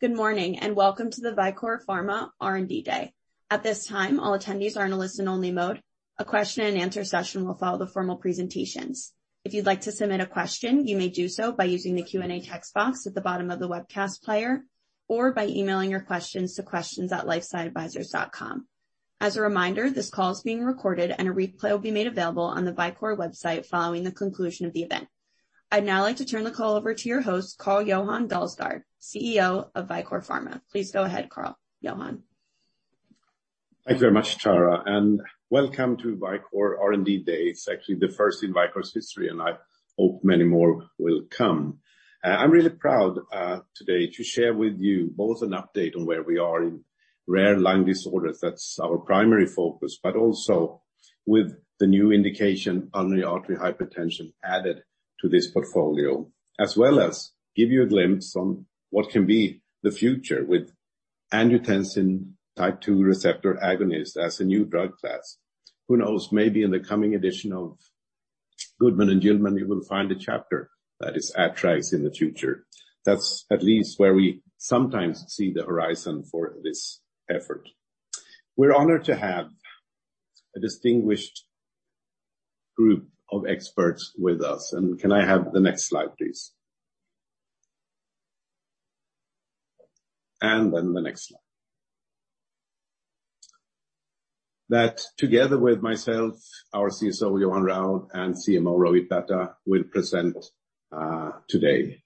Good morning, and welcome to the Vicore Pharma R&D Day. At this time, all attendees are in a listen-only mode. A question and answer session will follow the formal presentations. If you'd like to submit a question, you may do so by using the Q&A text box at the bottom of the webcast player, or by emailing your questions to questions@lifesciadvisors.com. As a reminder, this call is being recorded and a replay will be made available on the Vicore website following the conclusion of the event. I'd now like to turn the call over to your host, Carl-Johan Dalsgaard, CEO of Vicore Pharma. Please go ahead, Carl-Johan. Thank you very much, Tara, and welcome to Vicore R&D Day. It's actually the first in Vicore's history, and I hope many more will come. I'm really proud today to share with you both an update on where we are in rare lung disorders, that's our primary focus, but also with the new indication, pulmonary artery hypertension added to this portfolio. As well as give you a glimpse on what can be the future with angiotensin type 2 receptor agonist as a new drug class. Who knows, maybe in the coming edition of Goodman & Gilman, you will find a chapter that is AT2R axis in the future. That's at least where we sometimes see the horizon for this effort. We're honored to have a distinguished group of experts with us. Can I have the next slide, please? Then the next slide. That together with myself, our CSO, Johan Raud, and CMO, Rohit Batta, will present today.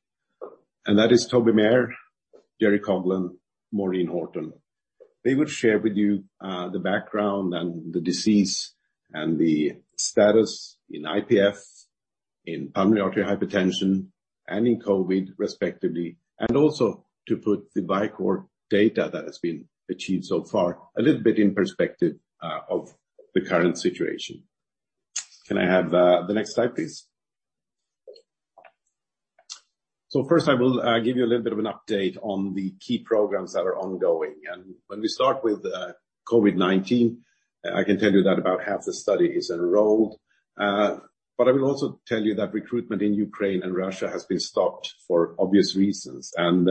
That is Toby Maher, Gerry Coghlan, Maureen Horton. They will share with you the background and the disease and the status in IPF, in pulmonary arterial hypertension, and in COVID, respectively, and also to put the Vicore data that has been achieved so far a little bit in perspective of the current situation. Can I have the next slide, please? First, I will give you a little bit of an update on the key programs that are ongoing. When we start with COVID-19, I can tell you that about half the study is enrolled. I will also tell you that recruitment in Ukraine and Russia has been stopped for obvious reasons, and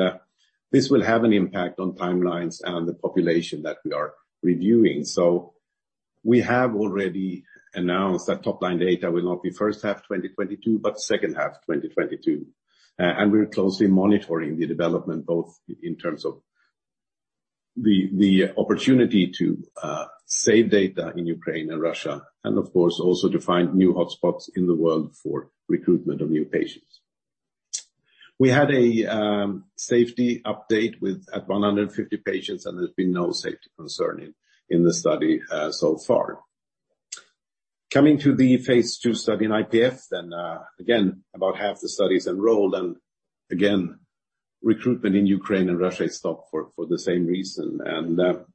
this will have an impact on timelines and the population that we are reviewing. We have already announced that top line data will not be first half 2022, but second half 2022. We're closely monitoring the development, both in terms of the opportunity to save data in Ukraine and Russia, and of course, also to find new hotspots in the world for recruitment of new patients. We had a safety update with 150 patients, and there's been no safety concern in the study so far. Coming to the phase II study in IPF, again, about half the study is enrolled. Again, recruitment in Ukraine and Russia is stopped for the same reason.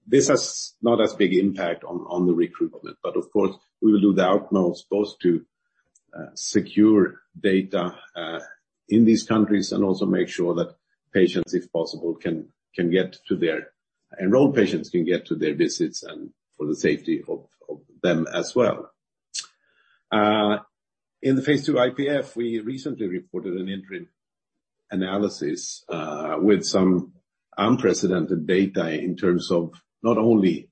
This has not as big impact on the recruitment, but of course, we will do the utmost both to secure data in these countries and also make sure that patients, if possible, can get to their enrolled patients can get to their visits and for the safety of them as well. In the phase II IPF, we recently reported an interim analysis with some unprecedented data in terms of not only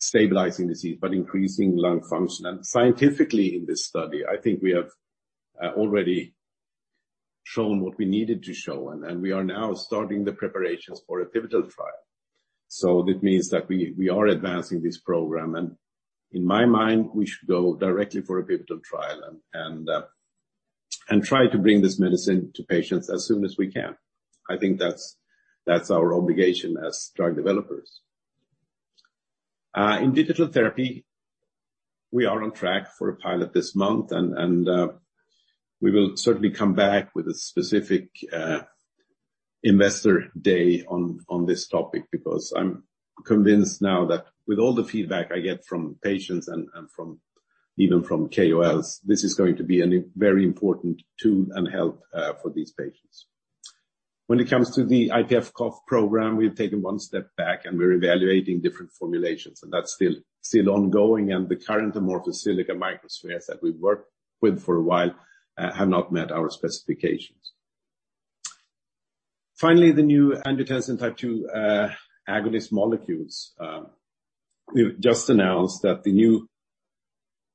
stabilizing disease, but increasing lung function. Scientifically in this study, I think we have already shown what we needed to show, and we are now starting the preparations for a pivotal trial. That means that we are advancing this program, and in my mind, we should go directly for a pivotal trial and try to bring this medicine to patients as soon as we can. I think that's our obligation as drug developers. In digital therapy, we are on track for a pilot this month and we will certainly come back with a specific Investor Day on this topic because I'm convinced now that with all the feedback I get from patients and from even KOLs, this is going to be a very important tool and help for these patients. When it comes to the IPF cough program, we've taken one step back and we're evaluating different formulations, and that's still ongoing and the current amorphous silica microspheres that we've worked with for a while have not met our specifications. Finally, the new angiotensin type 2 agonist molecules. We've just announced that the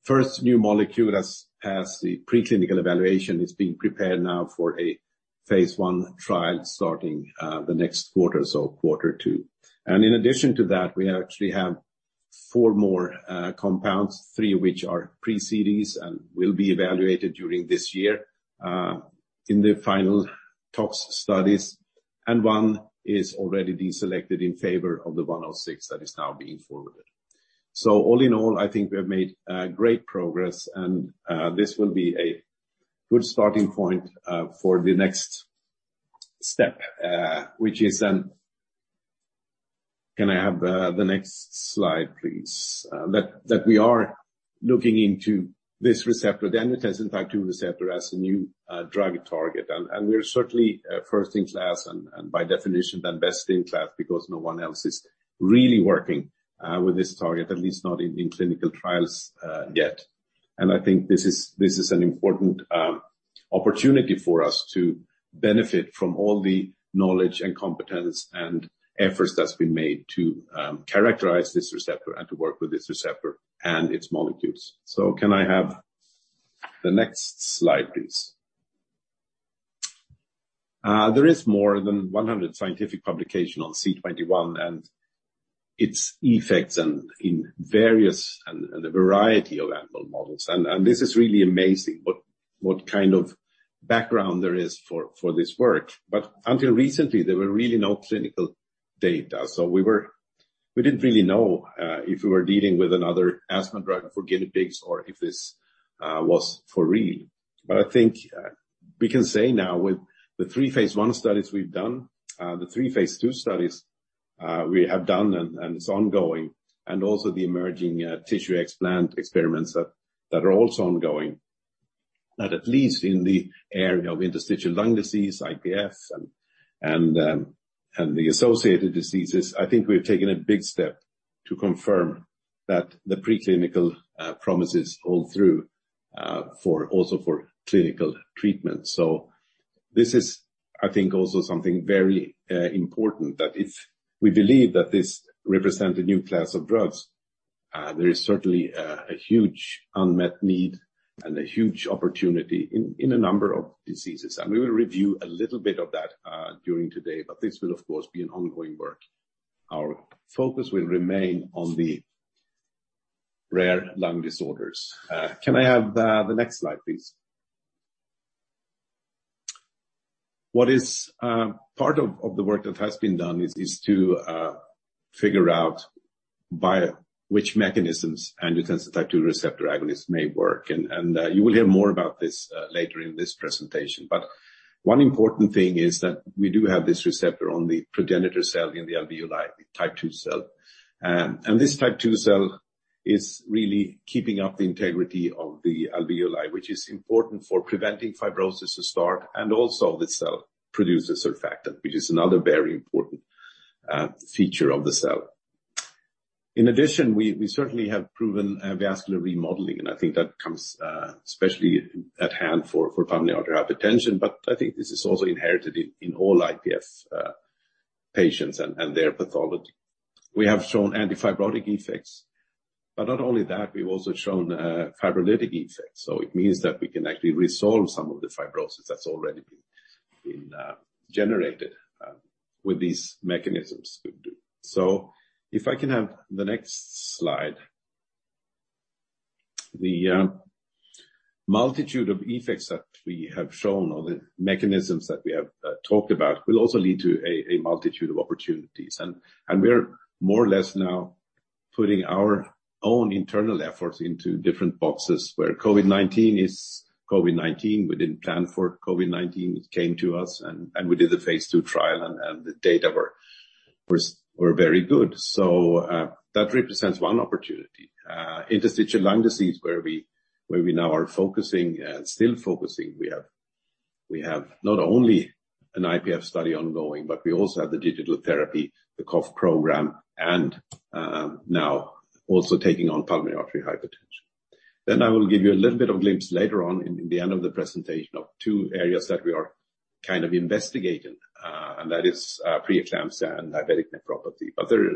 first new molecule's preclinical evaluation is being prepared now for a phase I trial starting the next quarter, so quarter two. In addition to that, we actually have four more compounds, three of which are pre-CDDs and will be evaluated during this year in the final tox studies, and one is already deselected in favor of the C106 that is now being forwarded. All in all, I think we have made great progress and this will be a good starting point for the next step, which is, can I have the next slide, please? That we are looking into this receptor, the angiotensin type 2 receptor as a new drug target. We're certainly first in class and by definition then best in class because no one else is really working with this target, at least not in clinical trials yet. I think this is an important opportunity for us to benefit from all the knowledge and competence and efforts that's been made to characterize this receptor and to work with this receptor and its molecules. Can I have the next slide, please. There is more than 100 scientific publications on C21 and its effects and in various and a variety of animal models. This is really amazing what kind of background there is for this work. Until recently, there were really no clinical data. We didn't really know if we were dealing with another asthma drug for guinea pigs or if this was for real. I think we can say now with the three phase I studies we've done, the three phase II studies we have done and it's ongoing, and also the emerging tissue explant experiments that are also ongoing. That at least in the area of interstitial lung disease, IPF, and the associated diseases, I think we've taken a big step to confirm that the preclinical promises hold true for clinical treatment. This is, I think, also something very important, that if we believe that this represent a new class of drugs, there is certainly a huge unmet need and a huge opportunity in a number of diseases. We will review a little bit of that during today, but this will, of course, be an ongoing work. Our focus will remain on the rare lung disorders. Can I have the next slide, please? What is part of the work that has been done is to figure out via which mechanisms angiotensin type 2 receptor agonists may work. You will hear more about this later in this presentation. One important thing is that we do have this receptor on the progenitor cell in the alveoli type 2 cell. This type 2 cell is really keeping up the integrity of the alveoli, which is important for preventing fibrosis to start, and also the cell produces surfactant, which is another very important feature of the cell. In addition, we certainly have proven vascular remodeling, and I think that comes especially at hand for pulmonary arterial hypertension, but I think this is also inherent in all IPF patients and their pathology. We have shown anti-fibrotic effects, but not only that, we've also shown fibrolytic effects. It means that we can actually resolve some of the fibrosis that's already been generated with these mechanisms. If I can have the next slide. The multitude of effects that we have shown or the mechanisms that we have talked about will also lead to a multitude of opportunities. We're more or less now putting our own internal efforts into different boxes where COVID-19 is COVID-19. We didn't plan for COVID-19. It came to us and we did the phase II trial and the data were very good. That represents one opportunity. Interstitial lung disease where we now are focusing, still focusing. We have not only an IPF study ongoing, but we also have the digital therapy, the cough program, and now also taking on pulmonary artery hypertension. I will give you a little bit of glimpse later on in the end of the presentation of two areas that we are kind of investigating, and that is preeclampsia and diabetic nephropathy. There are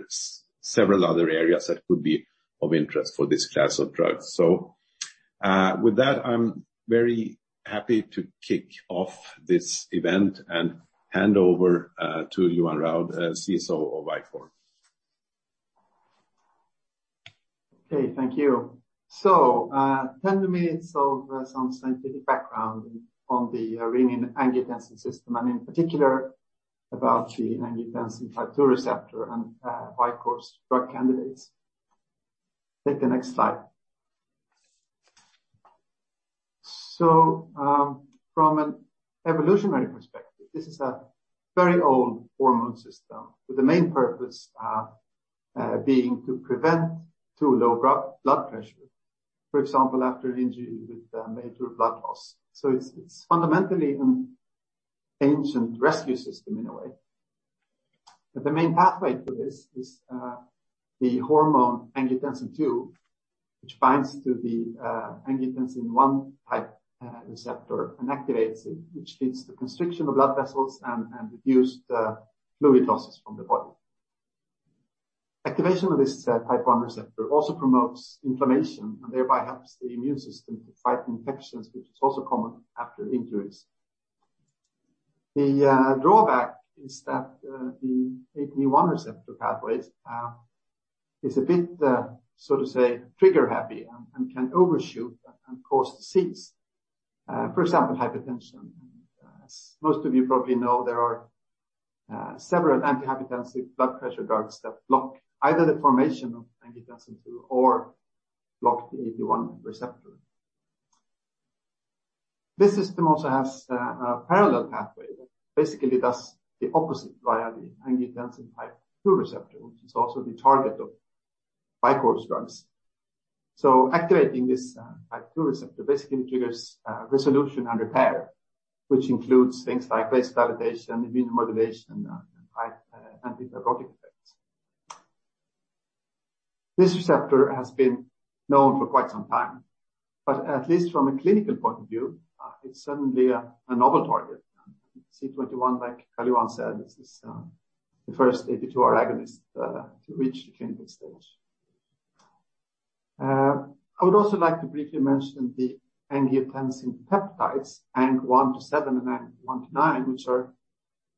several other areas that could be of interest for this class of drugs. With that, I'm very happy to kick off this event and hand over to Johan Raud, CSO of Vicore. Okay. Thank you. 10 minutes of some scientific background on the renin-angiotensin system, and in particular about the angiotensin type 2 receptor and Vicore's drug candidates. Take the next slide. From an evolutionary perspective, this is a very old hormone system, with the main purpose being to prevent too low blood pressure, for example, after injury with major blood loss. It's fundamentally an ancient rescue system in a way. The main pathway to this is the hormone angiotensin II, which binds to the angiotensin I type 1 receptor and activates it, which leads to constriction of blood vessels and reduced fluid losses from the body. Activation of this type 1 receptor also promotes inflammation and thereby helps the immune system to fight infections, which is also common after injuries. The drawback is that the AT1 receptor pathways is a bit so to say, trigger-happy and can overshoot and cause disease, for example, hypertension. As most of you probably know, there are several antihypertensive blood pressure drugs that block either the formation of angiotensin II or block the AT1 receptor. This system also has a parallel pathway that basically does the opposite via the angiotensin type 2 receptor, which is also the target of Vicore's drugs. Activating this type 2 receptor basically triggers resolution and repair, which includes things like vasoconstriction, immunomodulation, and high anti-fibrotic effects. This receptor has been known for quite some time, but at least from a clinical point of view, it's certainly a novel target. C21, like Carl-Johan Dalsgaard said, this is the first AT2R agonist to reach the clinical stage. I would also like to briefly mention the angiotensin peptides, Ang-(1-7) and Ang-(1-9), which are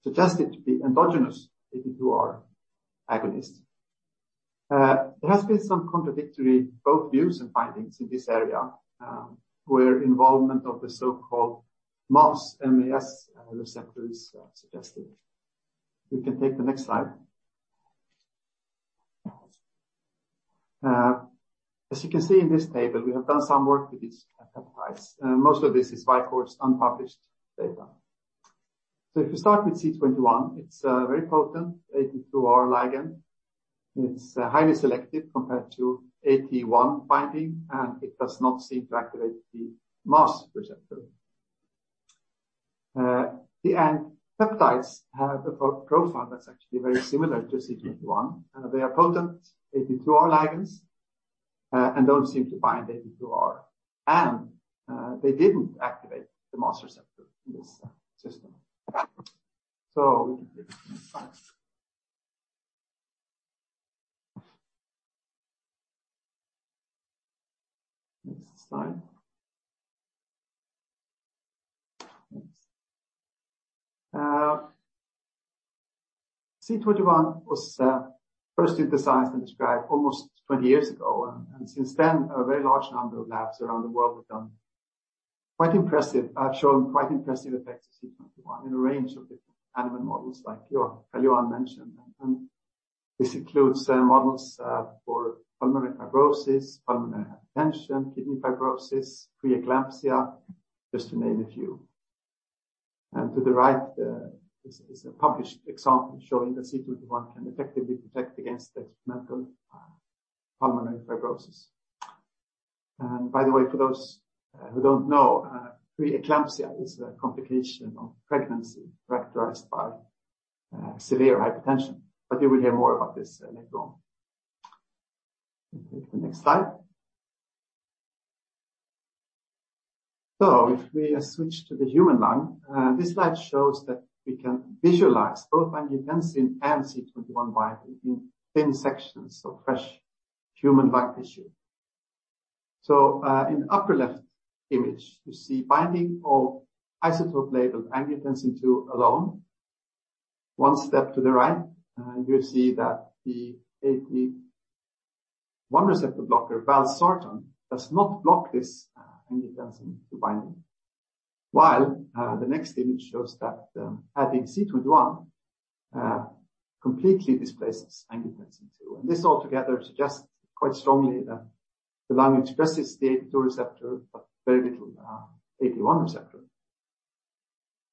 suggested to be endogenous AT2R agonists. There has been some contradictory both views and findings in this area, where involvement of the so-called MAS, M-A-S, receptor is suggested. We can take the next slide. As you can see in this table, we have done some work with these peptides. Most of this is wholly unpublished data. If you start with C21, it's a very potent AT2R ligand. It's highly selective compared to AT1 binding, and it does not seem to activate the MAS receptor. The Ang-(1-7) peptides have a potency profile that's actually very similar to C21. They are potent AT2R ligands and don't seem to bind AT2R, and they didn't activate the MAS receptor in this system. So we can take the next slide. Next slide. Thanks. C21 was first synthesized and described almost 20 years ago, and since then, a very large number of labs around the world have shown quite impressive effects of C21 in a range of different animal models like Carl-Johan Dalsgaard mentioned. This includes models for pulmonary fibrosis, pulmonary hypertension, kidney fibrosis, preeclampsia, just to name a few. To the right is a published example showing that C21 can effectively protect against experimental pulmonary fibrosis. By the way, for those who don't know, preeclampsia is a complication of pregnancy characterized by severe hypertension, but you will hear more about this later on. We can take the next slide. If we switch to the human lung, this slide shows that we can visualize both angiotensin and C21 binding in thin sections of fresh human lung tissue. In the upper left image, you see binding of isotope-labeled angiotensin II alone. One step to the right, you see that the AT1 receptor blocker, valsartan, does not block this angiotensin binding. While the next image shows that adding C21 completely displaces angiotensin II. This altogether suggests quite strongly that the lung expresses the AT2 receptor, but very little AT1 receptor.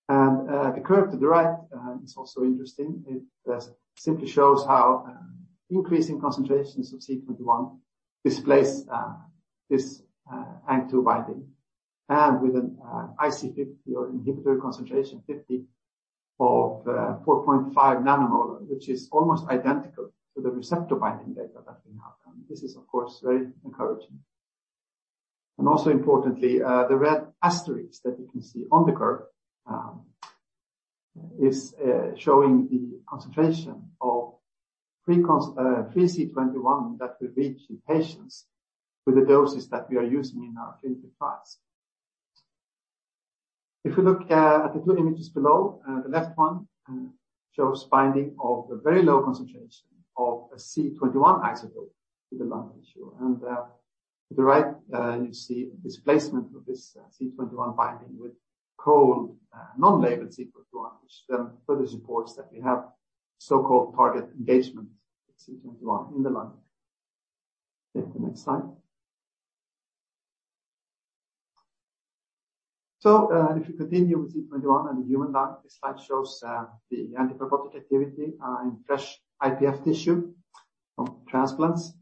The curve to the right is also interesting. It just simply shows how increasing concentrations of C21 displace this Ang II binding, and with an IC50 or inhibitory concentration 50 of 4.5 nanomolar, which is almost identical to the receptor binding data that we have done. This is, of course, very encouraging. Also importantly, the red asterisk that you can see on the curve is showing the concentration of free C21 that will reach the patients with the doses that we are using in our clinical trials. If you look at the two images below, the left one shows binding of a very low concentration of a C21 isotope to the lung tissue. To the right, you see a displacement of this C21 binding with cold, non-labeled C21, which then further supports that we have so-called target engagement with C21 in the lung. Take the next slide. If you continue with C21 and the human lung, this slide shows the anti-fibrotic activity in fresh IPF tissue from transplants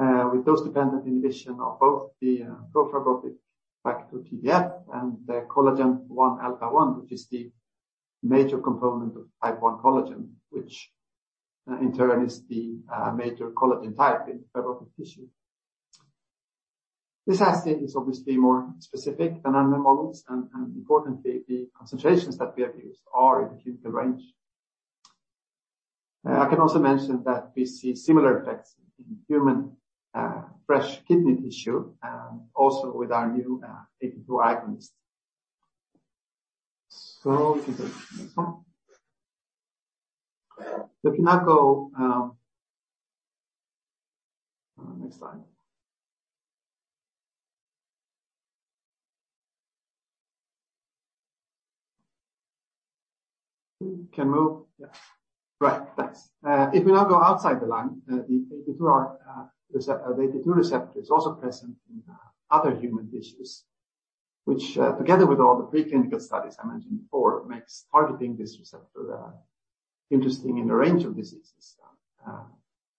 with dose-dependent inhibition of both the pro-fibrotic factor TGF and the collagen 1 alpha 1, which is the major component of type I collagen, which in turn is the major collagen type in fibrotic tissue. This assay is obviously more specific than animal models, and importantly, the concentrations that we have used are in the clinical range. I can also mention that we see similar effects in human fresh kidney tissue, and also with our new AT2R agonist. We can take the next one. We can now go. Next slide. Can move? Yeah. Right. Thanks. If we now go outside the lung, the AT2R receptor, the AT2 receptor is also present in other human tissues, which together with all the preclinical studies I mentioned before, makes targeting this receptor interesting in a range of diseases.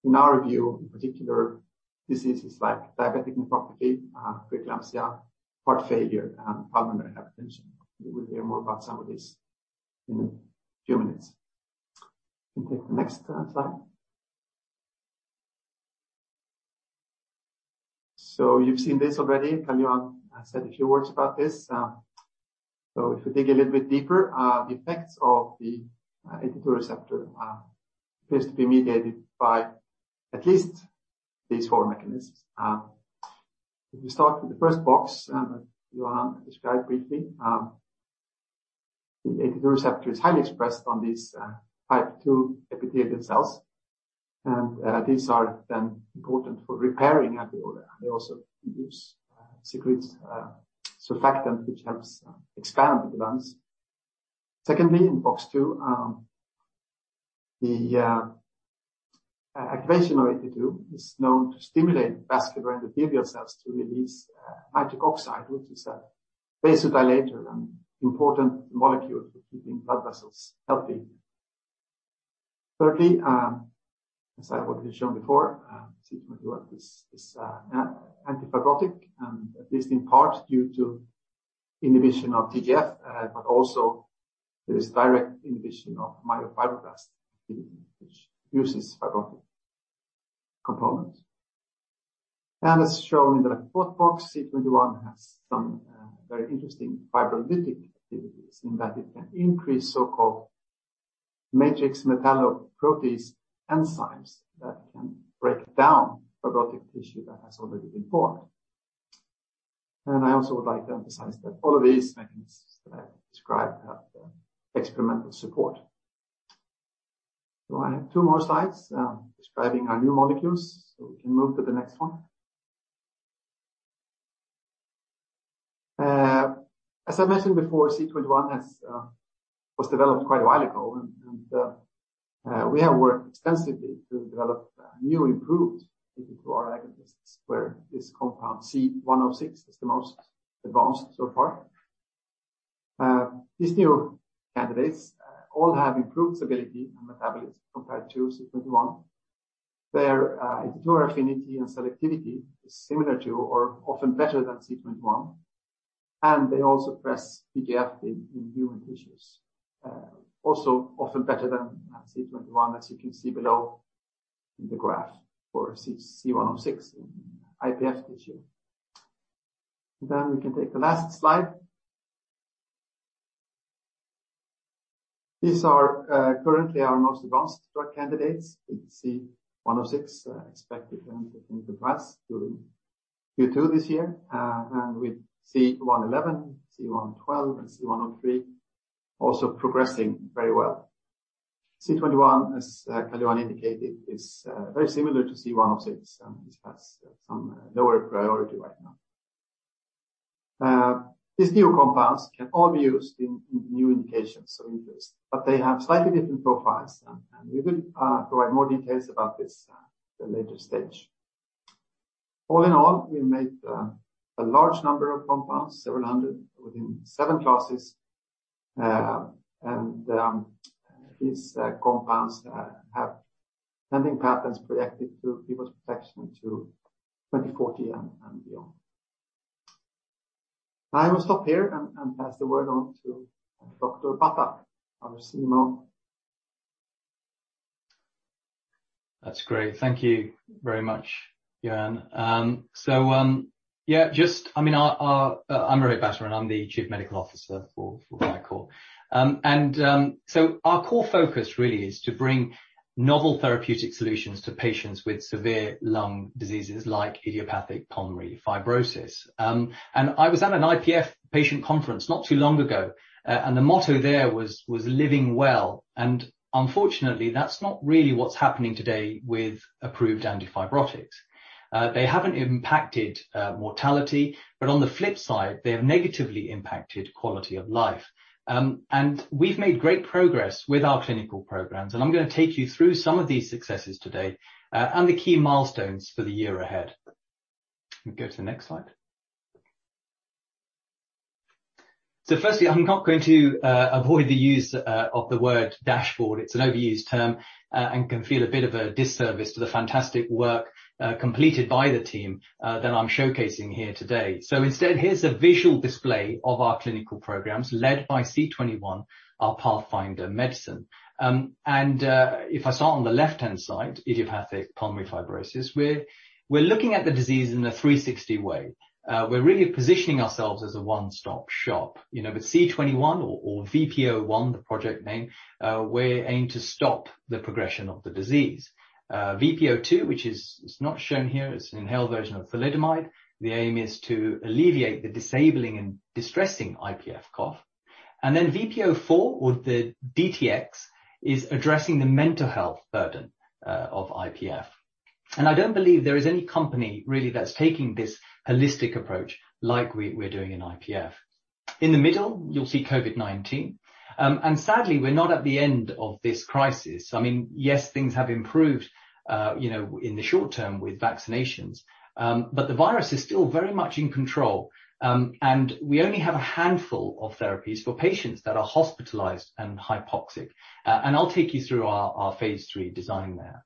In our view, in particular, diseases like diabetic nephropathy, preeclampsia, heart failure, and pulmonary hypertension. You will hear more about some of these later. In a few minutes. You can take the next slide. So you've seen this already. Carl-Johan has said a few words about this. If you dig a little bit deeper, the effects of the AT2 receptor appears to be mediated by at least these four mechanisms. If we start with the first box, Johan described briefly, the AT2 receptor is highly expressed on these type 2 epithelial cells. These are then important for repairing alveolar. They also produce surfactant, which helps expand the lungs. Secondly, in box two, the activation of AT2 is known to stimulate vascular endothelial cells to release nitric oxide, which is a vasodilator and important molecule for keeping blood vessels healthy. Thirdly, as I've already shown before, C21 is anti-fibrotic, and at least in part due to inhibition of TGF. Also there is direct inhibition of myofibroblast, which produces fibrotic components. As shown in the fourth box, C21 has some very interesting fibrolytic activities, in that it can increase so-called matrix metalloproteinase enzymes that can break down fibrotic tissue that has already been formed. I also would like to emphasize that all of these mechanisms that I have described have experimental support. I have two more slides describing our new molecules. We can move to the next one. As I mentioned before, C21 was developed quite a while ago. We have worked extensively to develop new improved AT2R agonists where this compound C106 is the most advanced so far. These new candidates all have improved stability and metabolism compared to C21. Their AT2R affinity and selectivity is similar to or often better than C21, and they also suppress TGF in human tissues. Also often better than C21, as you can see below in the graph for C106 IPF tissue. We can take the last slide. These are currently our most advanced drug candidates. C106 expected to enter into the U.S. during Q2 this year. And with C111, C112 and C103 also progressing very well. C21, as Carl-Johan Dalsgaard indicated, is very similar to C106, which has some lower priority right now. These new compounds can all be used in new indications, so interesting. They have slightly different profiles. We will provide more details about this at a later stage. All in all, we made a large number of compounds, 700 within seven classes. And these compounds have pending patents projected through IP protection to 2040 and beyond. I will stop here and pass the word on to Dr. Batta, our CMO. That's great. Thank you very much, Johan. I mean, I'm Rohit Batta, and I'm the Chief Medical Officer for Vicore. Our core focus really is to bring novel therapeutic solutions to patients with severe lung diseases like idiopathic pulmonary fibrosis. I was at an IPF patient conference not too long ago, and the motto there was living well. Unfortunately, that's not really what's happening today with approved antifibrotics. They haven't impacted mortality, but on the flip side, they have negatively impacted quality of life. We've made great progress with our clinical programs, and I'm gonna take you through some of these successes today, and the key milestones for the year ahead. We go to the next slide. Firstly, I'm not going to avoid the use of the word dashboard. It's an overused term and can feel a bit of a disservice to the fantastic work completed by the team that I'm showcasing here today. Instead, here's a visual display of our clinical programs led by C21, our pathfinder medicine. If I start on the left-hand side, idiopathic pulmonary fibrosis, we're looking at the disease in a 360 way. We're really positioning ourselves as a one-stop shop. You know, with C21 or VP01, the project name, we aim to stop the progression of the disease. VP02, which is not shown here, is an inhaled version of thalidomide. The aim is to alleviate the disabling and distressing IPF cough. Then VP04 or the DTx is addressing the mental health burden of IPF. I don't believe there is any company really that's taking this holistic approach like we're doing in IPF. In the middle, you'll see COVID-19. Sadly, we're not at the end of this crisis. I mean, yes, things have improved, you know, in the short term with vaccinations. But the virus is still very much in control. We only have a handful of therapies for patients that are hospitalized and hypoxic. I'll take you through our phase III design there.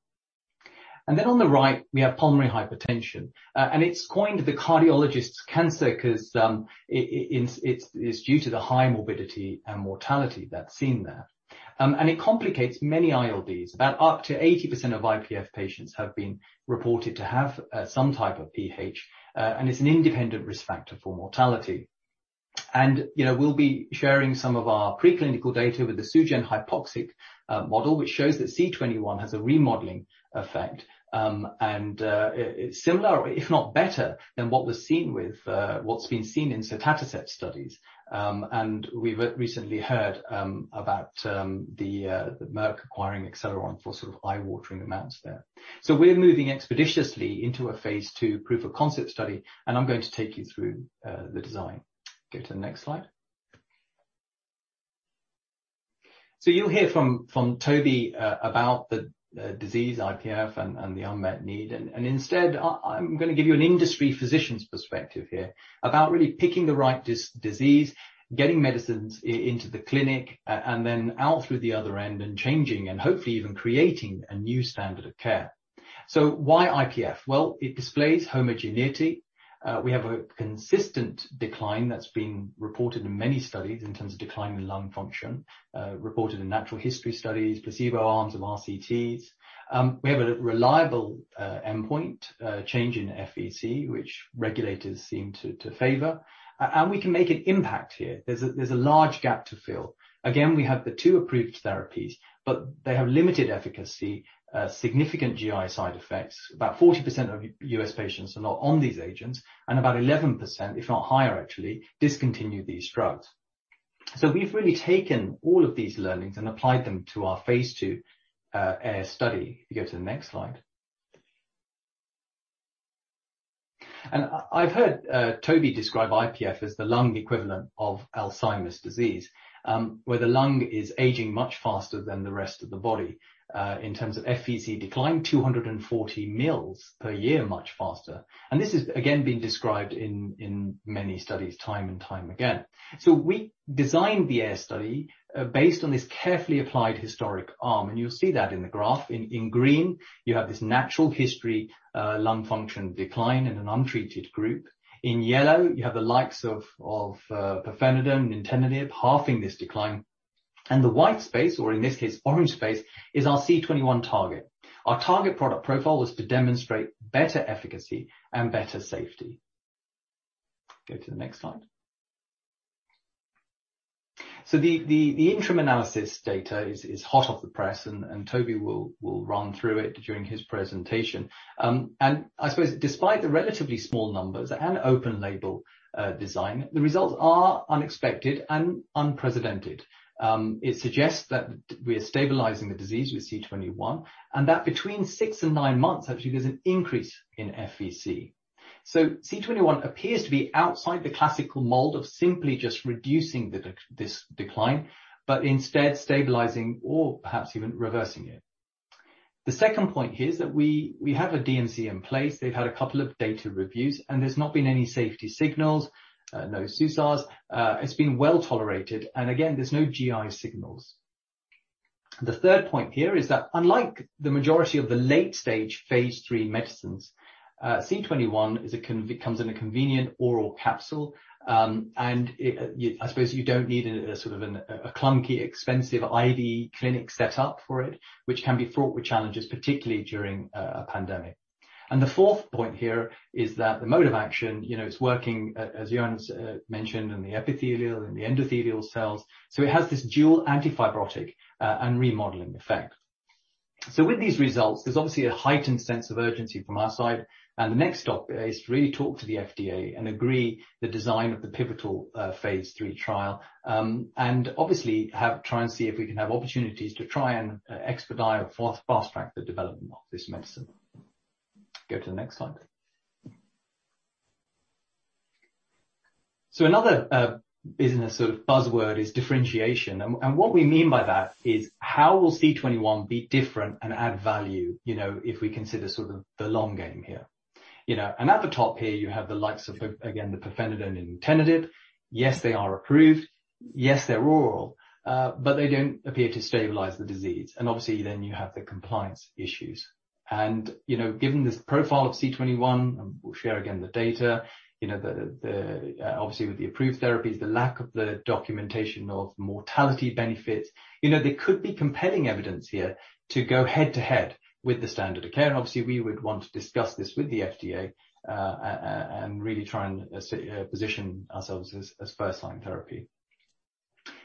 Then on the right, we have pulmonary hypertension. It's coined the cardiologist's cancer 'cause it's due to the high morbidity and mortality that's seen there. It complicates many ILDs. About up to 80% of IPF patients have been reported to have some type of PH, and it's an independent risk factor for mortality. You know, we'll be sharing some of our preclinical data with the Sugen/hypoxia model, which shows that C21 has a remodeling effect. It's similar, if not better, than what's been seen in sotatercept studies. We've recently heard about the Merck acquiring Acceleron for sort of eye-watering amounts there. We're moving expeditiously into a phase II proof of concept study, and I'm going to take you through the design. Go to the next slide. You'll hear from Toby about the disease IPF and the unmet need. Instead, I'm gonna give you an industry physician's perspective here about really picking the right disease, getting medicines into the clinic, and then out through the other end and changing and hopefully even creating a new standard of care. Why IPF? Well, it displays homogeneity. We have a consistent decline that's been reported in many studies in terms of decline in lung function, reported in natural history studies, placebo arms of RCTs. We have a reliable endpoint, change in FVC, which regulators seem to favor. We can make an impact here. There's a large gap to fill. Again, we have the two approved therapies, but they have limited efficacy, significant GI side effects. About 40% of U.S. patients are not on these agents, and about 11%, if not higher actually, discontinue these drugs. We've really taken all of these learnings and applied them to our phase II AIR study. If you go to the next slide. I've heard Toby describe IPF as the lung equivalent of Alzheimer's disease, where the lung is aging much faster than the rest of the body in terms of FVC decline 240 ml per year much faster. This has again been described in many studies time and time again. We designed the AIR study based on this carefully applied historical arm, and you'll see that in the graph. In green, you have this natural history lung function decline in an untreated group. In yellow, you have the likes of pirfenidone, nintedanib halving this decline. The white space, or in this case orange space, is our C21 target. Our target product profile was to demonstrate better efficacy and better safety. Go to the next slide. The interim analysis data is hot off the press and Toby will run through it during his presentation. I suppose despite the relatively small numbers and open label design, the results are unexpected and unprecedented. It suggests that we are stabilizing the disease with C21 and that between six and nine months, actually, there's an increase in FVC. C21 appears to be outside the classical mold of simply just reducing this decline, but instead stabilizing or perhaps even reversing it. The second point here is that we have a DMC in place. They've had a couple of data reviews, and there's not been any safety signals, no SUSARs. It's been well-tolerated. Again, there's no GI signals. The third point here is that unlike the majority of the late-stage phase III medicines, C21 comes in a convenient oral capsule. I suppose you don't need a sort of a clunky, expensive IV clinic set up for it, which can be fraught with challenges, particularly during a pandemic. The fourth point here is that the mode of action, you know, it's working, as Johan's mentioned in the epithelial and the endothelial cells, so it has this dual anti-fibrotic and remodeling effect. With these results, there's obviously a heightened sense of urgency from our side, and the next stop is to really talk to the FDA and agree the design of the pivotal phase III trial. And obviously try and see if we can have opportunities to try and expedite or fast track the development of this medicine. Go to the next slide. Another business sort of buzzword is differentiation. What we mean by that is how will C21 be different and add value, you know, if we consider sort of the long game here, you know? At the top here, you have the likes of the, again, the pirfenidone and nintedanib. Yes, they are approved. Yes, they're oral. They don't appear to stabilize the disease. Obviously, then you have the compliance issues. You know, given this profile of C21, and we'll share again the data, you know, obviously with the approved therapies, the lack of the documentation of mortality benefits, you know, there could be compelling evidence here to go head-to-head with the standard of care. Obviously, we would want to discuss this with the FDA, and really try and position ourselves as first line therapy.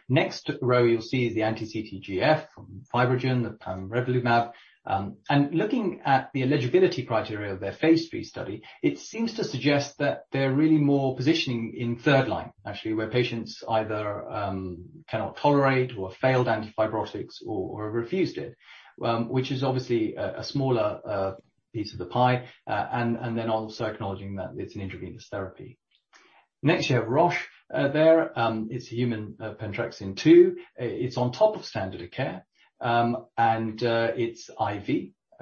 Next row, you'll see the anti-CTGF from FibroGen, the pamrevlumab. Looking at the eligibility criteria of their phase III study, it seems to suggest that they're really more positioning in third line, actually, where patients either cannot tolerate or failed antifibrotics or have refused it. Which is obviously a smaller piece of the pie. Then also acknowledging that it's an intravenous therapy. Next, you have Roche there. It's human pentraxin-2. It's on top of standard of care. It's IV,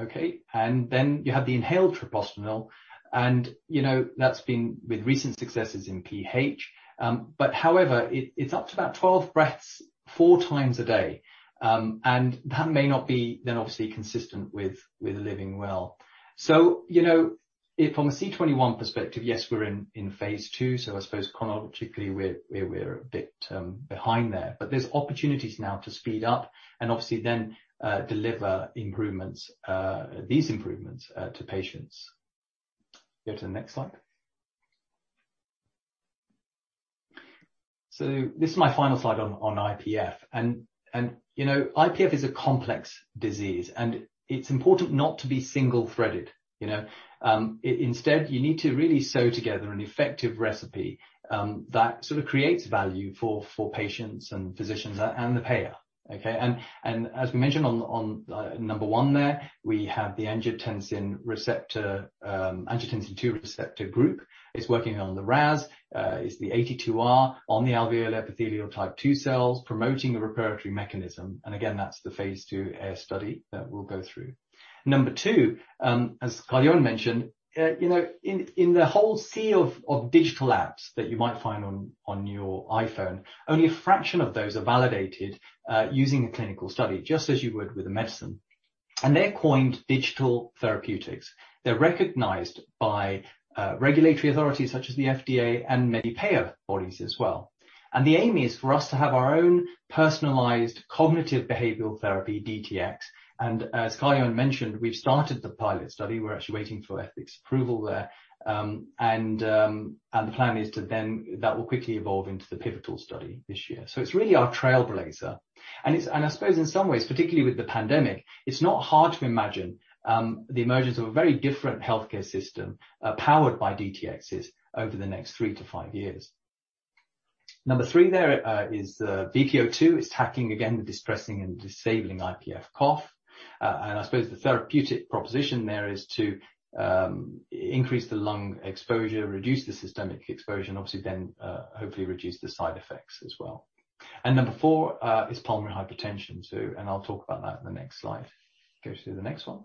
okay? Then you have the inhaled treprostinil, and you know, that's been with recent successes in PH. But however, it's up to about 12 breaths four times a day. That may not be then obviously consistent with living well. You know, if from a C21 perspective, yes, we're in phase II, so I suppose chronologically we're a bit behind there. There's opportunities now to speed up and obviously then deliver improvements, these improvements to patients. Go to the next slide. This is my final slide on IPF. You know, IPF is a complex disease, and it's important not to be single-threaded, you know, instead you need to really sew together an effective recipe that sort of creates value for patients and physicians and the payer. Okay? As we mentioned on number one there, we have the angiotensin II receptor agonist. It's working on the RAS, it's the AT2R on the alveolar epithelial type 2 cells, promoting the reparatory mechanism. Again, that's the phase II AIR study that we'll go through. Number two, as Carl-Johan Dalsgaard mentioned, you know, in the whole sea of digital apps that you might find on your iPhone, only a fraction of those are validated using a clinical study, just as you would with a medicine. They're coined digital therapeutics. They're recognized by regulatory authorities such as the FDA and many payer bodies as well. The aim is for us to have our own personalized cognitive behavioral therapy DTx. As Carl-Johan mentioned, we've started the pilot study. We're actually waiting for ethics approval there. The plan is that that will quickly evolve into the pivotal study this year. So it's really our trailblazer. I suppose in some ways, particularly with the pandemic, it's not hard to imagine the emergence of a very different healthcare system powered by DTxs over the next three to five years. Number three, there is VP02. It's tackling again the distressing and disabling IPF cough. I suppose the therapeutic proposition there is to increase the lung exposure, reduce the systemic exposure, and obviously then hopefully reduce the side effects as well. Number four is pulmonary hypertension too, and I'll talk about that in the next slide. Go to the next one.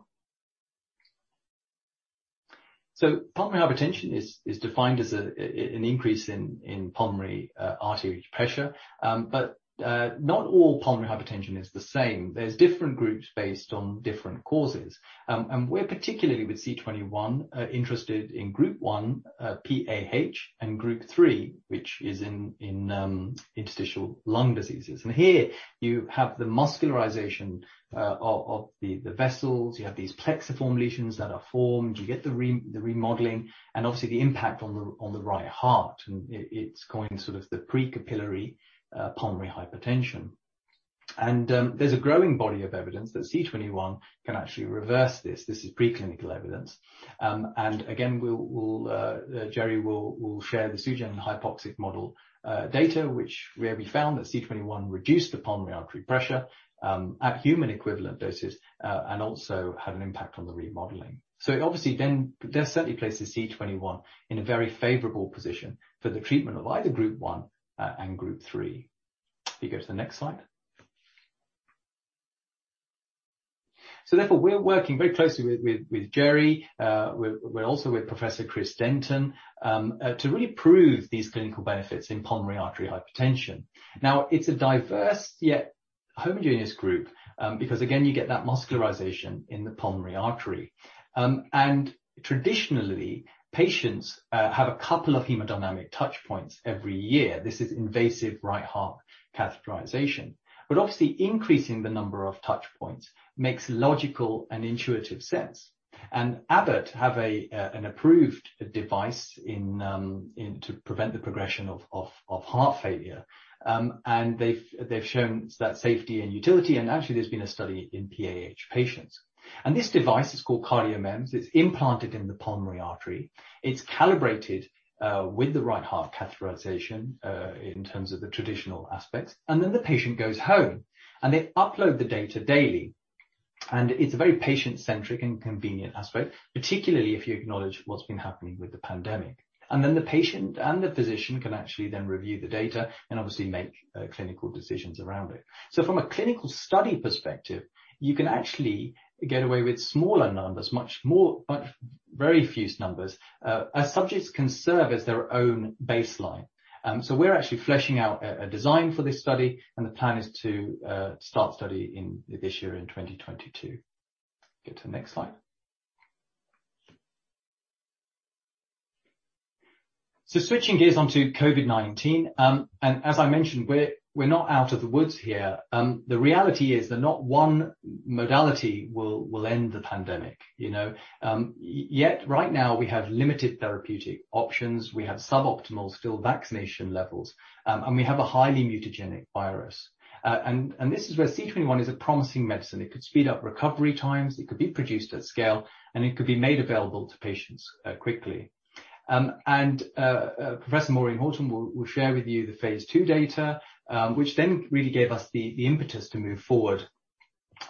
Pulmonary hypertension is defined as an increase in pulmonary arterial pressure. Not all pulmonary hypertension is the same. There's different groups based on different causes. We're particularly with C21 interested in Group 1 PAH, and Group 3, which is in interstitial lung diseases. Here you have the muscularization of the vessels. You have these plexiform lesions that are formed. You get the remodeling and obviously the impact on the right heart. It's coined sort of the precapillary pulmonary hypertension. There's a growing body of evidence that C21 can actually reverse this. This is preclinical evidence. Again, Gerry will share the Sugen/hypoxic model data where we found that C21 reduced the pulmonary artery pressure at human equivalent doses and also had an impact on the remodeling. It obviously certainly places C21 in a very favorable position for the treatment of either Group 1 and Group 3. You go to the next slide. Therefore, we're working very closely with Gerry. We're also with Professor Chris Denton to really prove these clinical benefits in pulmonary arterial hypertension. Now, it's a diverse yet homogeneous group because again you get that muscularization in the pulmonary artery. Traditionally patients have a couple of hemodynamic touch points every year. This is invasive right heart catheterization. Obviously increasing the number of touch points makes logical and intuitive sense. Abbott have an approved device to prevent the progression of heart failure. They've shown that safety and utility and actually there's been a study in PAH patients. This device is called CardioMEMS. It's implanted in the pulmonary artery. It's calibrated with the right heart catheterization in terms of the traditional aspects, and then the patient goes home, and they upload the data daily. It's a very patient-centric and convenient aspect, particularly if you acknowledge what's been happening with the pandemic. Then the patient and the physician can actually then review the data and obviously make clinical decisions around it. From a clinical study perspective, you can actually get away with smaller numbers, much fewer numbers, as subjects can serve as their own baseline. We're actually fleshing out a design for this study, and the plan is to start study in this year in 2022. Go to the next slide. Switching gears onto COVID-19, and as I mentioned, we're not out of the woods here. The reality is that not one modality will end the pandemic, you know. Yet right now we have limited therapeutic options. We have still suboptimal vaccination levels. And we have a highly mutagenic virus. And this is where C21 is a promising medicine. It could speed up recovery times, it could be produced at scale, and it could be made available to patients quickly. Professor Maureen Horton will share with you the phase II data, which then really gave us the impetus to move forward,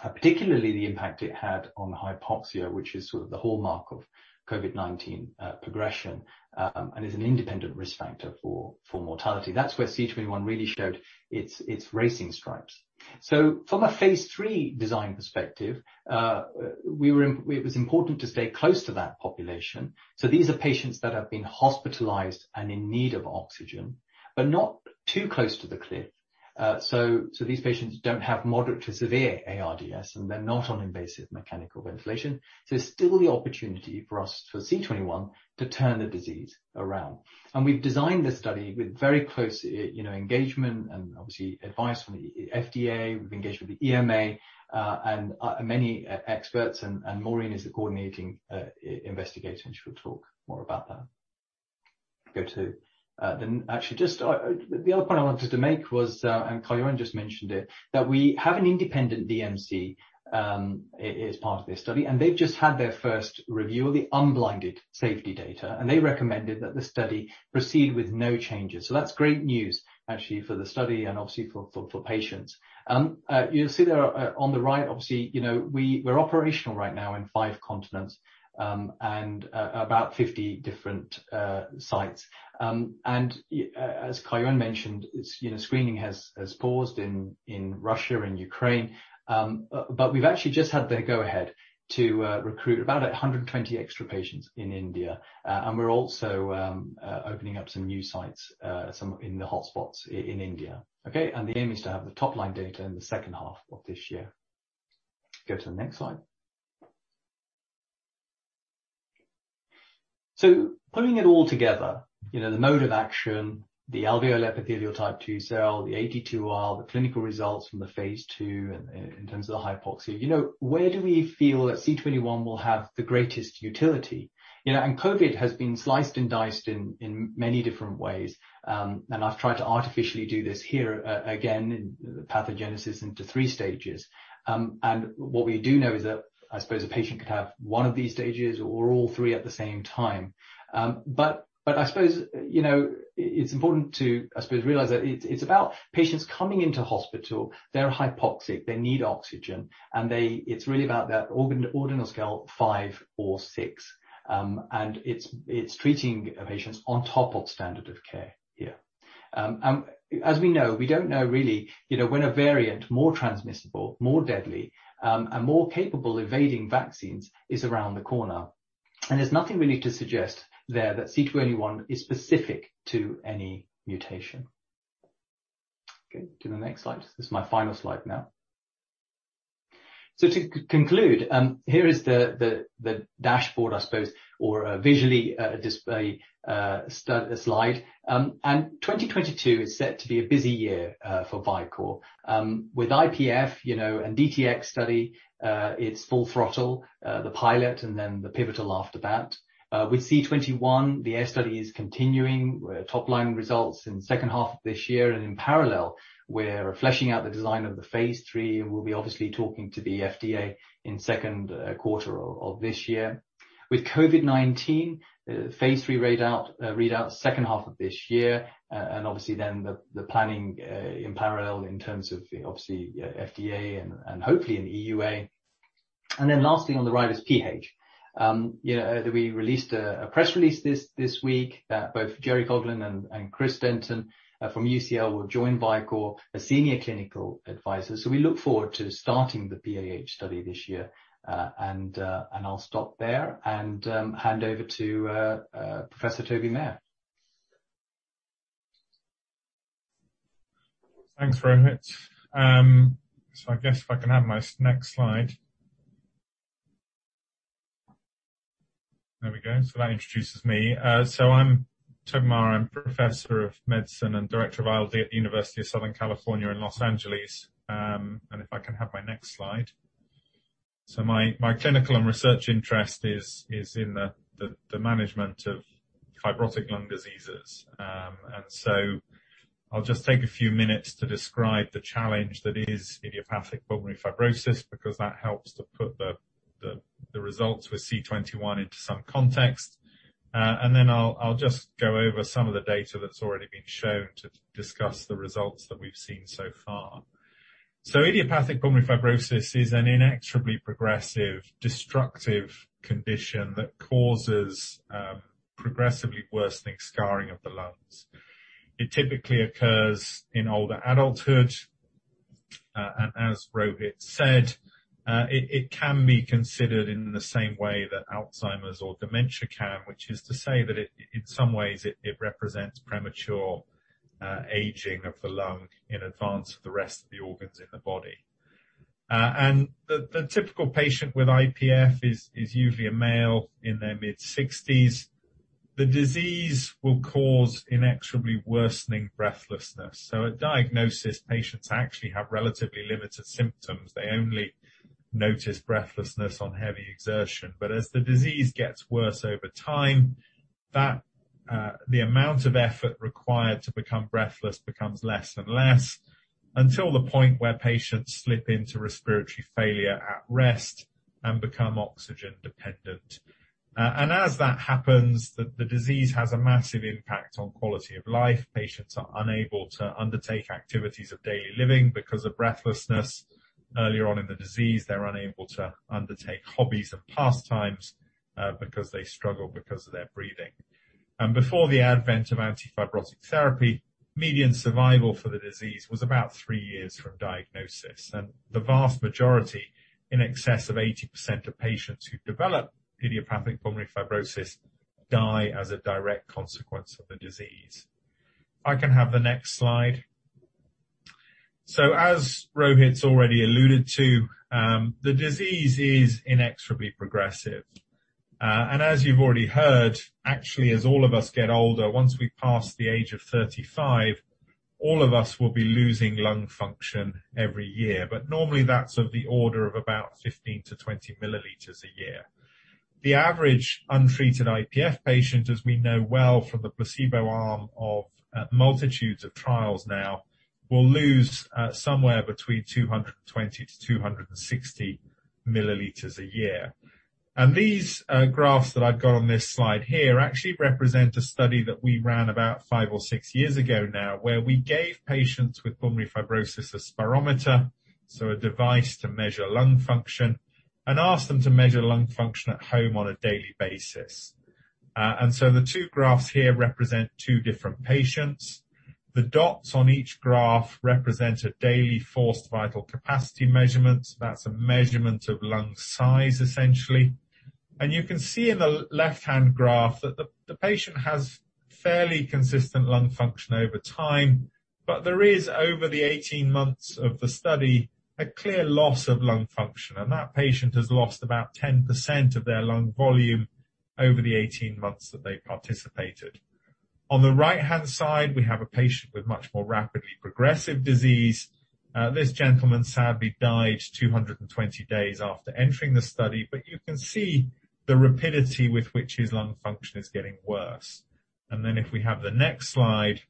particularly the impact it had on hypoxia, which is sort of the hallmark of COVID-19 progression, and is an independent risk factor for mortality. That's where C21 really showed its racing stripes. From a phase III design perspective, it was important to stay close to that population. These are patients that have been hospitalized and in need of oxygen, but not too close to the cliff. These patients don't have moderate to severe ARDS, and they're not on invasive mechanical ventilation. There's still the opportunity for us, for C21, to turn the disease around. We've designed this study with very close, you know, engagement and obviously advice from the FDA. We've engaged with the EMA, and many experts and Maureen is the coordinating investigator, and she'll talk more about that. Actually, just the other point I wanted to make was, and Carl-Johan Dalsgaard just mentioned it, that we have an independent DMC as part of this study, and they've just had their first review of the unblinded safety data, and they recommended that the study proceed with no changes. That's great news actually for the study and obviously for patients. You'll see there on the right, obviously, you know, we're operational right now in five continents, and about 50 different sites. As Carl-Johan Dalsgaard mentioned, you know, screening has paused in Russia and Ukraine. But we've actually just had the go-ahead to recruit about 120 extra patients in India. And we're also opening up some new sites, some in the hotspots in India. Okay? The aim is to have the top line data in the second half of this year. Go to the next slide. Putting it all together, you know, the mode of action, the alveolar epithelial type 2 cell, the AT2R, the clinical results from the phase II in terms of the hypoxia. You know, where do we feel that C21 will have the greatest utility? You know, COVID has been sliced and diced in many different ways, and I've tried to artificially do this here, again in the pathogenesis into three stages. What we do know is that I suppose a patient could have one of these stages or all three at the same time. I suppose, you know, it's important to, I suppose, realize that it's about patients coming into hospital. They're hypoxic, they need oxygen, and it's really about that ordinal scale five or six. It's treating patients on top of standard of care here. As we know, we don't know really, you know, when a variant more transmissible, more deadly, and more capable evading vaccines is around the corner. There's nothing really to suggest there that C21 is specific to any mutation. Okay, to the next slide. This is my final slide now. To conclude, here is the dashboard, I suppose, or visually, this is a status slide. 2022 is set to be a busy year for Vicore. With IPF, you know, and DTx study, it's full throttle, the pilot and then the pivotal after that. With C21, the AIR study is continuing, top-line results in second half of this year and in parallel, we're fleshing out the design of the phase III. We'll be obviously talking to the FDA in second quarter of this year. With COVID-19, phase III readout second half of this year and obviously then the planning in parallel in terms of obviously, FDA and hopefully an EUA. Lastly on the right is PAH. You know, that we released a press release this week that both Gerry Coghlan and Chris Denton from UCL will join Vicore as senior clinical advisors. We look forward to starting the PAH study this year. I'll stop there and hand over to Professor Toby Maher. Thanks, Rohit. I guess if I can have my next slide. There we go. That introduces me. I'm Toby Maher. I'm Professor of Medicine and Director of ILD at the University of Southern California in Los Angeles. If I can have my next slide. My clinical and research interest is in the management of fibrotic lung diseases. I'll just take a few minutes to describe the challenge that is idiopathic pulmonary fibrosis because that helps to put the results with C21 into some context. I'll just go over some of the data that's already been shown to discuss the results that we've seen so far. Idiopathic pulmonary fibrosis is an inexorably progressive, destructive condition that causes progressively worsening scarring of the lungs. It typically occurs in older adulthood. As Rohit said, it can be considered in the same way that Alzheimer's or dementia can, which is to say that it in some ways represents premature aging of the lung in advance of the rest of the organs in the body. The typical patient with IPF is usually a male in their mid-60s. The disease will cause inexorably worsening breathlessness. At diagnosis, patients actually have relatively limited symptoms. They only notice breathlessness on heavy exertion. As the disease gets worse over time, the amount of effort required to become breathless becomes less and less until the point where patients slip into respiratory failure at rest and become oxygen dependent. As that happens, the disease has a massive impact on quality of life. Patients are unable to undertake activities of daily living because of breathlessness. Earlier on in the disease, they're unable to undertake hobbies or pastimes because they struggle because of their breathing. Before the advent of anti-fibrotic therapy, median survival for the disease was about three years from diagnosis. The vast majority, in excess of 80% of patients who develop idiopathic pulmonary fibrosis, die as a direct consequence of the disease. I can have the next slide. As Rohit's already alluded to, the disease is inexorably progressive. As you've already heard, actually, as all of us get older, once we pass the age of 35, all of us will be losing lung function every year. Normally, that's of the order of about 15-20 ml a year. The average untreated IPF patient, as we know well from the placebo arm of multitudes of trials now, will lose somewhere between 220-260 ml a year. These graphs that I've got on this slide here actually represent a study that we ran about five or six years ago now, where we gave patients with pulmonary fibrosis a spirometer, so a device to measure lung function, and asked them to measure lung function at home on a daily basis. The two graphs here represent two different patients. The dots on each graph represent a daily forced vital capacity measurement. That's a measurement of lung size, essentially. You can see in the left-hand graph that the patient has fairly consistent lung function over time, but there is, over the 18 months of the study, a clear loss of lung function. That patient has lost about 10% of their lung volume over the 18 months that they participated. On the right-hand side, we have a patient with much more rapidly progressive disease. This gentleman sadly died 220 days after entering the study, but you can see the rapidity with which his lung function is getting worse. Then if we have the next slide.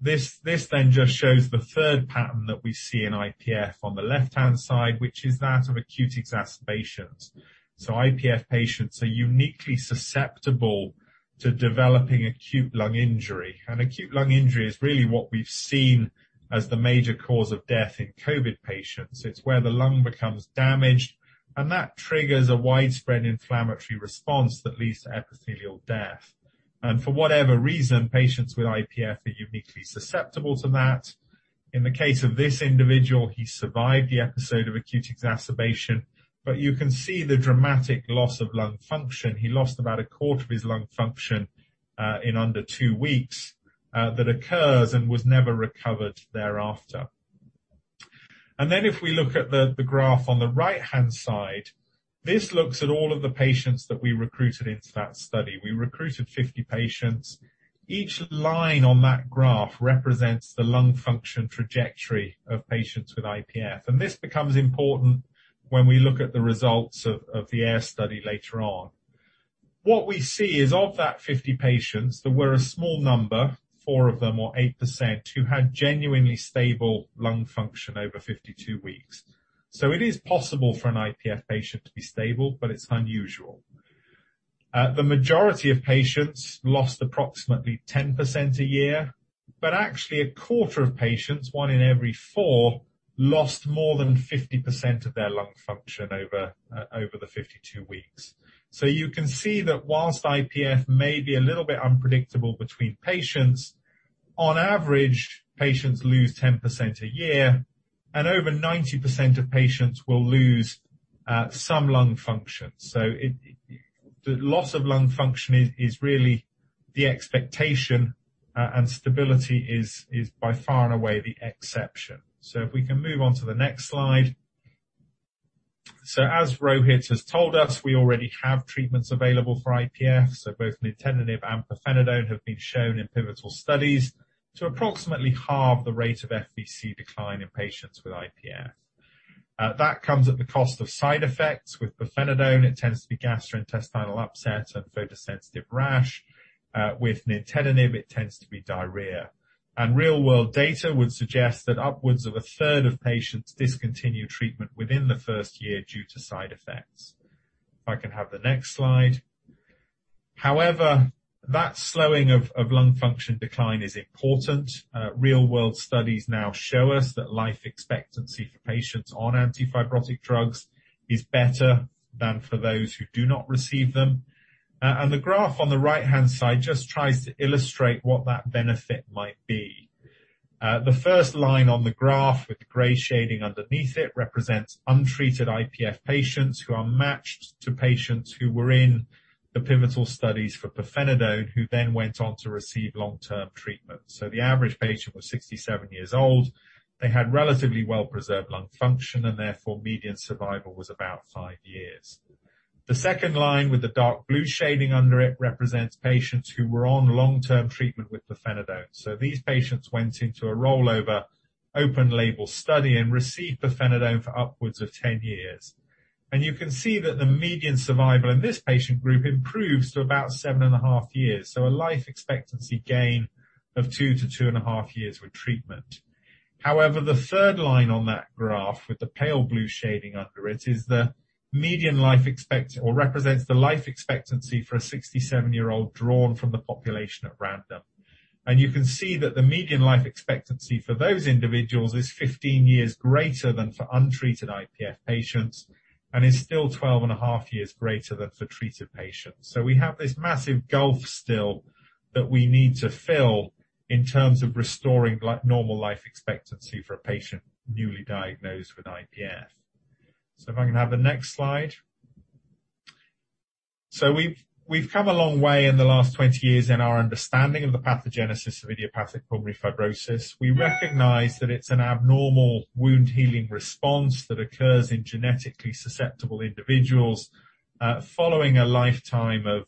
This then just shows the third pattern that we see in IPF on the left-hand side, which is that of acute exacerbations. IPF patients are uniquely susceptible to developing acute lung injury. Acute lung injury is really what we've seen as the major cause of death in COVID patients. It's where the lung becomes damaged, and that triggers a widespread inflammatory response that leads to epithelial death. For whatever reason, patients with IPF are uniquely susceptible to that. In the case of this individual, he survived the episode of acute exacerbation, but you can see the dramatic loss of lung function. He lost about a quarter of his lung function in under two weeks that occurs and was never recovered thereafter. Then if we look at the graph on the right-hand side, this looks at all of the patients that we recruited into that study. We recruited 50 patients. Each line on that graph represents the lung function trajectory of patients with IPF. This becomes important when we look at the results of the AIR study later on. What we see is of that 50 patients, there were a small number, four of them or 8%, who had genuinely stable lung function over 52 weeks. It is possible for an IPF patient to be stable, but it's unusual. The majority of patients lost approximately 10% a year, but actually a quarter of patients, one in every four, lost more than 50% of their lung function over the 52 weeks. You can see that whilst IPF may be a little bit unpredictable between patients, on average, patients lose 10% a year, and over 90% of patients will lose some lung function. The loss of lung function is really the expectation, and stability is by far and away the exception. If we can move on to the next slide. As Rohit has told us, we already have treatments available for IPF, so both nintedanib and pirfenidone have been shown in pivotal studies to approximately halve the rate of FVC decline in patients with IPF. That comes at the cost of side effects. With pirfenidone, it tends to be gastrointestinal upset and photosensitive rash. With nintedanib, it tends to be diarrhea. Real-world data would suggest that upwards of a third of patients discontinue treatment within the first year due to side effects. If I can have the next slide. However, that slowing of lung function decline is important. Real-world studies now show us that life expectancy for patients on anti-fibrotic drugs is better than for those who do not receive them. The graph on the right-hand side just tries to illustrate what that benefit might be. The first line on the graph, with the gray shading underneath it, represents untreated IPF patients who are matched to patients who were in the pivotal studies for pirfenidone, who then went on to receive long-term treatment. The average patient was 67 years old. They had relatively well preserved lung function, and therefore median survival was about five years. The second line, with the dark blue shading under it, represents patients who were on long-term treatment with pirfenidone. These patients went into a rollover open label study and received pirfenidone for upwards of 10 years. You can see that the median survival in this patient group improves to about 7.5 years. A life expectancy gain of 2-2.5 years with treatment. However, the third line on that graph, with the pale blue shading under it, or represents the life expectancy for a 67-year-old drawn from the population at random. You can see that the median life expectancy for those individuals is 15 years greater than for untreated IPF patients, and is still 12.5 years greater than for treated patients. We have this massive gulf still that we need to fill in terms of restoring like normal life expectancy for a patient newly diagnosed with IPF. If I can have the next slide. We've come a long way in the last 20 years in our understanding of the pathogenesis of idiopathic pulmonary fibrosis. We recognize that it's an abnormal wound-healing response that occurs in genetically susceptible individuals following a lifetime of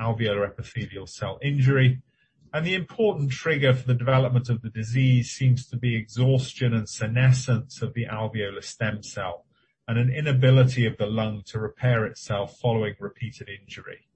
alveolar epithelial cell injury. The important trigger for the development of the disease seems to be exhaustion and senescence of the alveolar stem cell, and an inability of the lung to repair itself following repeated injury.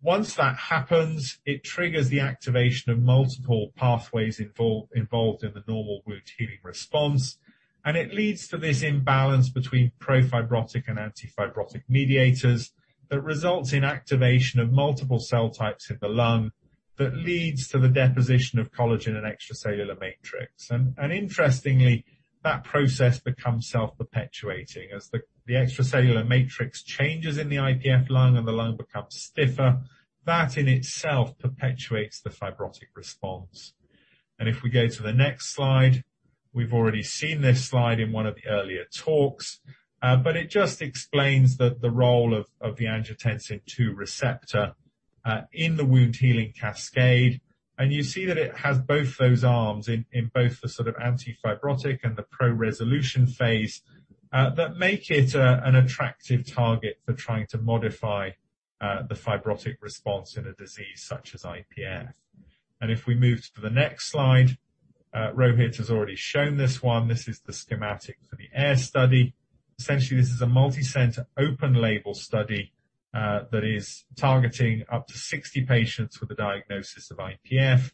Once that happens, it triggers the activation of multiple pathways involved in the normal wound healing response, and it leads to this imbalance between pro-fibrotic and anti-fibrotic mediators that results in activation of multiple cell types in the lung that leads to the deposition of collagen and extracellular matrix. Interestingly, that process becomes self-perpetuating. As the extracellular matrix changes in the IPF lung and the lung becomes stiffer, that in itself perpetuates the fibrotic response. If we go to the next slide, we've already seen this slide in one of the earlier talks. It just explains the role of the angiotensin II receptor in the wound-healing cascade. You see that it has both those arms in both the sort of anti-fibrotic and the pro-resolution phase that make it an attractive target for trying to modify the fibrotic response in a disease such as IPF. If we move to the next slide, Rohit has already shown this one. This is the schematic for the AIR study. Essentially, this is a multi-center open label study that is targeting up to 60 patients with a diagnosis of IPF.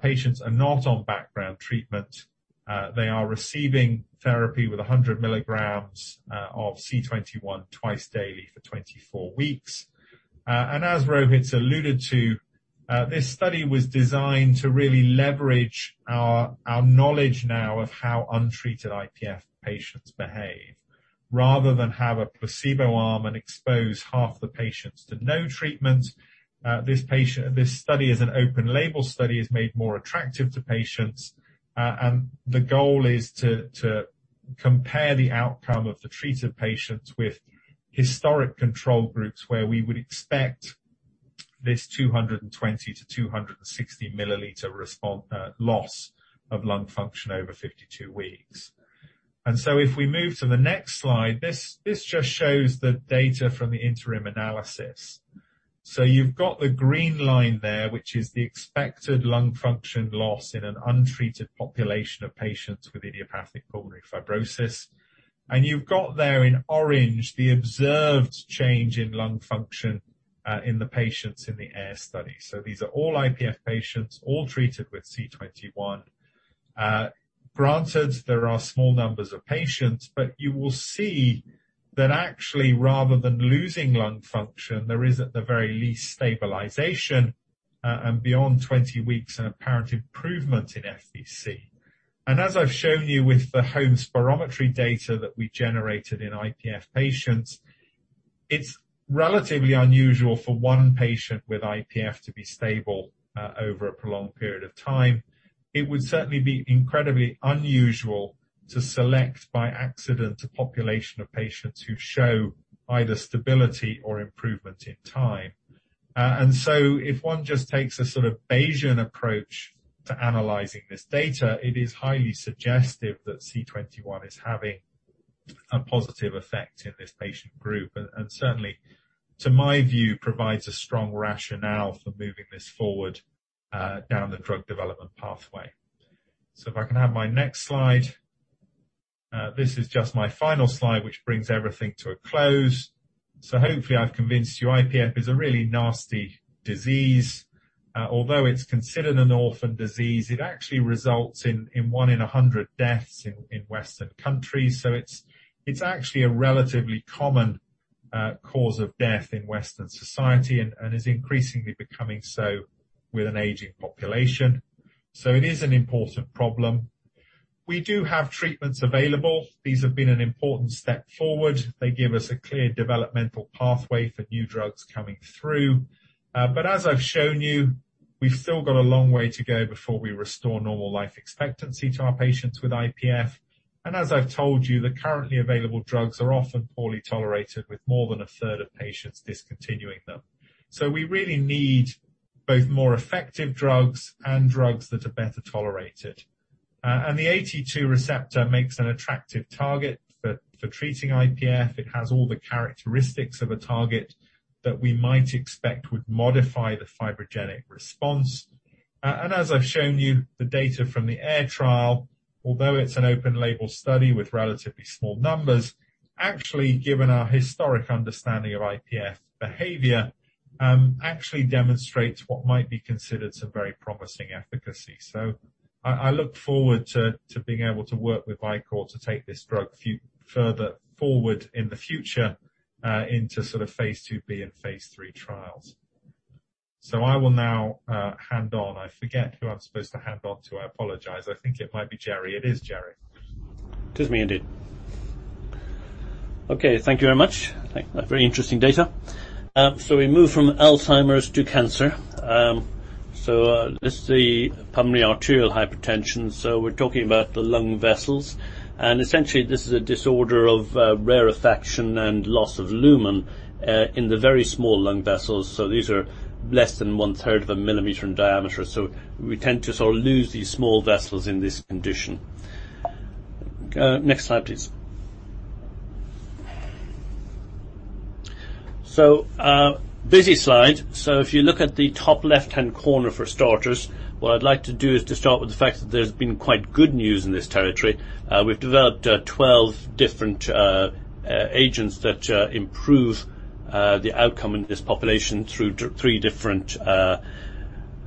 Patients are not on background treatment. They are receiving therapy with 100 mg of C21 twice daily for 24 weeks. As Rohit alluded to, this study was designed to really leverage our knowledge now of how untreated IPF patients behave. Rather than have a placebo arm and expose half the patients to no treatment, this study is an open label study, is made more attractive to patients. The goal is to compare the outcome of the treated patients with historic control groups where we would expect this 220-260 ml response loss of lung function over 52 weeks. If we move to the next slide, this just shows the data from the interim analysis. You've got the green line there, which is the expected lung function loss in an untreated population of patients with idiopathic pulmonary fibrosis. You've got there in orange the observed change in lung function in the patients in the AIR study. These are all IPF patients, all treated with C21. Granted, there are small numbers of patients, but you will see that actually, rather than losing lung function, there is at the very least stabilization and beyond 20 weeks, an apparent improvement in FVC. As I've shown you with the home spirometry data that we generated in IPF patients, it's relatively unusual for one patient with IPF to be stable over a prolonged period of time. It would certainly be incredibly unusual to select by accident a population of patients who show either stability or improvement in time. If one just takes a sort of Bayesian approach to analyzing this data, it is highly suggestive that C21 is having a positive effect in this patient group, and certainly, to my view, provides a strong rationale for moving this forward down the drug development pathway. If I can have my next slide. This is just my final slide, which brings everything to a close. Hopefully I've convinced you IPF is a really nasty disease. Although it's considered an orphan disease, it actually results in 1-in-100 deaths in Western countries. It actually is a relatively common cause of death in Western society and is increasingly becoming so with an aging population. It is an important problem. We do have treatments available. These have been an important step forward. They give us a clear developmental pathway for new drugs coming through. As I've shown you, we've still got a long way to go before we restore normal life expectancy to our patients with IPF. As I've told you, the currently available drugs are often poorly tolerated, with more than a third of patients discontinuing them. We really need both more effective drugs and drugs that are better tolerated. The AT2 receptor makes an attractive target for treating IPF. It has all the characteristics of a target that we might expect would modify the fibrogenic response. As I've shown you the data from the AIR trial, although it's an open label study with relatively small numbers, actually, given our historic understanding of IPF behavior, actually demonstrates what might be considered some very promising efficacy. I look forward to being able to work with Vicore to take this drug further forward in the future, into sort of phase IIb and phase III trials. I will now hand over to Gerry. I forget who I'm supposed to hand over to. I apologize. I think it might be Gerry. It is Gerry. It is me indeed. Okay, thank you very much. Very interesting data. We move from Alzheimer's to cancer. This is the pulmonary arterial hypertension. We're talking about the lung vessels. Essentially, this is a disorder of rarefaction and loss of lumen in the very small lung vessels. These are less than a third of a millimeter in diameter. We tend to sort of lose these small vessels in this condition. Next slide, please. Busy slide. If you look at the top left-hand corner for starters, what I'd like to do is to start with the fact that there's been quite good news in this territory. We've developed 12 different agents that improve the outcome in this population through three different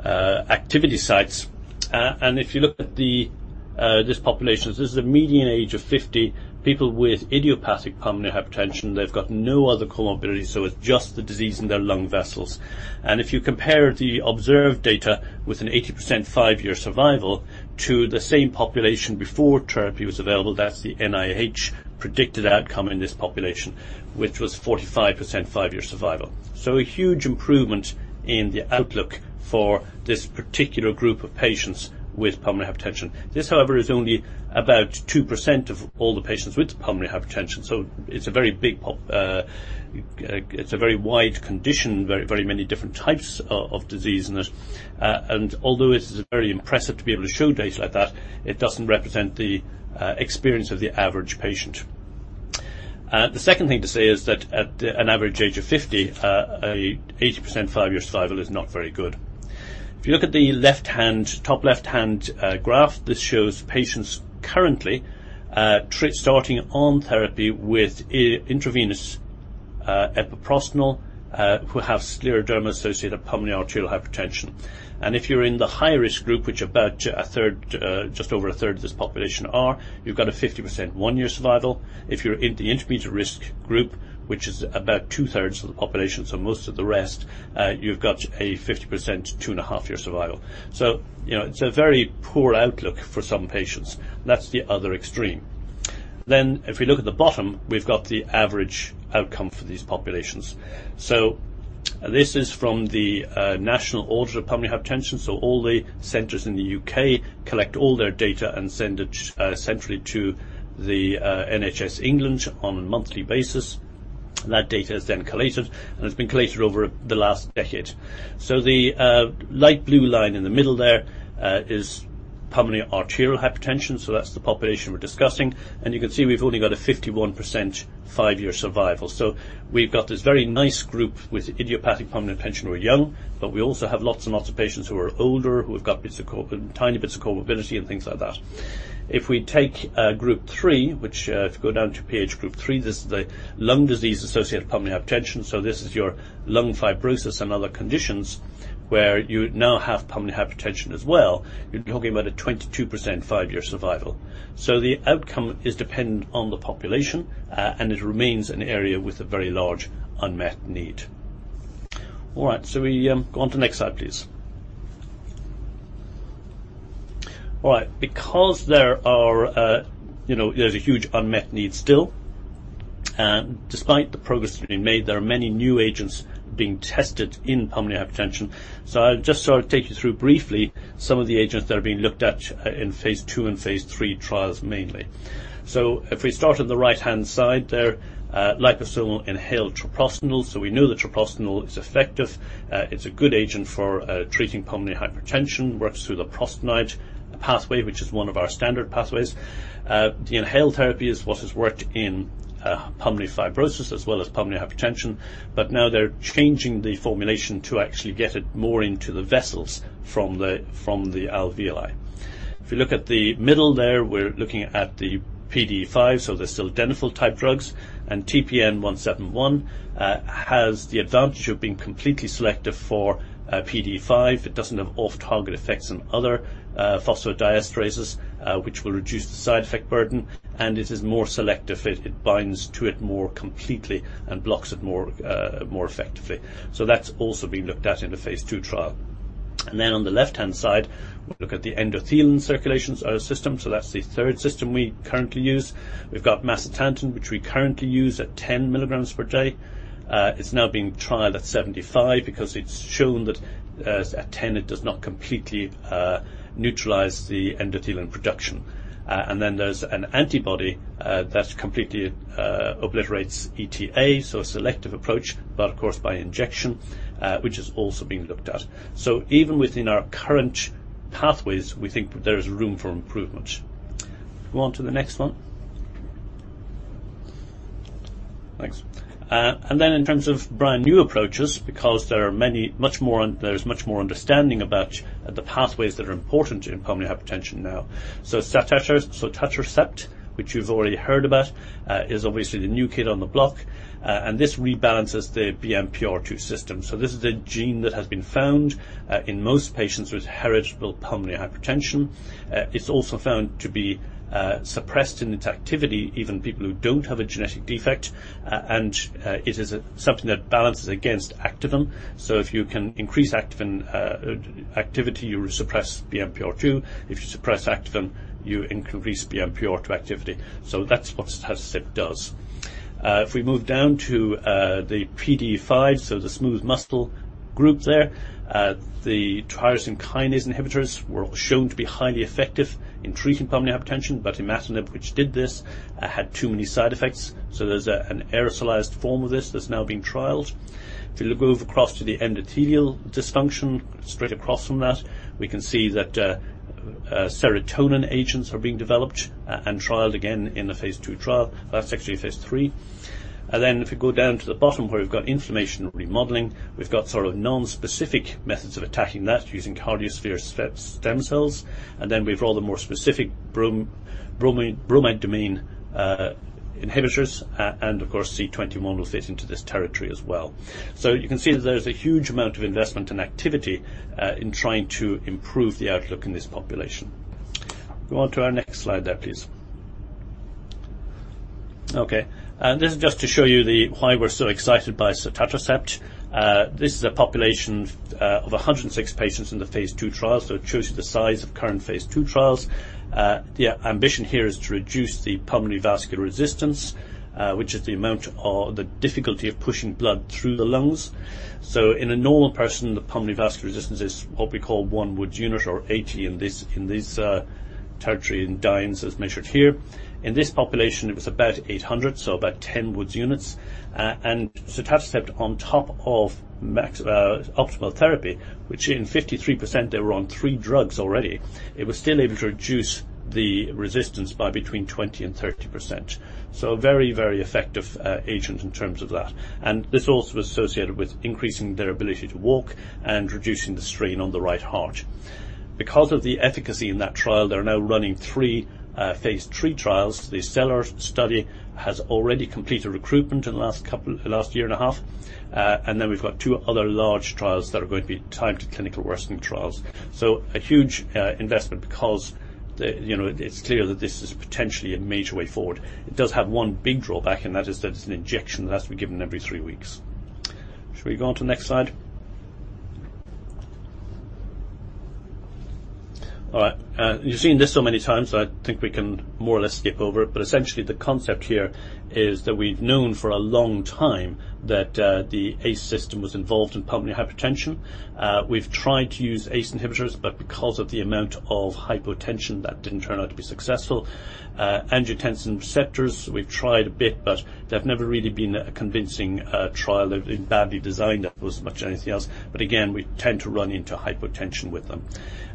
activity sites. If you look at this population, this is a median age of 50, people with idiopathic pulmonary hypertension. They've got no other comorbidity, so it's just the disease in their lung vessels. If you compare the observed data with an 80% five-year survival to the same population before therapy was available, that's the NIH-predicted outcome in this population, which was 45% five-year survival. A huge improvement in the outlook for this particular group of patients with pulmonary hypertension. This, however, is only about 2% of all the patients with pulmonary hypertension, so it's a very wide condition, very many different types of disease in it. Although it is very impressive to be able to show data like that, it doesn't represent the experience of the average patient. The second thing to say is that at an average age of 50, a 80% five-year survival is not very good. If you look at the top left-hand graph, this shows patients currently starting treatment on therapy with intravenous epoprostenol who have scleroderma associated with pulmonary arterial hypertension. If you're in the high-risk group, which about a third, just over a third of this population are, you've got a 50% one-year survival. If you're in the intermediate risk group, which is about 2/3 of the population, so most of the rest, you've got a 50% 2.5-year survival. You know, it's a very poor outlook for some patients. That's the other extreme. If we look at the bottom, we've got the average outcome for these populations. This is from the National Audit of Pulmonary Hypertension, so all the centers in the U.K. collect all their data and send it centrally to the NHS England on a monthly basis. That data is then collated, and it's been collated over the last decade. The light blue line in the middle there is pulmonary arterial hypertension, so that's the population we're discussing. You can see we've only got a 51% five-year survival. We've got this very nice group with idiopathic pulmonary hypertension who are young, but we also have lots and lots of patients who are older, who have got tiny bits of comorbidity and things like that. If we take Group 3, which if you go down to PH Group 3, this is the lung disease associated with pulmonary hypertension, so this is your lung fibrosis and other conditions where you now have pulmonary hypertension as well. You're talking about a 22% five-year survival. The outcome is dependent on the population, and it remains an area with a very large unmet need. All right, we go on to the next slide, please. All right. Because there are, you know, there's a huge unmet need still, and despite the progress that we've made, there are many new agents being tested in pulmonary hypertension. I'll just sort of take you through briefly some of the agents that are being looked at in phase II and phase III trials mainly. If we start on the right-hand side there, liposomal inhaled treprostinil. We know that treprostinil is effective. It's a good agent for treating pulmonary hypertension, works through the prostanoid pathway, which is one of our standard pathways. The inhaled therapy is what has worked in pulmonary fibrosis as well as pulmonary hypertension, but now they're changing the formulation to actually get it more into the vessels from the alveoli. If you look at the middle there, we're looking at the PDE5, so the sildenafil-type drugs. TPN171 has the advantage of being completely selective for PDE5. It doesn't have off-target effects on other phosphodiesterases, which will reduce the side effect burden. It is more selective. It binds to it more completely and blocks it more effectively. That's also being looked at in the phase II trial. On the left-hand side, we look at the endothelin receptor system, so that's the third system we currently use. We've got macitentan, which we currently use at 10 mg per day. It's now being trialed at 75 mg because it's shown that at 10 mg it does not completely neutralize the endothelin production. There's an antibody that completely obliterates ETA, so a selective approach, but of course by injection, which is also being looked at. Even within our current pathways, we think there is room for improvement. Go on to the next one. Thanks. In terms of brand-new approaches, because there are many, there's much more understanding about the pathways that are important in pulmonary hypertension now. Sotatercept, which you've already heard about, is obviously the new kid on the block. This rebalances the BMPR2 system. This is a gene that has been found in most patients with heritable pulmonary hypertension. It's also found to be suppressed in its activity, even people who don't have a genetic defect. It is something that balances against activin. If you can increase activin activity, you will suppress BMPR2. If you suppress activin, you increase BMPR2 activity. That's what sotatercept does. If we move down to the PDE5, the smooth muscle group there, the tyrosine kinase inhibitors were shown to be highly effective in treating pulmonary hypertension, but imatinib, which did this, had too many side effects. There's an aerosolized form of this that's now being trialed. If you look over across to the endothelial dysfunction, straight across from that, we can see that serotonin agents are being developed and trialed again in the phase II trial. Well, that's actually phase III. If you go down to the bottom, where we've got inflammation remodeling, we've got sort of non-specific methods of attacking that using cardiosphere stem cells, and then we've rather more specific bromodomain inhibitors and of course C21 will fit into this territory as well. You can see that there's a huge amount of investment and activity in trying to improve the outlook in this population. Go on to our next slide there, please. Okay. This is just to show you the why we're so excited by sotatercept. This is a population of 106 patients in the phase II trial, so it shows you the size of current phase II trials. The ambition here is to reduce the pulmonary vascular resistance, which is the amount or the difficulty of pushing blood through the lungs. In a normal person, the pulmonary vascular resistance is what we call one Wood unit or 80 in this territory in dynes as measured here. In this population, it was about 800, so about 10 Wood units. Sotatercept on top of max optimal therapy, which in 53% they were on three drugs already, it was still able to reduce the resistance by between 20%-30%. A very effective agent in terms of that. This also associated with increasing their ability to walk and reducing the strain on the right heart. Because of the efficacy in that trial, they're now running three phase III trials. The STELLAR study has already completed recruitment in the last year and a half. We've got two other large trials that are going to be time to clinical worsening trials. A huge investment because the, you know, it's clear that this is potentially a major way forward. It does have one big drawback, and that is that it's an injection that has to be given every three weeks. Shall we go on to the next slide? All right. You've seen this so many times, so I think we can more or less skip over it, but essentially the concept here is that we've known for a long time that the ACE system was involved in pulmonary hypertension. We've tried to use ACE inhibitors, but because of the amount of hypotension, that didn't turn out to be successful. Angiotensin receptors, we've tried a bit, but they've never really been a convincing trial. They've been badly designed as much as anything else. But again, we tend to run into hypotension with them.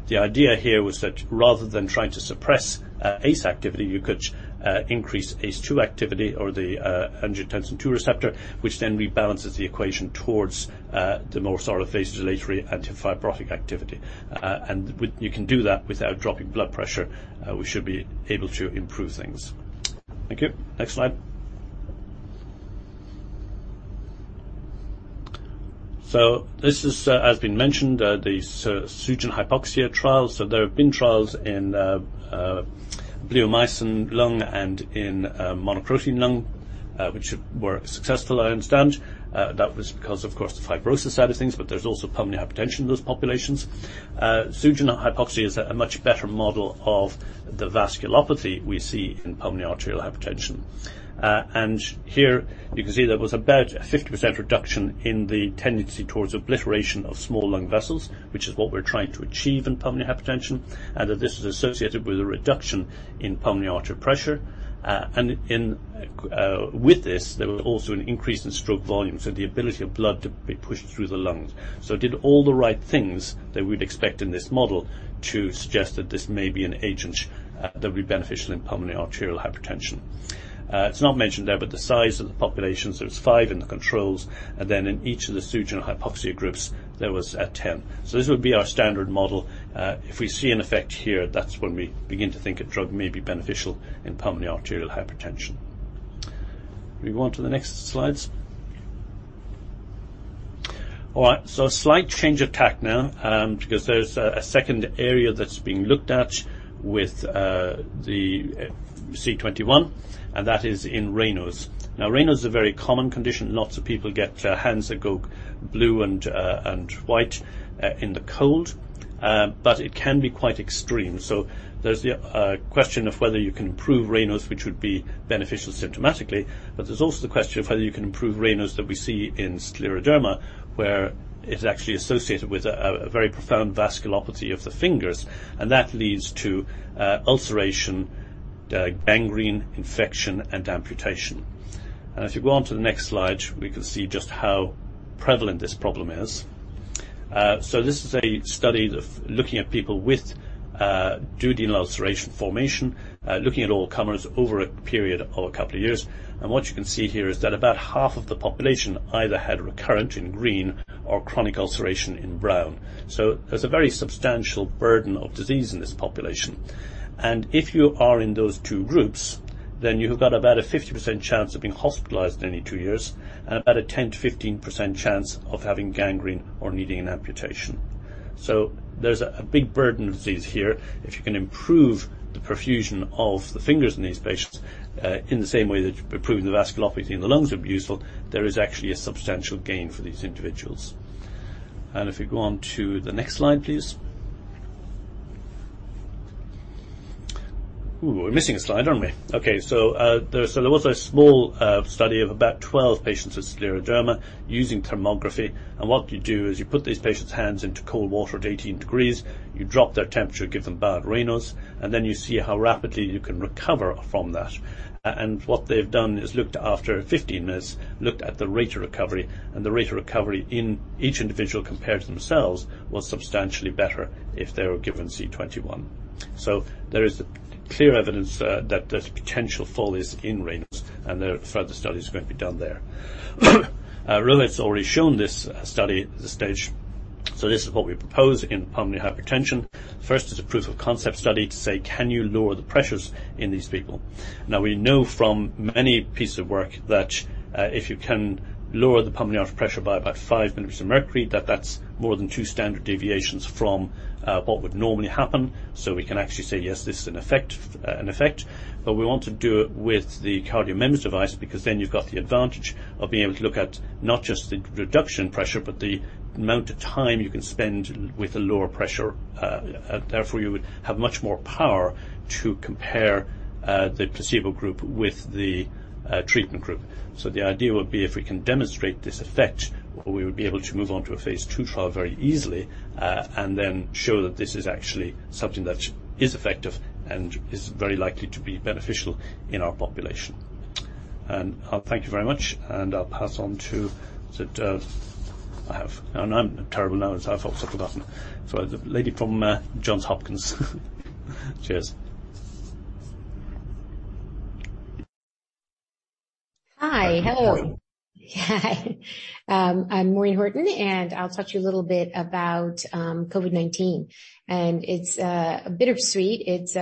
The idea here was that rather than trying to suppress ACE activity, you could increase ACE2 activity or the angiotensin II receptor, which then rebalances the equation towards the more sort of vasodilatory anti-fibrotic activity. You can do that without dropping blood pressure. We should be able to improve things. Thank you. Next slide. This is, as has been mentioned, the Sugen/hypoxia trials. There have been trials in bleomycin lung and in monocrotaline lung, which were successful I understand. That was because of course the fibrosis side of things, but there's also pulmonary hypertension in those populations. Sugen/hypoxia is a much better model of the vasculopathy we see in pulmonary arterial hypertension. Here you can see there was about a 50% reduction in the tendency towards obliteration of small lung vessels, which is what we're trying to achieve in pulmonary hypertension, and that this is associated with a reduction in pulmonary artery pressure. With this, there was also an increase in stroke volume, so the ability of blood to be pushed through the lungs. It did all the right things that we'd expect in this model to suggest that this may be an agent that would be beneficial in pulmonary arterial hypertension. It's not mentioned there, but the size of the population, so it's five in the controls, and then in each of the Sugen/hypoxia groups, there were 10. This would be our standard model. If we see an effect here, that's when we begin to think a drug may be beneficial in pulmonary arterial hypertension. Can we go on to the next slides? All right. A slight change of tack now, because there's a second area that's being looked at with the C21, and that is in Raynaud's. Now, Raynaud's a very common condition. Lots of people get hands that go blue and white in the cold, but it can be quite extreme. There's the question of whether you can improve Raynaud's, which would be beneficial symptomatically, but there's also the question of whether you can improve Raynaud's that we see in scleroderma, where it's actually associated with a very profound vasculopathy of the fingers, and that leads to ulceration, gangrene, infection, and amputation. If you go on to the next slide, we can see just how prevalent this problem is. This is a study of looking at people with digital ulceration, looking at all comers over a period of a couple of years. What you can see here is that about half of the population either had recurrent, in green, or chronic ulceration, in brown. There's a very substantial burden of disease in this population. If you are in those two groups, then you have got about a 50% chance of being hospitalized in any two years and about a 10%-15% chance of having gangrene or needing an amputation. There's a big burden of disease here. If you can improve the perfusion of the fingers in these patients, in the same way that improving the vasculopathy in the lungs would be useful, there is actually a substantial gain for these individuals. If we go on to the next slide, please. Ooh, we're missing a slide, aren't we? Okay. So there was a small study of about 12 patients with scleroderma using thermography. What you do is you put these patients' hands into cold water at 18 degrees, you drop their temperature, give them bad Raynaud's, and then you see how rapidly you can recover from that. What they've done is looked, after 15 minutes, at the rate of recovery, and the rate of recovery in each individual compared to themselves was substantially better if they were given C21. There is clear evidence that there's potential benefits in Raynaud's, and there are further studies going to be done there. Rohit's already shown this study at this stage. This is what we propose in pulmonary hypertension. First is a proof of concept study to say, "Can you lower the pressures in these people?" Now, we know from many pieces of work that if you can lower the pulmonary artery pressure by about 5 mm of mercury, that is more than two standard deviations from what would normally happen. We can actually say, "Yes, this is an effect," but we want to do it with the CardioMEMS device because then you've got the advantage of being able to look at not just the pressure reduction, but the amount of time you can spend with a lower pressure. Therefore, you would have much more power to compare the placebo group with the treatment group. The idea would be if we can demonstrate this effect, we would be able to move on to a phase II trial very easily, and then show that this is actually something that is effective and is very likely to be beneficial in our population. I'll thank you very much, and I'll pass on to the, I'm terrible now as I've also forgotten, so the lady from Johns Hopkins. Cheers. Hi. Hello. How are you? Hi. I'm Maureen Horton, and I'll talk to you a little bit about COVID-19. It's bittersweet. It's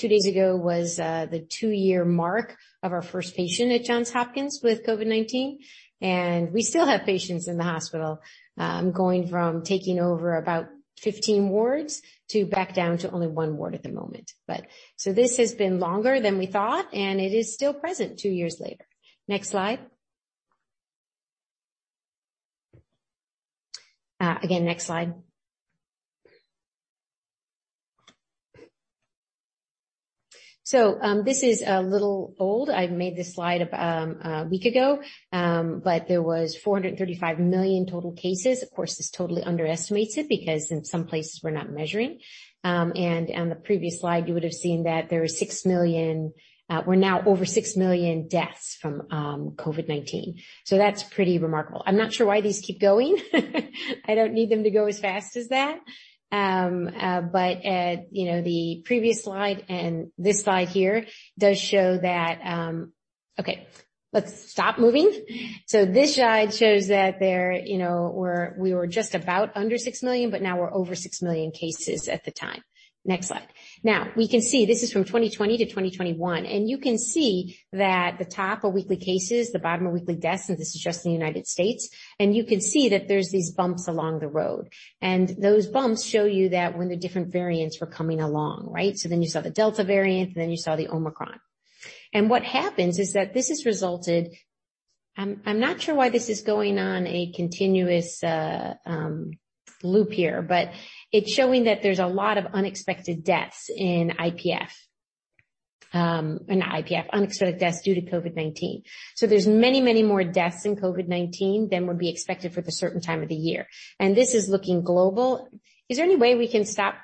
two days ago was the two-year mark of our first patient at Johns Hopkins with COVID-19, and we still have patients in the hospital, going from taking over about 15 wards to back down to only one ward at the moment. This has been longer than we thought, and it is still present two years later. Next slide. Next slide. This is a little old. I made this slide about a week ago, but there was 435 million total cases. Of course, this is totally underestimated because in some places we're not measuring. And on the previous slide, you would have seen that there were 6 million. We're now over 6 million deaths from COVID-19. That's pretty remarkable. I'm not sure why these keep going. I don't need them to go as fast as that. But you know, the previous slide and this slide here does show that. Okay, let's stop moving. This slide shows that there, you know, we were just about under 6 million, but now we're over 6 million cases at the time. Next slide. Now, we can see this is from 2020 to 2021, and you can see that the top are weekly cases, the bottom are weekly deaths, and this is just in the United States. You can see that there's these bumps along the road. Those bumps show you that when the different variants were coming along, right? You saw the Delta variant, and then you saw the Omicron. What happens is that this has resulted. I'm not sure why this is going on a continuous loop here, but it's showing that there's a lot of unexpected deaths in IPF. Not IPF. Unexpected deaths due to COVID-19. There's many, many more deaths in COVID-19 than would be expected for the certain time of the year. This is looking global. Is there any way we can stop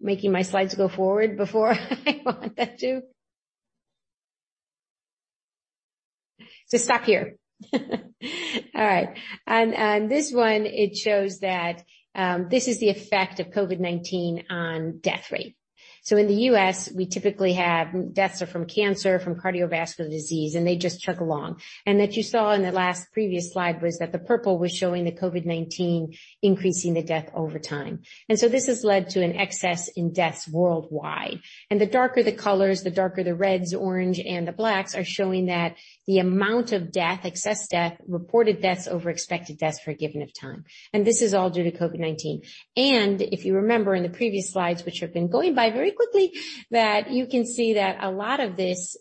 making my slides go forward before I want that to? Just stop here. All right. This one, it shows that this is the effect of COVID-19 on death rate. In the U.S., we typically have deaths are from cancer, from cardiovascular disease, and they just chug along. That you saw in the last previous slide was that the purple was showing the COVID-19 increasing the death over time. This has led to an excess in deaths worldwide. The darker the colors, the darker the reds, orange, and the blacks are showing that the amount of death, excess death, reported deaths over expected deaths for a given of time. This is all due to COVID-19. If you remember in the previous slides, which have been going by very quickly, that you can see that a lot of this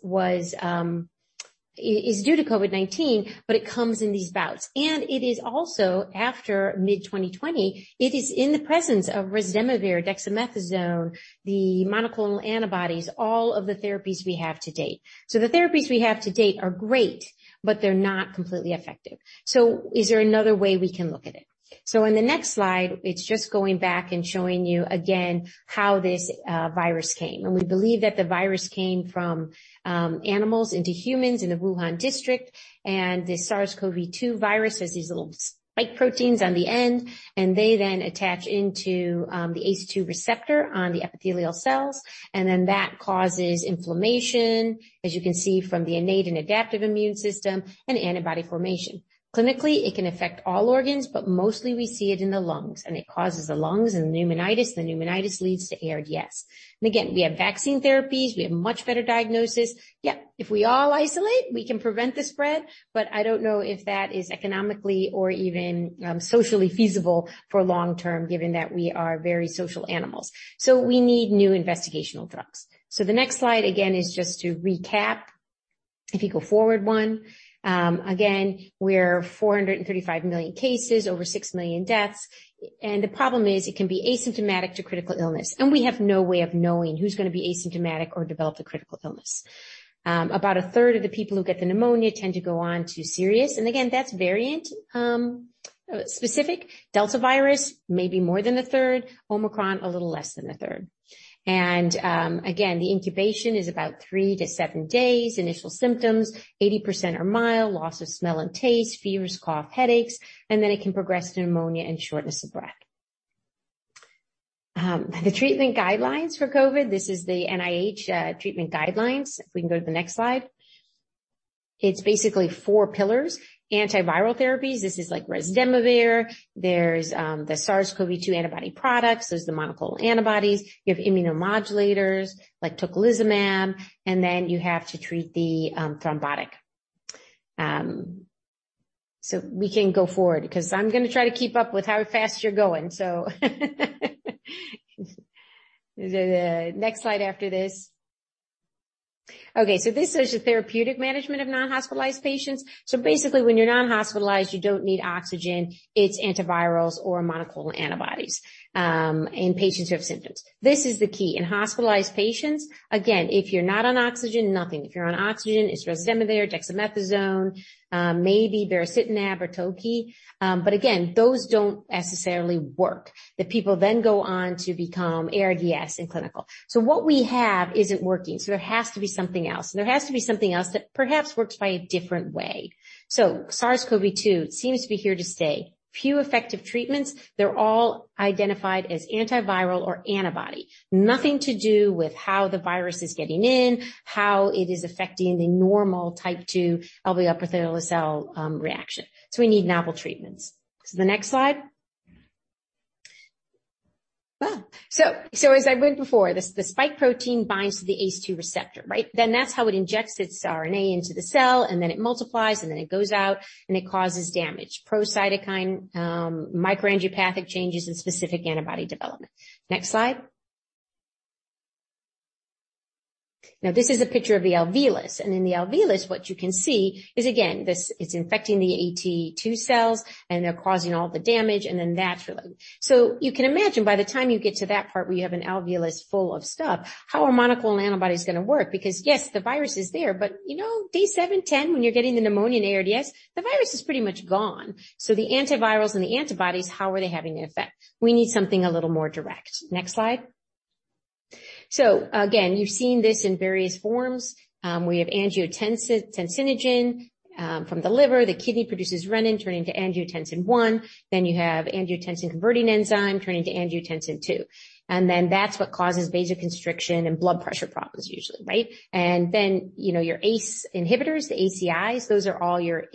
is due to COVID-19, but it comes in these bouts. It is also after mid-2020, it is in the presence of remdesivir, dexamethasone, the monoclonal antibodies, all of the therapies we have to date. The therapies we have to date are great, but they're not completely effective. Is there another way we can look at it? In the next slide, it's just going back and showing you again how this virus came. We believe that the virus came from animals into humans in the Wuhan district. The SARS-CoV-2 virus has these little spike proteins on the end, and they then attach into the ACE2 receptor on the epithelial cells, and then that causes inflammation, as you can see from the innate and adaptive immune system and antibody formation. Clinically, it can affect all organs, but mostly we see it in the lungs, and it causes the lungs and pneumonitis. The pneumonitis leads to ARDS. Again, we have vaccine therapies. We have much better diagnosis. Yeah, if we all isolate, we can prevent the spread, but I don't know if that is economically or even socially feasible for long term, given that we are very social animals. We need new investigational drugs. The next slide, again, is just to recap. If you go forward one. Again, we're 435 million cases, over 6 million deaths. The problem is it can be asymptomatic to critical illness, and we have no way of knowing who's going to be asymptomatic or develop the critical illness. About a third of the people who get the pneumonia tend to go on to serious. Again, that's variant specific. Delta virus may be more than 1/3. Omicron, a little less than a third. Again, the incubation is about three to seven days. Initial symptoms, 80% are mild: loss of smell and taste, fevers, cough, headaches, and then it can progress to pneumonia and shortness of breath. The treatment guidelines for COVID, this is the NIH treatment guidelines. If we can go to the next slide. It's basically four pillars. Antiviral therapies like remdesivir. There's the SARS-CoV-2 antibody products. There's the monoclonal antibodies. You have immunomodulators like tocilizumab, and then you have to treat the thrombotic. We can go forward because I'm gonna try to keep up with how fast you're going. The next slide after this. Okay, this is your therapeutic management of non-hospitalized patients. Basically, when you're non-hospitalized, you don't need oxygen. It's antivirals or monoclonal antibodies in patients who have symptoms. This is the key. In hospitalized patients, again, if you're not on oxygen, nothing. If you're on oxygen, it's remdesivir, dexamethasone, maybe baricitinib or tocilizumab. Again, those don't necessarily work. The people then go on to become ARDS and critical. What we have isn't working. There has to be something else. There has to be something else that perhaps works by a different way. SARS-CoV-2 seems to be here to stay. Few effective treatments. They're all identified as antiviral or antibody. Nothing to do with how the virus is getting in, how it is affecting the normal type 2 alveolar epithelial cell reaction. We need novel treatments. The next slide. As I went before, the spike protein binds to the ACE2 receptor, right? That's how it injects its RNA into the cell, and then it multiplies, and then it goes out, and it causes damage. Pro-cytokine, microangiopathic changes, and specific antibody development. Next slide. Now, this is a picture of the alveolus. In the alveolus, what you can see is, again, this is infecting the AT2 cells, and they're causing all the damage, and then that's related. You can imagine by the time you get to that part, where you have an alveolus full of stuff, how are monoclonal antibodies going to work? Because, yes, the virus is there, but, you know, day seven, 10, when you're getting the pneumonia and ARDS, the virus is pretty much gone. The antivirals and the antibodies, how are they having an effect? We need something a little more direct. Next slide. Again, you've seen this in various forms. We have angiotensinogen from the liver. The kidney produces renin, turning to angiotensin I. Then you have angiotensin-converting enzyme turning to angiotensin II. That's what causes vasoconstriction and blood pressure problems usually, right? Your ACE inhibitors, the ACEIs, those are all your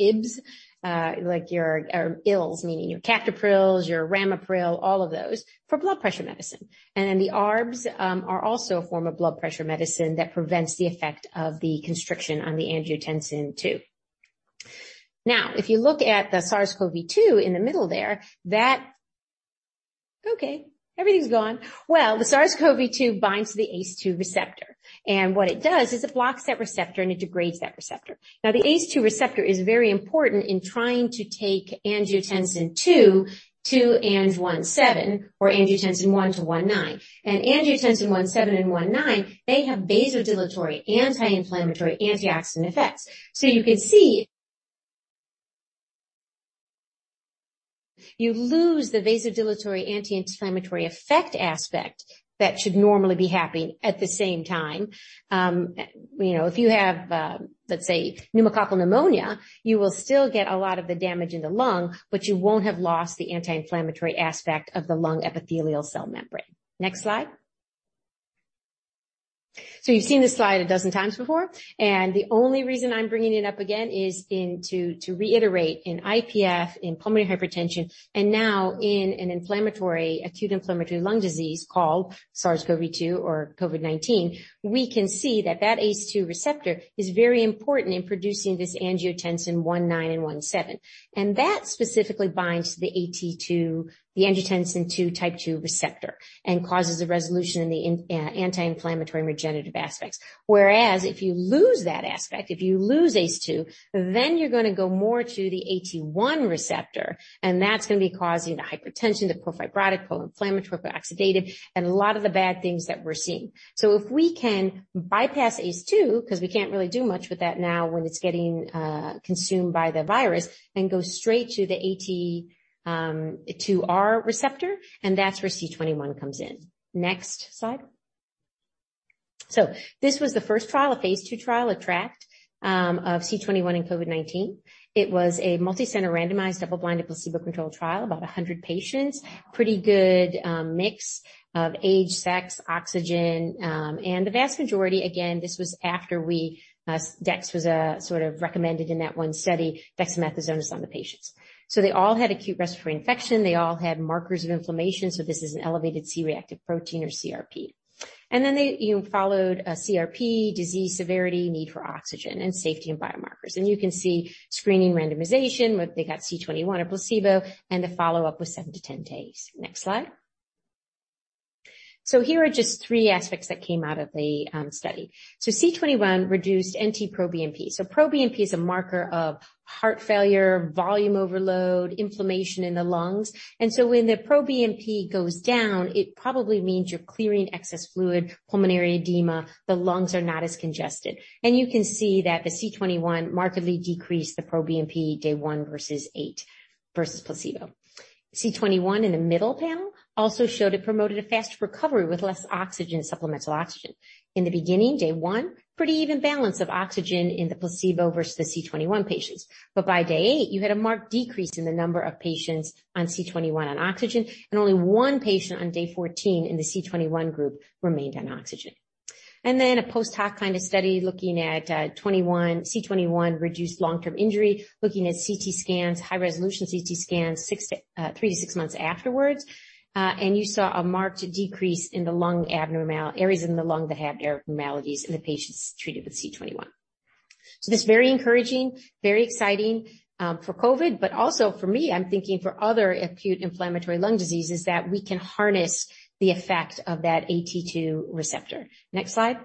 ACEIs, meaning your captopril, your ramipril, all of those for blood pressure medicine. The ARBs are also a form of blood pressure medicine that prevents the effect of the constriction on the angiotensin II. Now, if you look at the SARS-CoV-2 in the middle there, the SARS-CoV-2 binds to the ACE2 receptor, and what it does is it blocks that receptor, and it degrades that receptor. The ACE2 receptor is very important in trying to take angiotensin II to Ang-(1-7) or angiotensin I to Ang-(1-9). Angiotensin-(1-7) and angiotensin-(1-9), they have vasodilatory, anti-inflammatory, antioxidant effects. You can see you lose the vasodilatory anti-inflammatory effect aspect that should normally be happening at the same time. You know, if you have, let's say, pneumococcal pneumonia, you will still get a lot of the damage in the lung, but you won't have lost the anti-inflammatory aspect of the lung epithelial cell membrane. Next slide. You've seen this slide a dozen times before, and the only reason I'm bringing it up again is to reiterate in IPF, in pulmonary hypertension, and now in an acute inflammatory lung disease called SARS-CoV-2 or COVID-19. We can see that ACE2 receptor is very important in producing this angiotensin-(1-9) and angiotensin-(1-7). That specifically binds to the AT2, the angiotensin II type 2 receptor, and causes the resolution in the anti-inflammatory regenerative aspects. Whereas if you lose that aspect, if you lose ACE2, then you're gonna go more to the AT1 receptor, and that's gonna be causing the hypertension, the pro-fibrotic, pro-inflammatory, pro-oxidative, and a lot of the bad things that we're seeing. If we can bypass ACE2, 'cause we can't really do much with that now when it's getting consumed by the virus, and go straight to the AT2R receptor, and that's where C21 comes in. Next slide. This was the first trial, a phase II trial, ATTRACT of C21 in COVID-19. It was a multicenter randomized double-blinded placebo-controlled trial, about 100 patients. Pretty good mix of age, sex, oxygen, and the vast majority, again, this was after dex was sort of recommended in that one study, dexamethasone was on the patients. They all had acute respiratory infection. They all had markers of inflammation. This is an elevated C-reactive protein or CRP. They followed CRP, disease severity, need for oxygen, and safety and biomarkers. You can see screening randomization, whether they got C21 or placebo, and the follow-up was 7-10 days. Next slide. Here are just three aspects that came out of the study. C21 reduced NT-proBNP. ProBNP is a marker of heart failure, volume overload, inflammation in the lungs. When the proBNP goes down, it probably means you're clearing excess fluid, pulmonary edema, the lungs are not as congested. You can see that the C21 markedly decreased the proBNP day one versus eight versus placebo. C21 in the middle panel also showed it promoted a faster recovery with less supplemental oxygen. In the beginning, day one, pretty even balance of oxygen in the placebo versus the C21 patients. By day eight, you had a marked decrease in the number of patients on C21 on oxygen, and only one patient on day 14 in the C21 group remained on oxygen. Then a post hoc kind of study looking at C21 reduced long-term injury, looking at CT scans, high-resolution CT scans, 3-6 months afterwards. You saw a marked decrease in the lung areas in the lung that had abnormalities in the patients treated with C21. This is very encouraging, very exciting, for COVID, but also for me, I'm thinking for other acute inflammatory lung diseases that we can harness the effect of that AT2 receptor. Next slide.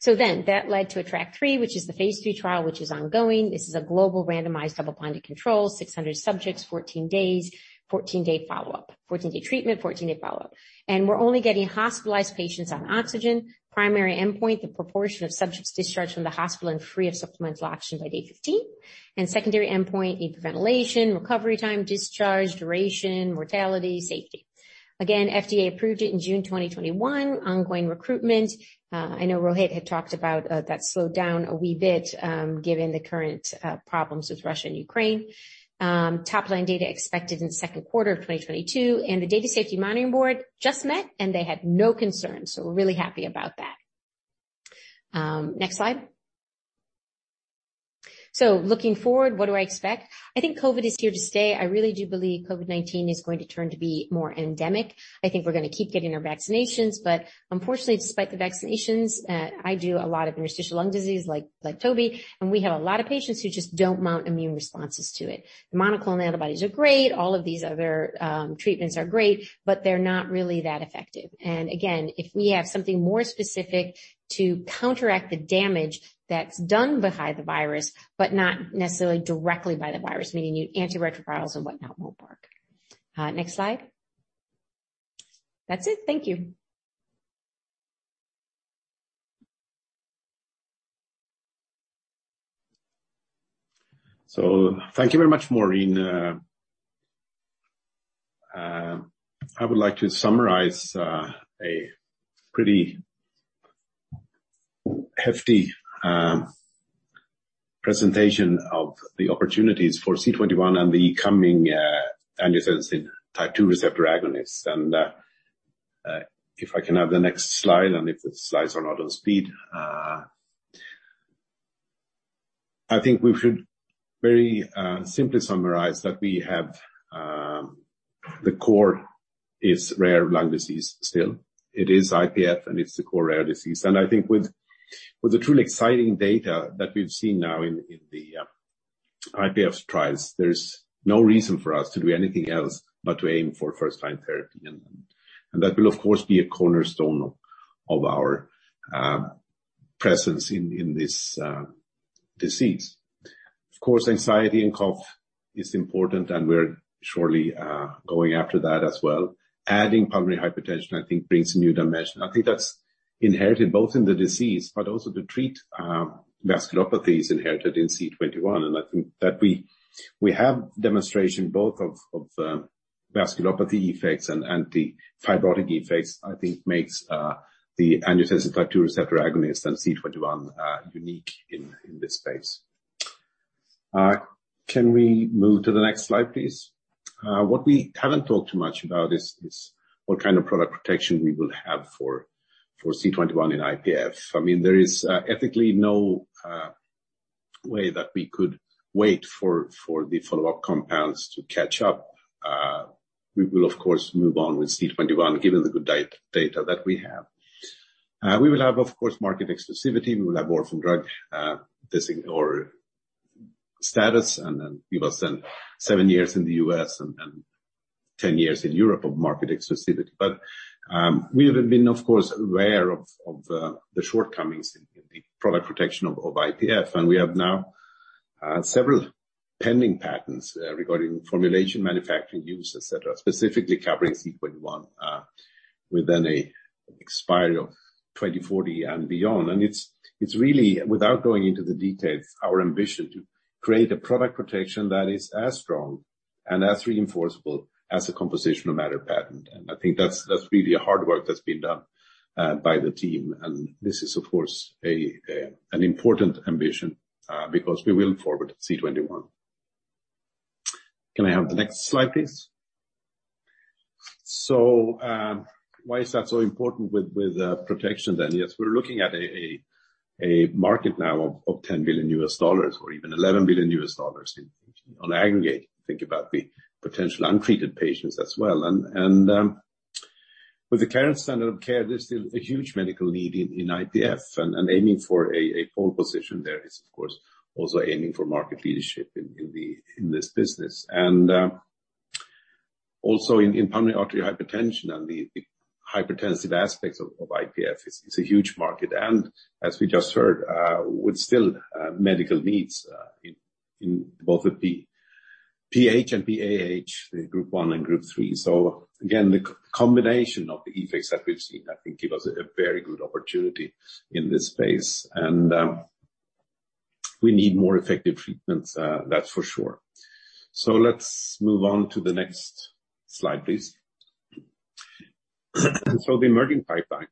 So that led to ATTRACT-3, which is the phase III trial, which is ongoing. This is a global randomized double-blinded control, 600 subjects, 14 days, 14-day follow-up. 14-day treatment, 14-day follow-up. We're only getting hospitalized patients on oxygen. Primary endpoint, the proportion of subjects discharged from the hospital and free of supplemental oxygen by day 15. Secondary endpoint, invasive ventilation, recovery time, discharge, duration, mortality, safety. Again, FDA approved it in June 2021, ongoing recruitment. I know Rohit had talked about that slowed down a wee bit, given the current problems with Russia and Ukraine. Top-line data expected in the second quarter of 2022, and the data safety monitoring board just met, and they had no concerns. We're really happy about that. Next slide. Looking forward, what do I expect? I think COVID is here to stay. I really do believe COVID-19 is going to turn to be more endemic. I think we're gonna keep getting our vaccinations, but unfortunately, despite the vaccinations, I do a lot of interstitial lung disease like Toby, and we have a lot of patients who just don't mount immune responses to it. Monoclonal antibodies are great, all of these other treatments are great, but they're not really that effective. Again, if we have something more specific to counteract the damage that's done by the virus, but not necessarily directly by the virus, meaning your antiretrovirals and whatnot won't work. Next slide. That's it. Thank you. Thank you very much, Maureen. I would like to summarize a pretty hefty presentation of the opportunities for C21 and the coming angiotensin type 2 receptor agonists. If I can have the next slide, and if the slides are not on speed. I think we should very simply summarize that we have the core is rare lung disease still. It is IPF, and it's the core rare disease. I think with the truly exciting data that we've seen now in the IPF trials, there's no reason for us to do anything else but to aim for first-line therapy. That will, of course, be a cornerstone of our presence in this disease. Of course, anxiety and cough is important, and we're surely going after that as well. Adding pulmonary hypertension, I think, brings a new dimension. I think that's inherent both in the disease, but also to treat, vasculopathies inherent in C21. I think that we have demonstration both of vasculopathy effects and anti-fibrotic effects, I think makes the angiotensin type 2 receptor agonist and C21 unique in this space. Can we move to the next slide, please? What we haven't talked too much about is what kind of product protection we will have for C21 in IPF. I mean, there is ethically no way that we could wait for the follow-up compounds to catch up. We will of course move on with C21, given the good data that we have. We will have, of course, market exclusivity. We will have orphan drug designation status, and then give us, then, seven years in the U.S. and 10 years in Europe of market exclusivity. We have been, of course, aware of the shortcomings in the product protection of IPF. We have now several pending patents regarding formulation, manufacturing, use, et cetera, specifically covering C21, within an expiration of 2040 and beyond. It's really, without going into the details, our ambition to create a product protection that is as strong and as enforceable as a composition of matter patent. I think that's really a hard work that's been done by the team. This is, of course, an important ambition because we will move forward with C21. Can I have the next slide, please? Why is that so important with protection then? Yes, we're looking at a market now of $10 billion or even $11 billion on aggregate. Think about the potential untreated patients as well. With the current standard of care, there's still a huge medical need in IPF and aiming for a pole position there is, of course, also aiming for market leadership in this business. Also in pulmonary arterial hypertension and the hypertensive aspects of IPF is a huge market. As we just heard, with still medical needs in both the PH and PAH, the Group 1 and Group 3. Again, the combination of the effects that we've seen, I think give us a very good opportunity in this space. We need more effective treatments, that's for sure. Let's move on to the next slide, please. The emerging pipeline.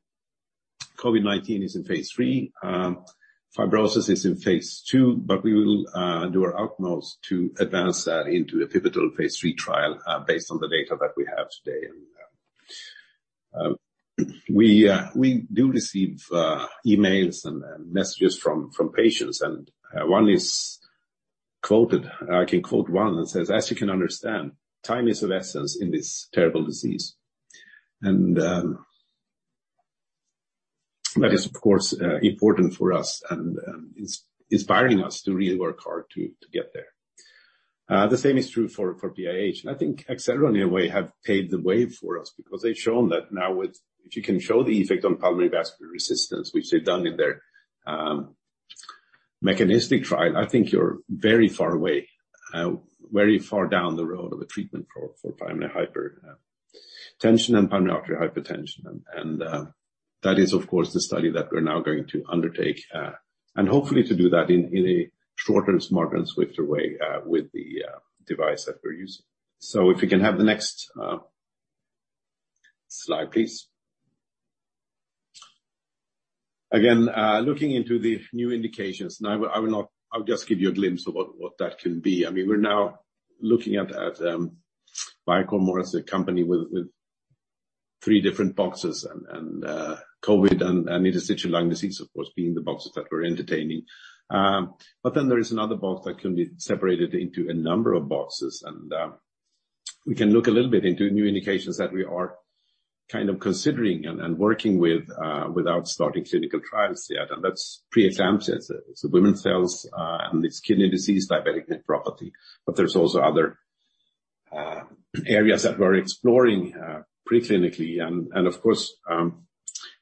COVID-19 is in phase III. Fibrosis is in phase II, but we will do our utmost to advance that into a pivotal phase III trial, based on the data that we have today. We do receive emails and messages from patients, and one is quoted. I can quote one that says, "As you can understand, time is of the essence in this terrible disease." That is, of course, important for us and inspiring us to really work hard to get there. The same is true for PAH. I think Acceleron, in a way, have paved the way for us because they've shown that now, if you can show the effect on pulmonary vascular resistance, which they've done in their mechanistic trial. I think you're very far away, very far down the road of a treatment for primary hypertension and pulmonary hypertension. That is, of course, the study that we're now going to undertake, and hopefully to do that in a shorter, smarter, and swifter way, with the device that we're using. If we can have the next slide, please. Again, looking into the new indications. Now, I'll just give you a glimpse of what that can be. I mean, we're now looking at Vicore more as a company with three different boxes and COVID and interstitial lung disease, of course, being the boxes that we're entertaining. Then there is another box that can be separated into a number of boxes. We can look a little bit into new indications that we are kind of considering and working with without starting clinical trials yet. That's preeclampsia. It's women's health and it's kidney disease, diabetic nephropathy. There's also other areas that we're exploring preclinically. Of course,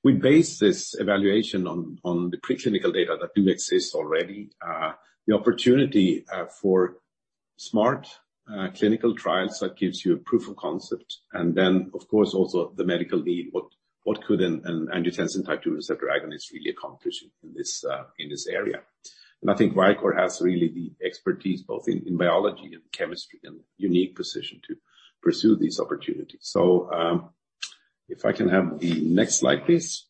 we base this evaluation on the preclinical data that do exist already. The opportunity for smart clinical trials that gives you a proof of concept, and then, of course, also the medical need, what could an angiotensin II receptor agonist really accomplish in this area. I think Vicore has really the expertise both in biology and chemistry and unique position to pursue these opportunities. If I can have the next slide, please.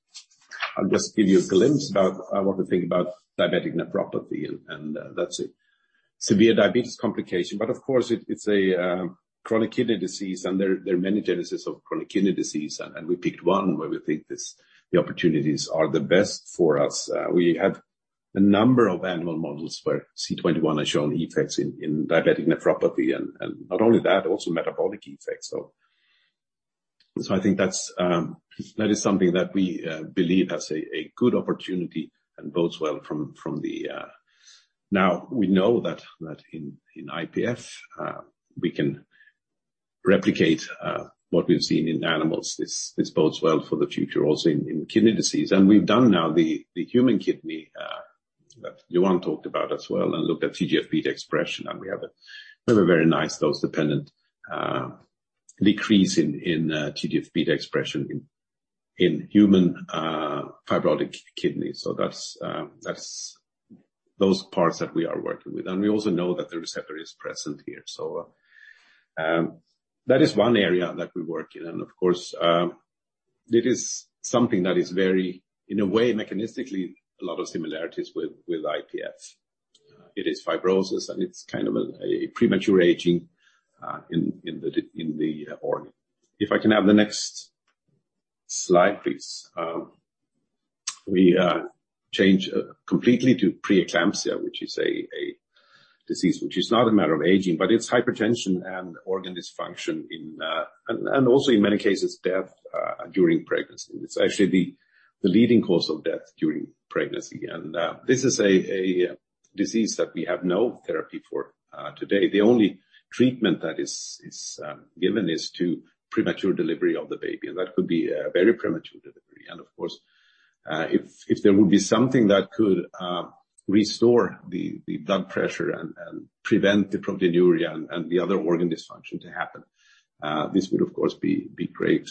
I'll just give you a glimpse about how I want to think about diabetic nephropathy, and that's a severe diabetes complication. Of course, it's a chronic kidney disease, and there are many genesis of chronic kidney disease. We picked one where we think this the opportunities are the best for us. We have a number of animal models where C21 has shown effects in diabetic nephropathy, and not only that, also metabolic effects. I think that is something that we believe has a good opportunity and bodes well for the. We know that in IPF we can replicate what we've seen in animals. This bodes well for the future also in kidney disease. We've done now the human kidney that Johan talked about as well and looked at TGF-beta expression. We have a very nice dose-dependent decrease in TGF-beta expression in human fibrotic kidneys. That's those parts that we are working with. We also know that the receptor is present here. That is one area that we work in. Of course, it is something that is very, in a way, mechanistically a lot of similarities with IPF. It is fibrosis, and it's kind of a premature aging in the organ. If I can have the next slide, please. We change completely to preeclampsia, which is a disease which is not a matter of aging, but it's hypertension and organ dysfunction and also in many cases, death during pregnancy. It's actually the leading cause of death during pregnancy. This is a disease that we have no therapy for today. The only treatment that is given is to premature delivery of the baby, and that could be a very premature delivery. Of course, if there would be something that could restore the blood pressure and prevent the proteinuria and the other organ dysfunction to happen, this would of course be great.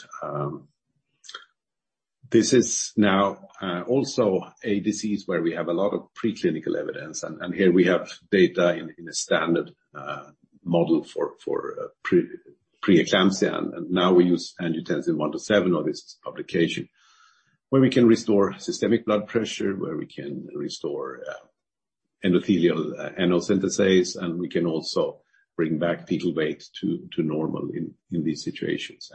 This is now also a disease where we have a lot of preclinical evidence, and here we have data in a standard model for preeclampsia. Now we use angiotensin-(1-7) of this publication, where we can restore systemic blood pressure, where we can restore endothelial NO synthase, and we can also bring back fetal weight to normal in these situations.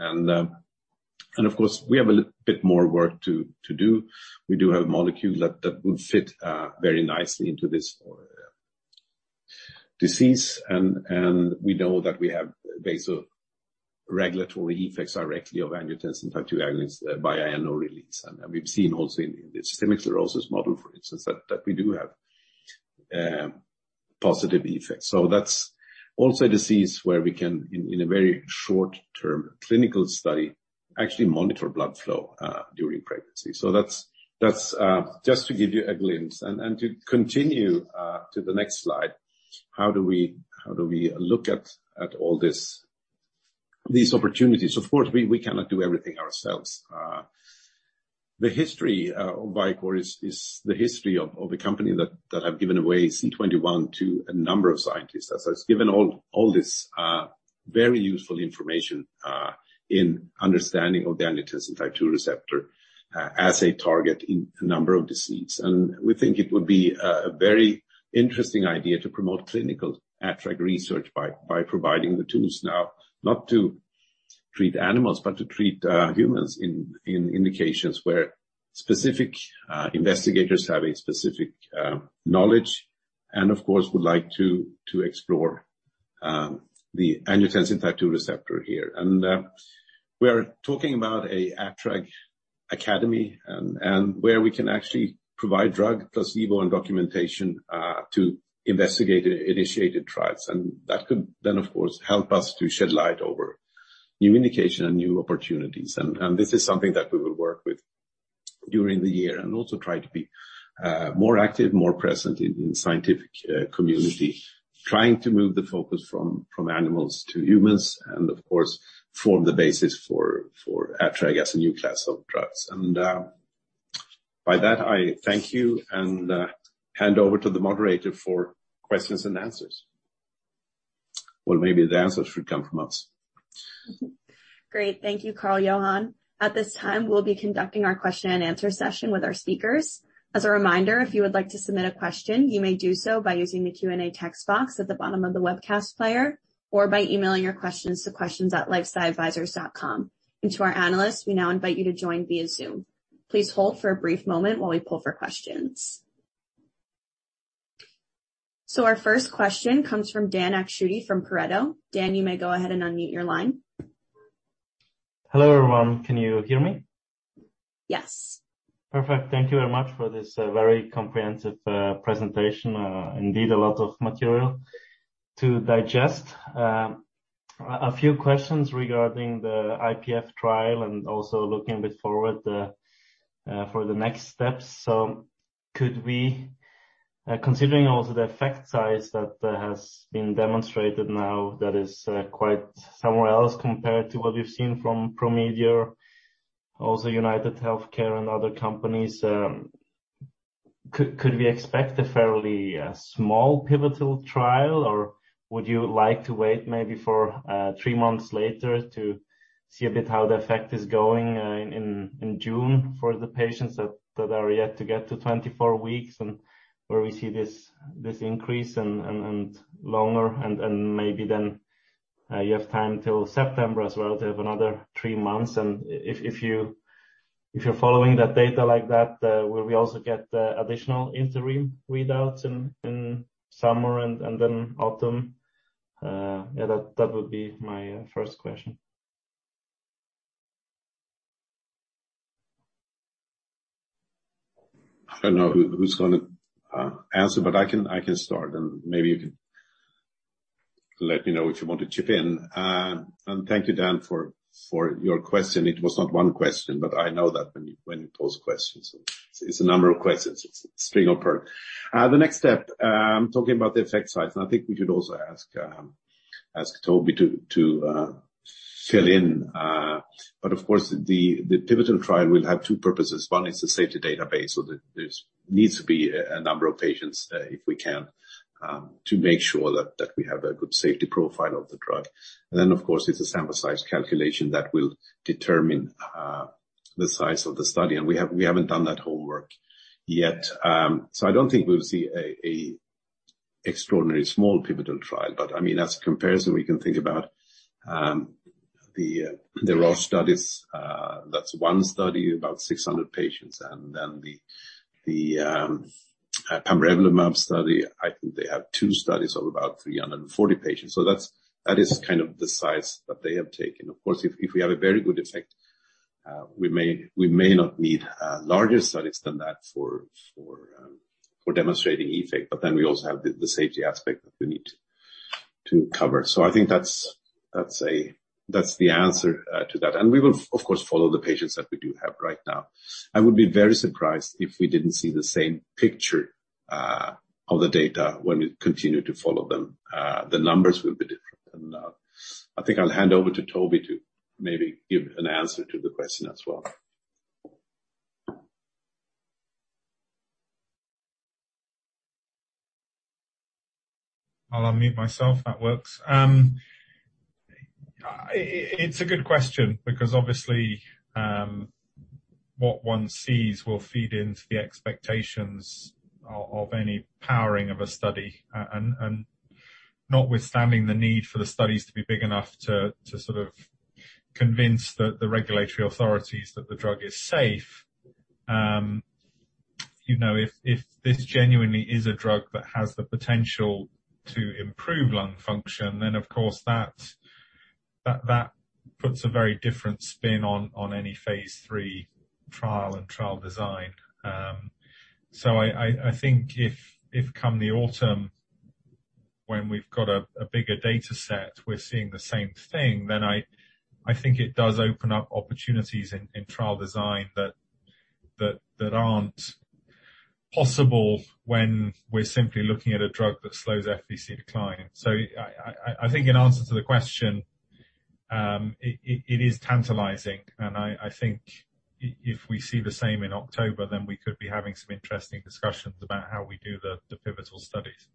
Of course, we have a little bit more work to do. We do have a molecule that would fit very nicely into this or disease. We know that we have vasoregulatory effects directly of angiotensin type 2 agonists via NO release. We've seen also in the systemic sclerosis model, for instance, that we do have positive effects. That's also a disease where we can in a very short-term clinical study actually monitor blood flow during pregnancy. That's just to give you a glimpse. To continue to the next slide, how do we look at all these opportunities? Of course, we cannot do everything ourselves. The history of Vicore is the history of a company that have given away C21 to a number of scientists, that has given all this very useful information in understanding of the angiotensin type 2 receptor as a target in a number of disease. We think it would be a very interesting idea to promote clinical AT2R research by providing the tools now, not to treat animals, but to treat humans in indications where specific investigators have a specific knowledge and of course would like to explore the angiotensin type 2 receptor here. We are talking about a AT2R academy and where we can actually provide drug, placebo and documentation to investigator-initiated trials. That could then, of course, help us to shed light over new indication and new opportunities. This is something that we will work with during the year and also try to be more active, more present in scientific community, trying to move the focus from animals to humans, and of course, form the basis for ATTRACT as a new class of drugs. By that, I thank you and hand over to the moderator for questions and answers. Well, maybe the answers should come from us. Great. Thank you, Carl-Johan. At this time, we'll be conducting our question and answer session with our speakers. As a reminder, if you would like to submit a question, you may do so by using the Q&A text box at the bottom of the webcast player or by emailing your questions to questions@lifesciadvisors.com. To our analysts, we now invite you to join via Zoom. Please hold for a brief moment while we pull for questions. Our first question comes from Dan Akschuti from Pareto. Dan, you may go ahead and unmute your line. Hello, everyone. Can you hear me? Yes. Perfect. Thank you very much for this very comprehensive presentation. Indeed a lot of material to digest. A few questions regarding the IPF trial and also looking a bit forward for the next steps. Considering also the effect size that has been demonstrated now that is quite somewhere else compared to what we've seen from Promedior, also UnitedHealthcare and other companies, could we expect a fairly small pivotal trial, or would you like to wait maybe for three months later to see a bit how the effect is going in June for the patients that are yet to get to 24-weeks and where we see this increase and longer, and maybe then you have time till September as well to have another three months. If you're following that data like that, will we also get additional interim readouts in summer and then autumn? Yeah, that would be my first question. I don't know who is going to answer, but I can start and maybe you can let me know if you want to chip in. Thank you, Dan, for your question. It was not one question, but I know that when you pose questions, it's a number of questions. It's a string of questions. The next step, talking about the effect size, and I think we should also ask Toby to fill in. But of course, the pivotal trial will have two purposes. One is the safety database, so there needs to be a number of patients, if we can, to make sure that we have a good safety profile of the drug. Then of course, it's a sample size calculation that will determine the size of the study. We haven't done that homework yet. I don't think we'll see a extraordinary small pivotal trial. I mean, as a comparison, we can think about the Roche studies. That's one study, about 600 patients, and then the pamrevlumab study. I think they have two studies of about 340 patients. That's the size that they have taken. Of course, if we have a very good effect, we may not need larger studies than that for demonstrating effect, but then we also have the safety aspect that we need to cover. I think that's the answer to that. We will of course follow the patients that we do have right now. I would be very surprised if we didn't see the same picture of the data when we continue to follow them. The numbers will be different. I think I'll hand over to Toby to maybe give an answer to the question as well. I'll unmute myself. That works. It's a good question because obviously, what one sees will feed into the expectations of any powering of a study. Notwithstanding the need for the studies to be big enough to sort of convince the regulatory authorities that the drug is safe, you know, if this genuinely is a drug that has the potential to improve lung function, then of course that puts a very different spin on any phase III trial and trial design. I think if come the autumn when we've got a bigger data set, we're seeing the same thing, then I think it does open up opportunities in trial design that aren't possible when we're simply looking at a drug that slows FVC decline. I think in answer to the question, it is tantalizing, and I think if we see the same in October, then we could be having some interesting discussions about how we do the pivotal studies.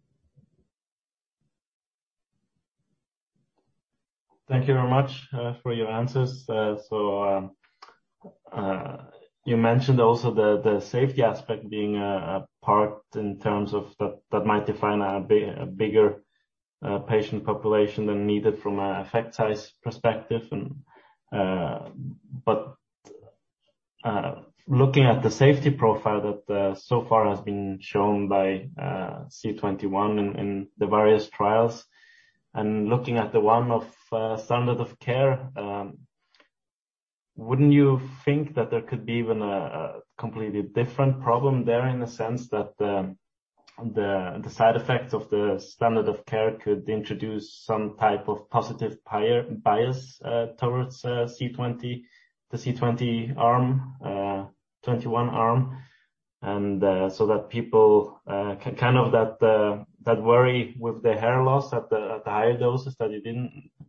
Thank you very much for your answers. You mentioned also the safety aspect being a part in terms of that that might define a bigger patient population than needed from a effect size perspective and looking at the safety profile that so far has been shown by C21 in the various trials, and looking at the one of standard of care, wouldn't you think that there could be even a completely different problem there in the sense that the side effects of the standard of care could introduce some type of positive bias towards C21? The C21 arm, 21 arm, and so that people kind of that worry with the hair loss at the higher doses that you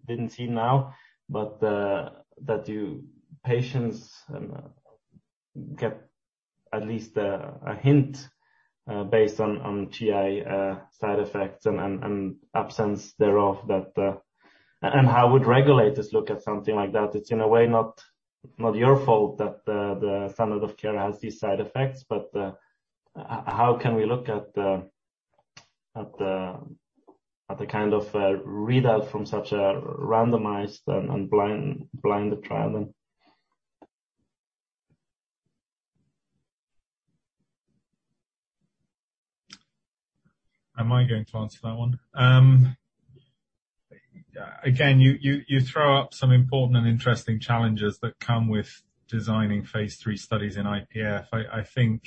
didn't see now, but that your patients get at least a hint based on GI side effects and absence thereof that. How would regulators look at something like that? It's in a way not your fault that the standard of care has these side effects, but how can we look at the kind of readout from such a randomized and blind trial then? Am I going to answer that one? Again, you throw up some important and interesting challenges that come with designing phase III studies in IPF. I think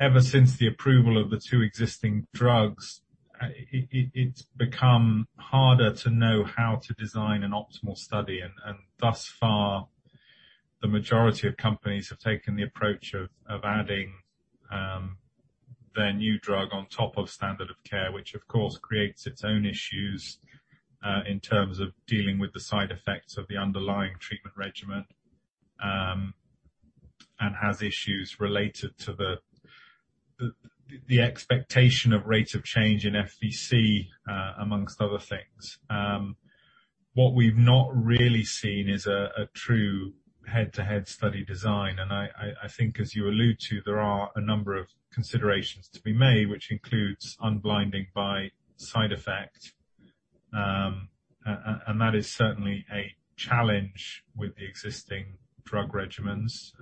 ever since the approval of the two existing drugs, it's become harder to know how to design an optimal study. Thus far, the majority of companies have taken the approach of adding their new drug on top of standard of care, which of course creates its own issues in terms of dealing with the side effects of the underlying treatment regimen and has issues related to the expectation of rates of change in FVC amongst other things. What we've not really seen is a true head-to-head study design. I think as you allude to, there are a number of considerations to be made, which includes unblinding by side effect, and that is certainly a challenge with the existing drug regimens.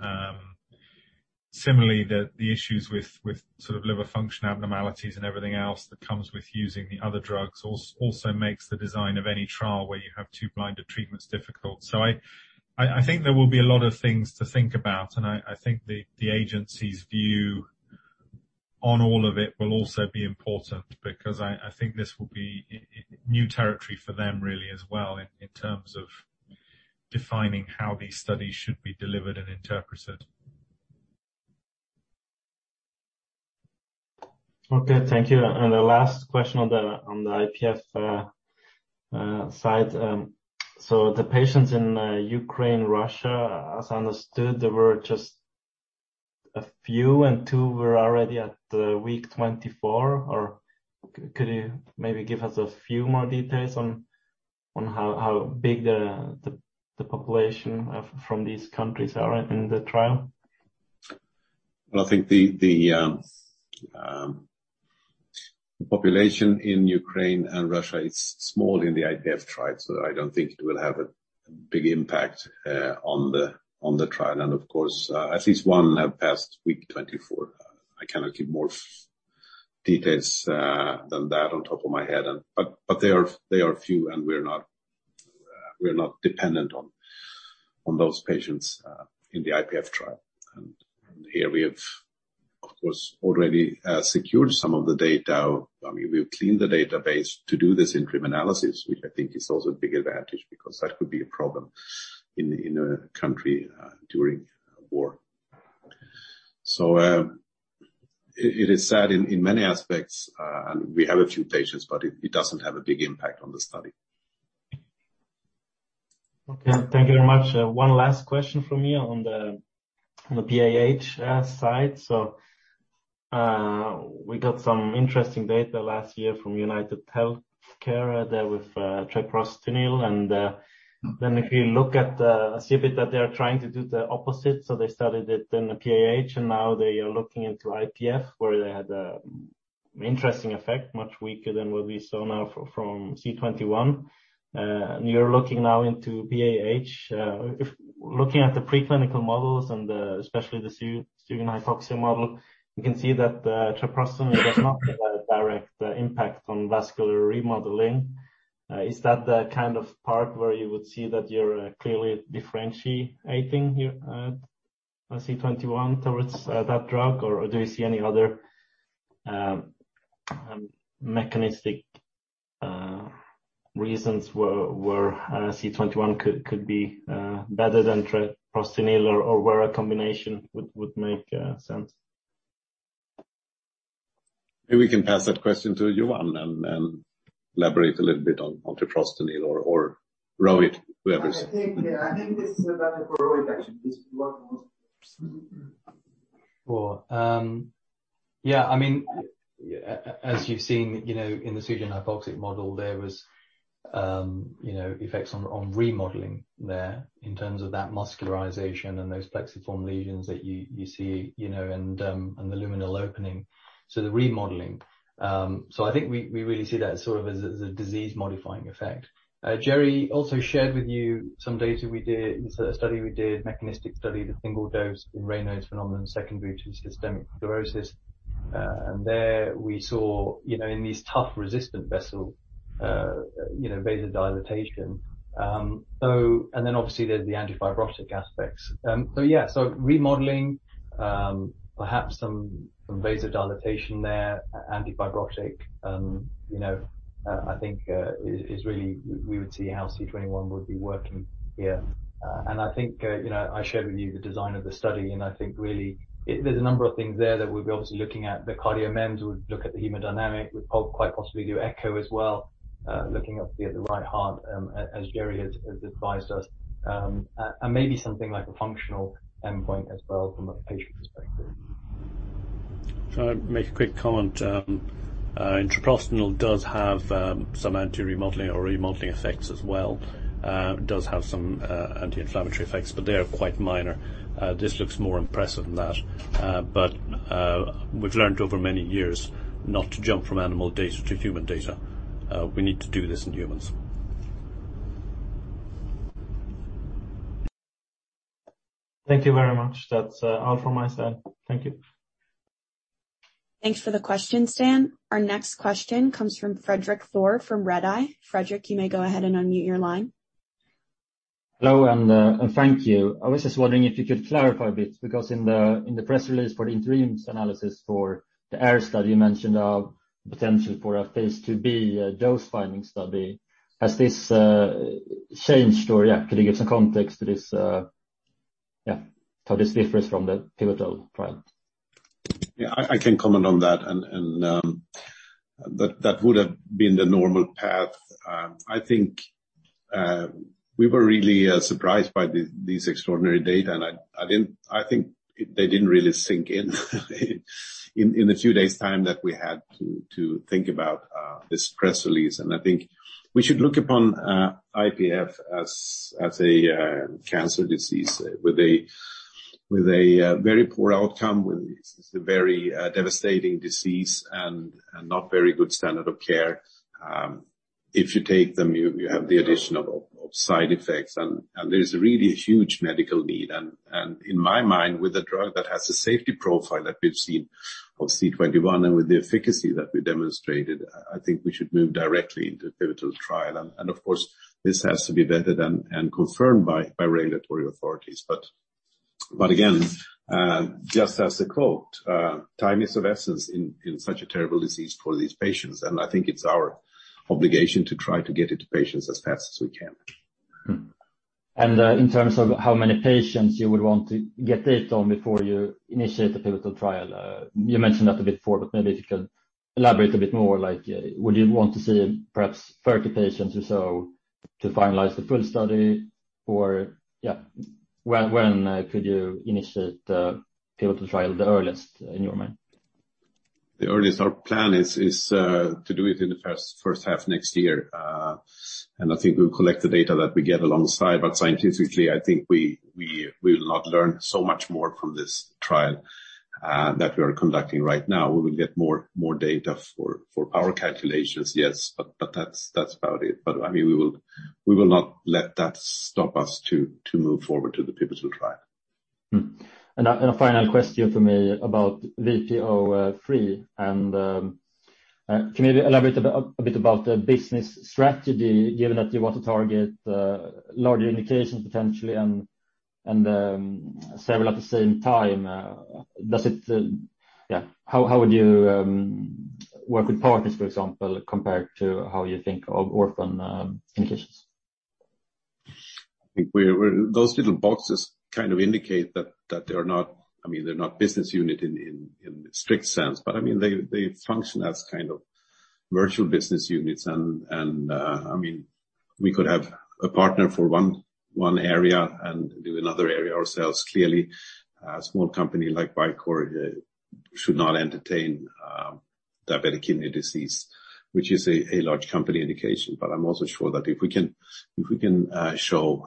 Similarly, the issues with sort of liver function abnormalities and everything else that comes with using the other drugs also makes the design of any trial where you have two blinded treatments difficult. I think there will be a lot of things to think about, and I think the agency's view on all of it will also be important because I think this will be new territory for them really as well in terms of defining how these studies should be delivered and interpreted. Okay. Thank you. The last question on the IPF side. The patients in Ukraine, Russia, as understood, they were just a few and two were already at week 24. Could you maybe give us a few more details on how big the population from these countries are in the trial? Well, I think the population in Ukraine and Russia is small in the IPF trial, so I don't think it will have a big impact on the trial. Of course, at least one have passed week 24. I cannot give more details than that off the top of my head. But they are few, and we're not dependent on those patients in the IPF trial. Here we have, of course, already secured some of the data. I mean, we've cleaned the database to do this interim analysis, which I think is also a big advantage because that could be a problem in a country during war. It is sad in many aspects, and we have a few patients, but it doesn't have a big impact on the study. Okay, thank you very much. One last question from me on the PAH side. We got some interesting data last year from UnitedHealthcare there with treprostinil. Mm-hmm. If you look at it, you see that they are trying to do the opposite. They started it in the PAH, and now they are looking into IPF, where they had interesting effect, much weaker than what we saw now from C21. You're looking now into PAH. If looking at the preclinical models and especially the Sugen/hypoxia model, you can see that treprostinil does not have a direct impact on vascular remodeling. Is that the kind of part where you would see that you're clearly differentiating here C21 towards that drug? Or do you see any other mechanistic reasons where C21 could be better than treprostinil or where a combination would make sense? Maybe we can pass that question to Johan and elaborate a little bit on treprostinil or Rohit. I think, yeah, I think this is better for Rohit, actually, since he worked on this. Sure. Yeah, I mean, as you've seen, you know, in the Sugen/hypoxic model, there was, you know, effects on remodeling there in terms of that muscularization and those plexiform lesions that you see, you know, and the luminal opening. So the remodeling. So I think we really see that sort of as a disease-modifying effect. Gerry also shared with you some data we did, a study we did, mechanistic study, the single-dose in Raynaud's phenomenon secondary to systemic sclerosis. And there we saw, you know, in these tough resistant vessel, you know, vasodilation. And then obviously, there's the anti-fibrotic aspects. Yeah. Remodeling, perhaps some vasodilation there, anti-fibrotic, you know, I think is really we would see how C21 would be working here. I think you know I shared with you the design of the study, and I think really it's there a number of things there that we'd be obviously looking at. The CardioMEMS, we would look at the hemodynamics. We'd quite possibly do echo as well, looking up via the right heart, as Gerry has advised us. Maybe something like a functional endpoint as well from a patient perspective. If I make a quick comment, treprostinil does have some anti-remodeling or remodeling effects as well, does have some anti-inflammatory effects, but they are quite minor. This looks more impressive than that. We've learned over many years not to jump from animal data to human data. We need to do this in humans. Thank you very much. That's all from my side. Thank you. Thanks for the question, Dan. Our next question comes from Fredrik Thor from Redeye. Fredrik, you may go ahead and unmute your line. Hello, and thank you. I was just wondering if you could clarify a bit because in the press release for the interim analysis for the AIR study, you mentioned a potential for a phase IIb dose-finding study. Has this changed, or yeah, could you give some context to this, yeah, how this differs from the pivotal trial? Yeah, I can comment on that. That would have been the normal path. I think we were really surprised by these extraordinary data. I didn't. I think they didn't really sink in in the few days time that we had to think about this press release. I think we should look upon IPF as a cancer disease with a very poor outcome, with its, it's a very devastating disease and not very good standard of care. If you take them, you have the addition of side effects. There's really a huge medical need. In my mind, with a drug that has the safety profile that we've seen of C21 and with the efficacy that we demonstrated, I think we should move directly into pivotal trial. Of course, this has to be vetted and confirmed by regulatory authorities. Just as a quote, "Time is of essence in such a terrible disease for these patients." I think it's our obligation to try to get it to patients as fast as we can. In terms of how many patients you would want to get data on before you initiate the pivotal trial, you mentioned that a bit before, but maybe if you could elaborate a bit more. Like, would you want to see perhaps 30 patients or so? Yeah. When could you initiate the pivotal trial the earliest in your mind? The earliest our plan is to do it in the first half next year. I think we'll collect the data that we get alongside, but scientifically I think we will not learn so much more from this trial that we are conducting right now. We will get more data for our calculations, yes. That's about it. I mean, we will not let that stop us to move forward to the phase II trial. A final question for me about VP03 and can you elaborate a bit about the business strategy given that you want to target larger indications potentially and several at the same time? How would you work with partners, for example, compared to how you think of orphan indications? I think we're. Those little boxes kind of indicate that they're not business units in a strict sense. I mean, they function as kind of virtual business units and we could have a partner for one area and do another area ourselves. Clearly, a small company like Vicore should not entertain diabetic kidney disease, which is a large company indication. But I'm also sure that if we can show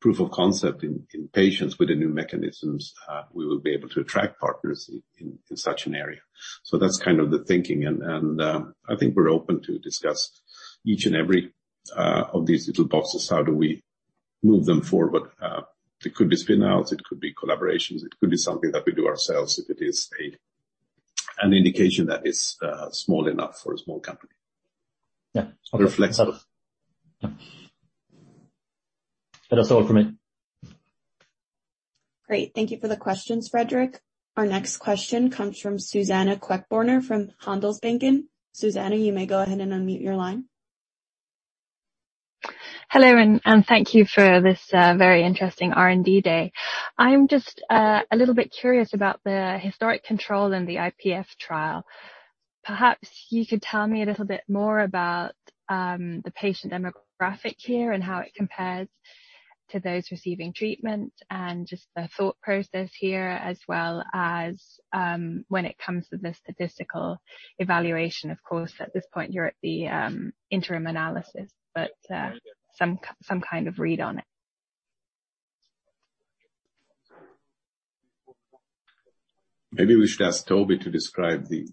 proof of concept in patients with the new mechanisms, we will be able to attract partners in such an area. That's kind of the thinking and I think we're open to discuss each and every of these little boxes, how do we move them forward. It could be spin-outs, it could be collaborations, it could be something that we do ourselves if it is an indication that is small enough for a small company. Yeah. Reflexive. Yeah. That's all from me. Great. Thank you for the questions, Fredrik. Our next question comes from Suzanna Queckbörner from Handelsbanken. Suzanna, you may go ahead and unmute your line. Hello, and thank you for this very interesting R&D day. I'm just a little bit curious about the historical control in the IPF trial. Perhaps you could tell me a little bit more about the patient demographic here and how it compares to those receiving treatment, and just the thought process here, as well as when it comes to the statistical evaluation. Of course, at this point, you're at the interim analysis, but some kind of read on it. Maybe we should ask Toby to describe the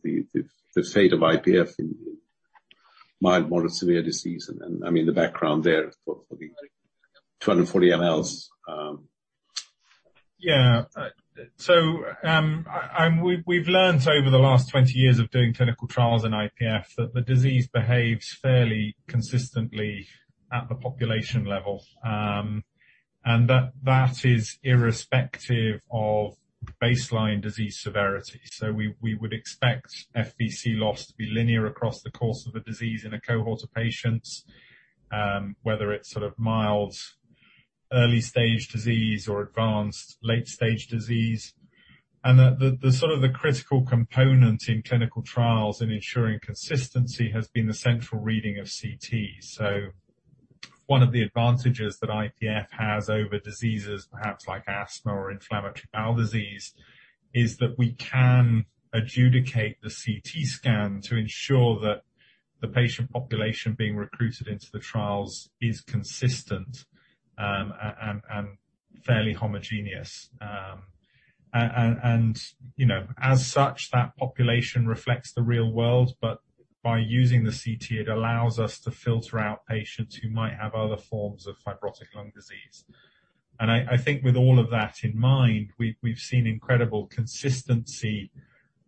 state of IPF in mild, moderate, severe disease and I mean the background there for the 240 mls. Yeah. We've learnt over the last 20 years of doing clinical trials in IPF that the disease behaves fairly consistently at the population level. That is irrespective of baseline disease severity. We would expect FVC loss to be linear across the course of a disease in a cohort of patients, whether it's sort of mild early stage disease or advanced late stage disease. The sort of critical component in clinical trials in ensuring consistency has been the central reading of CT. One of the advantages that IPF has over diseases perhaps like asthma or inflammatory bowel disease is that we can adjudicate the CT scan to ensure that the patient population being recruited into the trials is consistent and fairly homogeneous. You know, as such, that population reflects the real world, but by using the CT it allows us to filter out patients who might have other forms of fibrotic lung disease. I think with all of that in mind, we've seen incredible consistency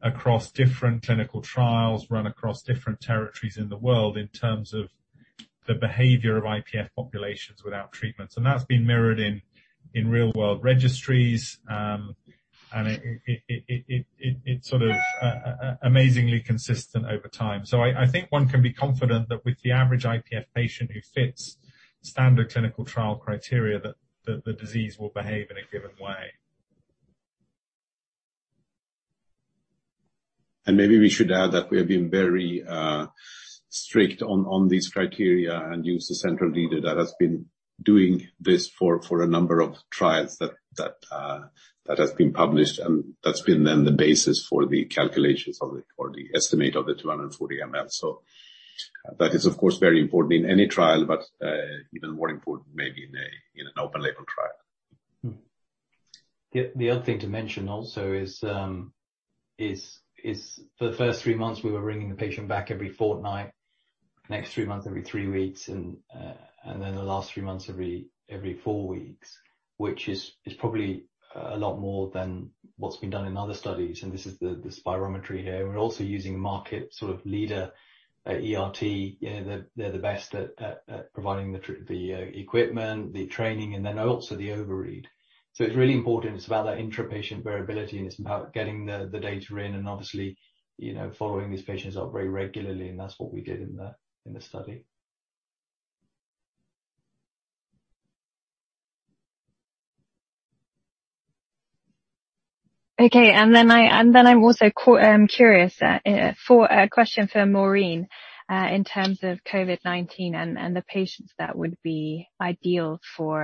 across different clinical trials run across different territories in the world in terms of the behavior of IPF populations without treatments. That's been mirrored in real world registries. It's sort of amazingly consistent over time. I think one can be confident that with the average IPF patient who fits standard clinical trial criteria, that the disease will behave in a given way. Maybe we should add that we have been very strict on these criteria and use the central reader that has been doing this for a number of trials that has been published, and that's been then the basis for the calculations of the or the estimate of the 240 ml. So that is of course very important in any trial, but even more important maybe in an open label trial. Mm. The other thing to mention also is for the first three months, we were bringing the patient back every fortnight, next three months, every three weeks, and then the last three months, every four weeks, which is probably a lot more than what's been done in other studies. This is the spirometry here. We're also using market sort of leader ERT. You know, they're the best at providing the equipment, the training, and then also the overread. So it's really important. It's about that intra-patient variability, and it's about getting the data in and obviously, you know, following these patients up very regularly. That's what we did in the study. Okay. I'm also curious for a question for Maureen in terms of COVID-19 and the patients that would be ideal for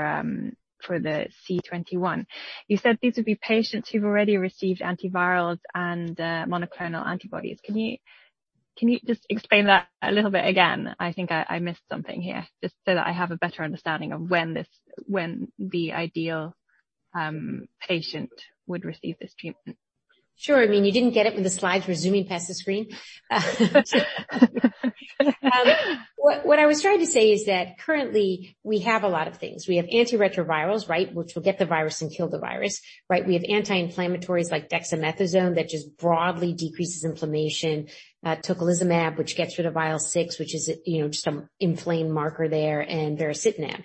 the C21. You said these would be patients who've already received antivirals and monoclonal antibodies. Can you just explain that a little bit again? I think I missed something here. Just so that I have a better understanding of when the ideal patient would receive this treatment. Sure. I mean, you didn't get it when the slides were zooming past the screen. What I was trying to say is that currently we have a lot of things. We have antiretrovirals, right, which will get the virus and kill the virus, right? We have anti-inflammatories like dexamethasone that just broadly decreases inflammation. Tocilizumab, which gets rid of IL-6, which is a, you know, just an inflammation marker there, and baricitinib.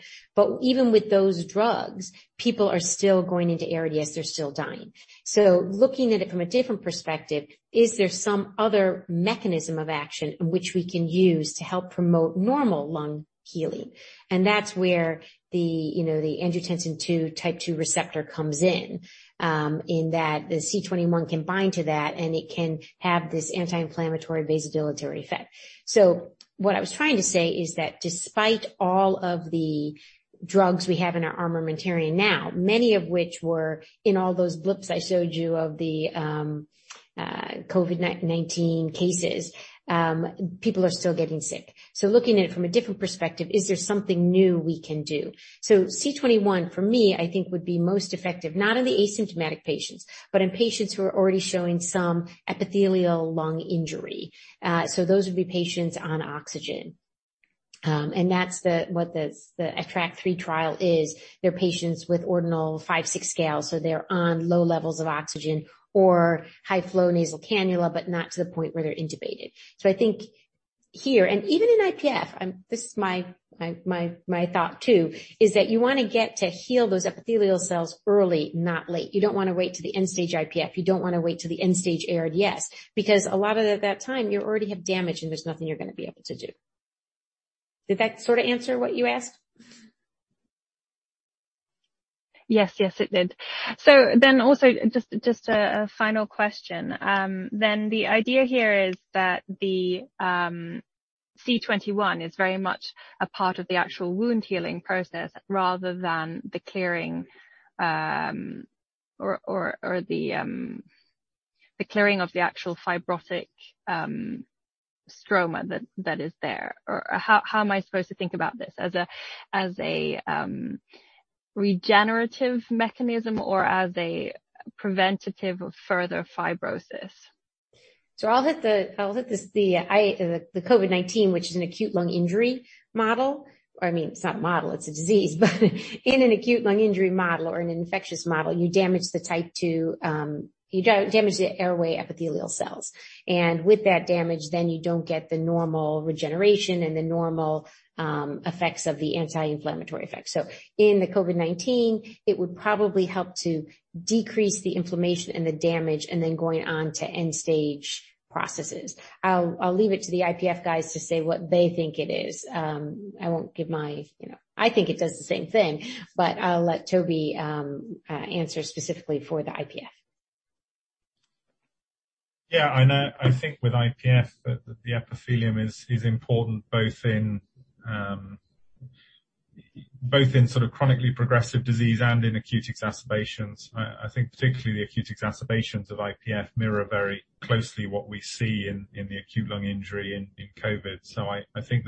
Even with those drugs, people are still going into ARDS, they're still dying. Looking at it from a different perspective, is there some other mechanism of action in which we can use to help promote normal lung healing? That's where the, you know, the angiotensin II type 2 receptor comes in. In that the C21 can bind to that, and it can have this anti-inflammatory vasodilatory effect. What I was trying to say is that despite all of the drugs we have in our armamentarium now, many of which were in all those blips I showed you of the COVID-19 cases, people are still getting sick. Looking at it from a different perspective, is there something new we can do? C21, for me, I think would be most effective, not on the asymptomatic patients, but in patients who are already showing some epithelial lung injury. Those would be patients on oxygen. And that's what the ATTRACT-3 trial is. They're patients with ordinal five, six scales, so they're on low levels of oxygen or high flow nasal cannula, but not to the point where they're intubated. I think here, and even in IPF, this is my thought too, is that you wanna get to heal those epithelial cells early, not late. You don't wanna wait till the end stage IPF. You don't wanna wait till the end stage ARDS, because a lot of the, that time you already have damage and there's nothing you're gonna be able to do. Did that sort of answer what you asked? Yes. Yes, it did. Also just a final question. The idea here is that the C21 is very much a part of the actual wound healing process rather than the clearing or the clearing of the actual fibrotic stroma that is there. Or how am I supposed to think about this? As a regenerative mechanism or as a preventative of further fibrosis? The COVID-19, which is an acute lung injury model or, I mean, it's not a model, it's a disease. In an acute lung injury model or an infectious model, you damage the type 2 airway epithelial cells. With that damage, you don't get the normal regeneration and the normal effects of the anti-inflammatory effect. In the COVID-19, it would probably help to decrease the inflammation and the damage, and then going on to end-stage processes. I'll leave it to the IPF guys to say what they think it is. You know, I think it does the same thing, but I'll let Toby answer specifically for the IPF. Yeah, I know. I think with IPF that the epithelium is important both in sort of chronically progressive disease and in acute exacerbations. I think particularly the acute exacerbations of IPF mirror very closely what we see in the acute lung injury in COVID. I think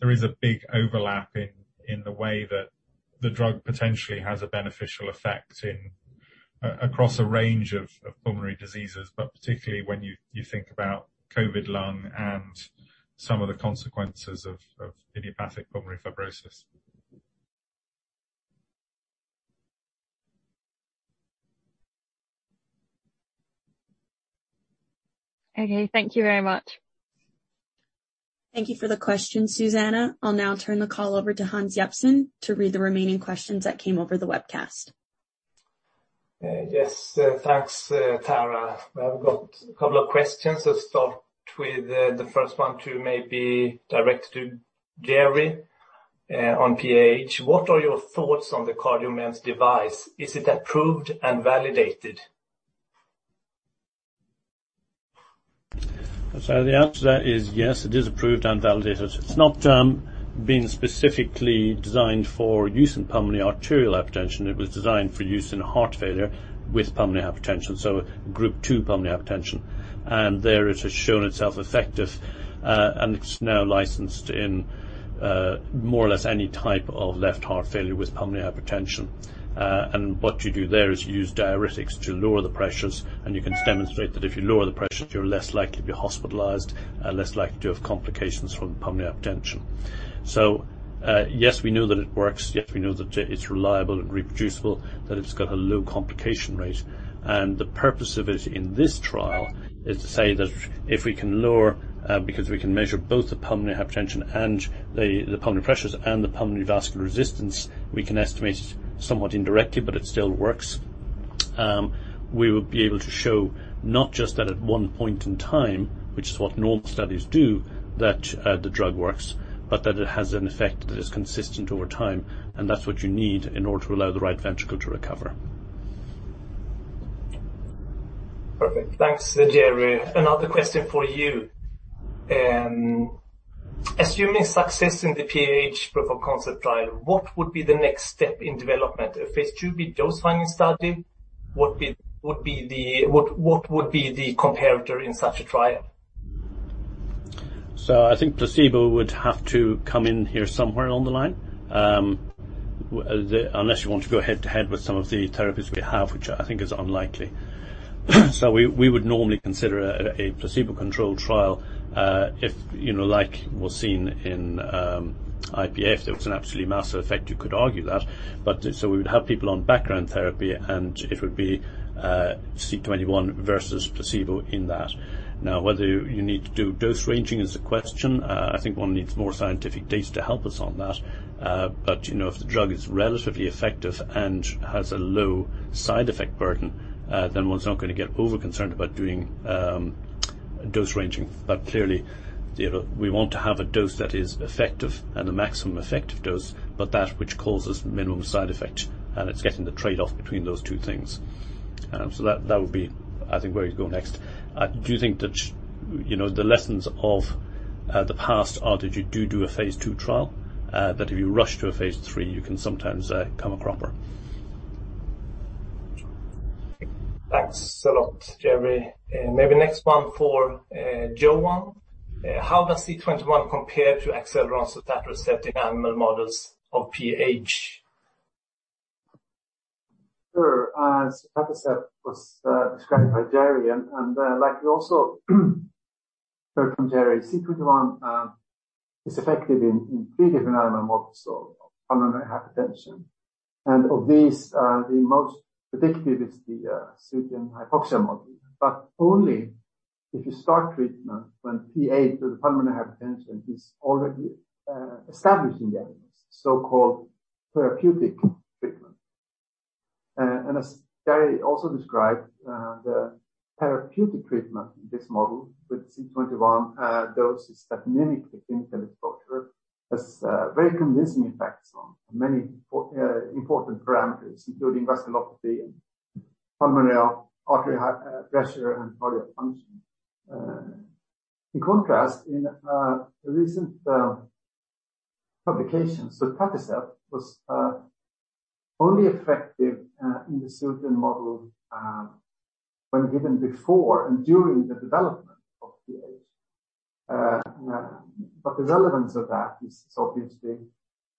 there is a big overlap in the way that the drug potentially has a beneficial effect across a range of pulmonary diseases, but particularly when you think about COVID lung and some of the consequences of idiopathic pulmonary fibrosis. Okay. Thank you very much. Thank you for the question, Suzanna. I'll now turn the call over to Hans Jeppsson to read the remaining questions that came over the webcast. Yes, thanks, Tara. I've got a couple of questions. Let's start with the first one to maybe direct to Gerry Coghlan on PAH. What are your thoughts on the CardioMEMS device? Is it approved and validated? The answer to that is yes, it is approved and validated. It's not been specifically designed for use in pulmonary arterial hypertension. It was designed for use in heart failure with pulmonary hypertension, so Group 2 pulmonary hypertension. There it has shown itself effective, and it's now licensed in more or less any type of left heart failure with pulmonary hypertension. What you do there is use diuretics to lower the pressures, and you can demonstrate that if you lower the pressures, you're less likely to be hospitalized, less likely to have complications from pulmonary hypertension. Yes, we know that it works. Yes, we know that it's reliable and reproducible, that it's got a low complication rate. The purpose of it in this trial is to say that if we can lower, because we can measure both the pulmonary hypertension and the pulmonary pressures and the pulmonary vascular resistance, we can estimate somewhat indirectly, but it still works. We will be able to show not just that at one point in time, which is what normal studies do, that the drug works, but that it has an effect that is consistent over time, and that's what you need in order to allow the right ventricle to recover. Perfect. Thanks, Gerry. Another question for you. Assuming success in the PH proof of concept trial, what would be the next step in development? A phase IIb dose-finding study, what would be the comparator in such a trial? I think placebo would have to come in here somewhere along the line, unless you want to go head-to-head with some of the therapies we have, which I think is unlikely. We would normally consider a placebo-controlled trial, if you know like was seen in IPF. There was an absolutely massive effect, you could argue that. We would have people on background therapy, and it would be C21 versus placebo in that. Now, whether you need to do dose ranging is the question. I think one needs more scientific data to help us on that. You know, if the drug is relatively effective and has a low side effect burden, then one's not gonna get over concerned about doing dose ranging. Clearly, you know, we want to have a dose that is effective and the maximum effective dose, but that which causes minimum side effect, and it's getting the trade-off between those two things. That would be, I think, where you go next. I do think that, you know, the lessons of the past are that you do a phase II trial, but if you rush to a phase III, you can sometimes come a cropper. Thanks a lot, Gerry. Maybe next one for Johan. How does C21 compare to Acceleron's sotatercept in animal models of PH? Sure. sotatercept was described by Gerry, like we also heard from Gerry, C21 is effective in three different animal models of pulmonary hypertension. Of these, the most predictive is the Sugen/hypoxia model. Only if you start treatment when PH, the pulmonary hypertension, is already established in the animals, so-called therapeutic treatment. As Gerry also described, the therapeutic treatment in this model with C21 doses that mimic the clinical exposure has very convincing effects on many important parameters, including vasculopathy, pulmonary artery pressure, and cardiac function. In contrast, in a recent publication, sotatercept was only effective in the Sugen model when given before and during the development of PH. The relevance of that is obviously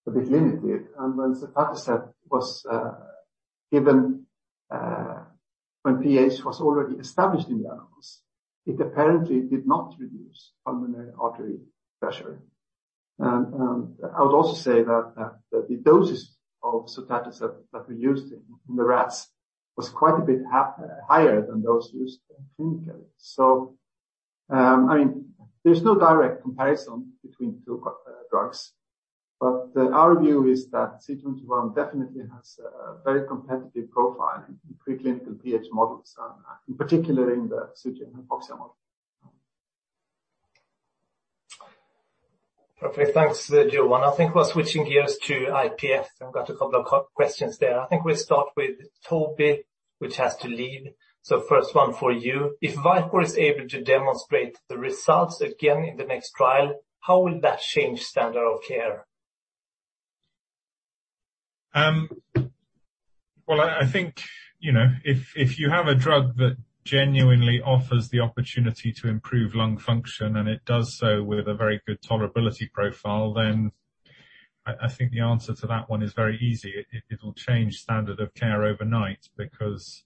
a bit limited. When sotatercept was given when PH was already established in the animals, it apparently did not reduce pulmonary artery pressure. I would also say that the doses of sotatercept that we used in the rats was quite a bit higher than those used in clinical. I mean, there's no direct comparison between two drugs, but our view is that C21 definitely has a very competitive profile in preclinical PH models, and particularly in the Sugen/hypoxia model. Perfect. Thanks, Johan. I think we're switching gears to IPF. I've got a couple of questions there. I think we start with Toby, who has to lead. First one for you. If Vicore is able to demonstrate the results again in the next trial, how will that change standard of care? I think, you know, if you have a drug that genuinely offers the opportunity to improve lung function, and it does so with a very good tolerability profile, then I think the answer to that one is very easy. It will change standard of care overnight because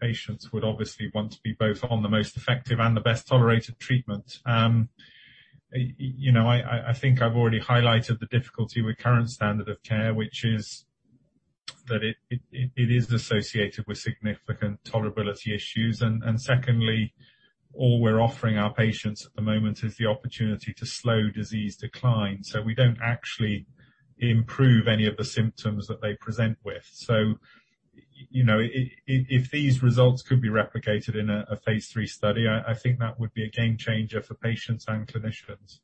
patients would obviously want to be both on the most effective and the best-tolerated treatment. You know, I think I've already highlighted the difficulty with current standard of care, which is that it is associated with significant tolerability issues. Secondly, all we're offering our patients at the moment is the opportunity to slow disease decline. We don't actually improve any of the symptoms that they present with. you know, if these results could be replicated in a phase III study, I think that would be a game changer for patients and clinicians.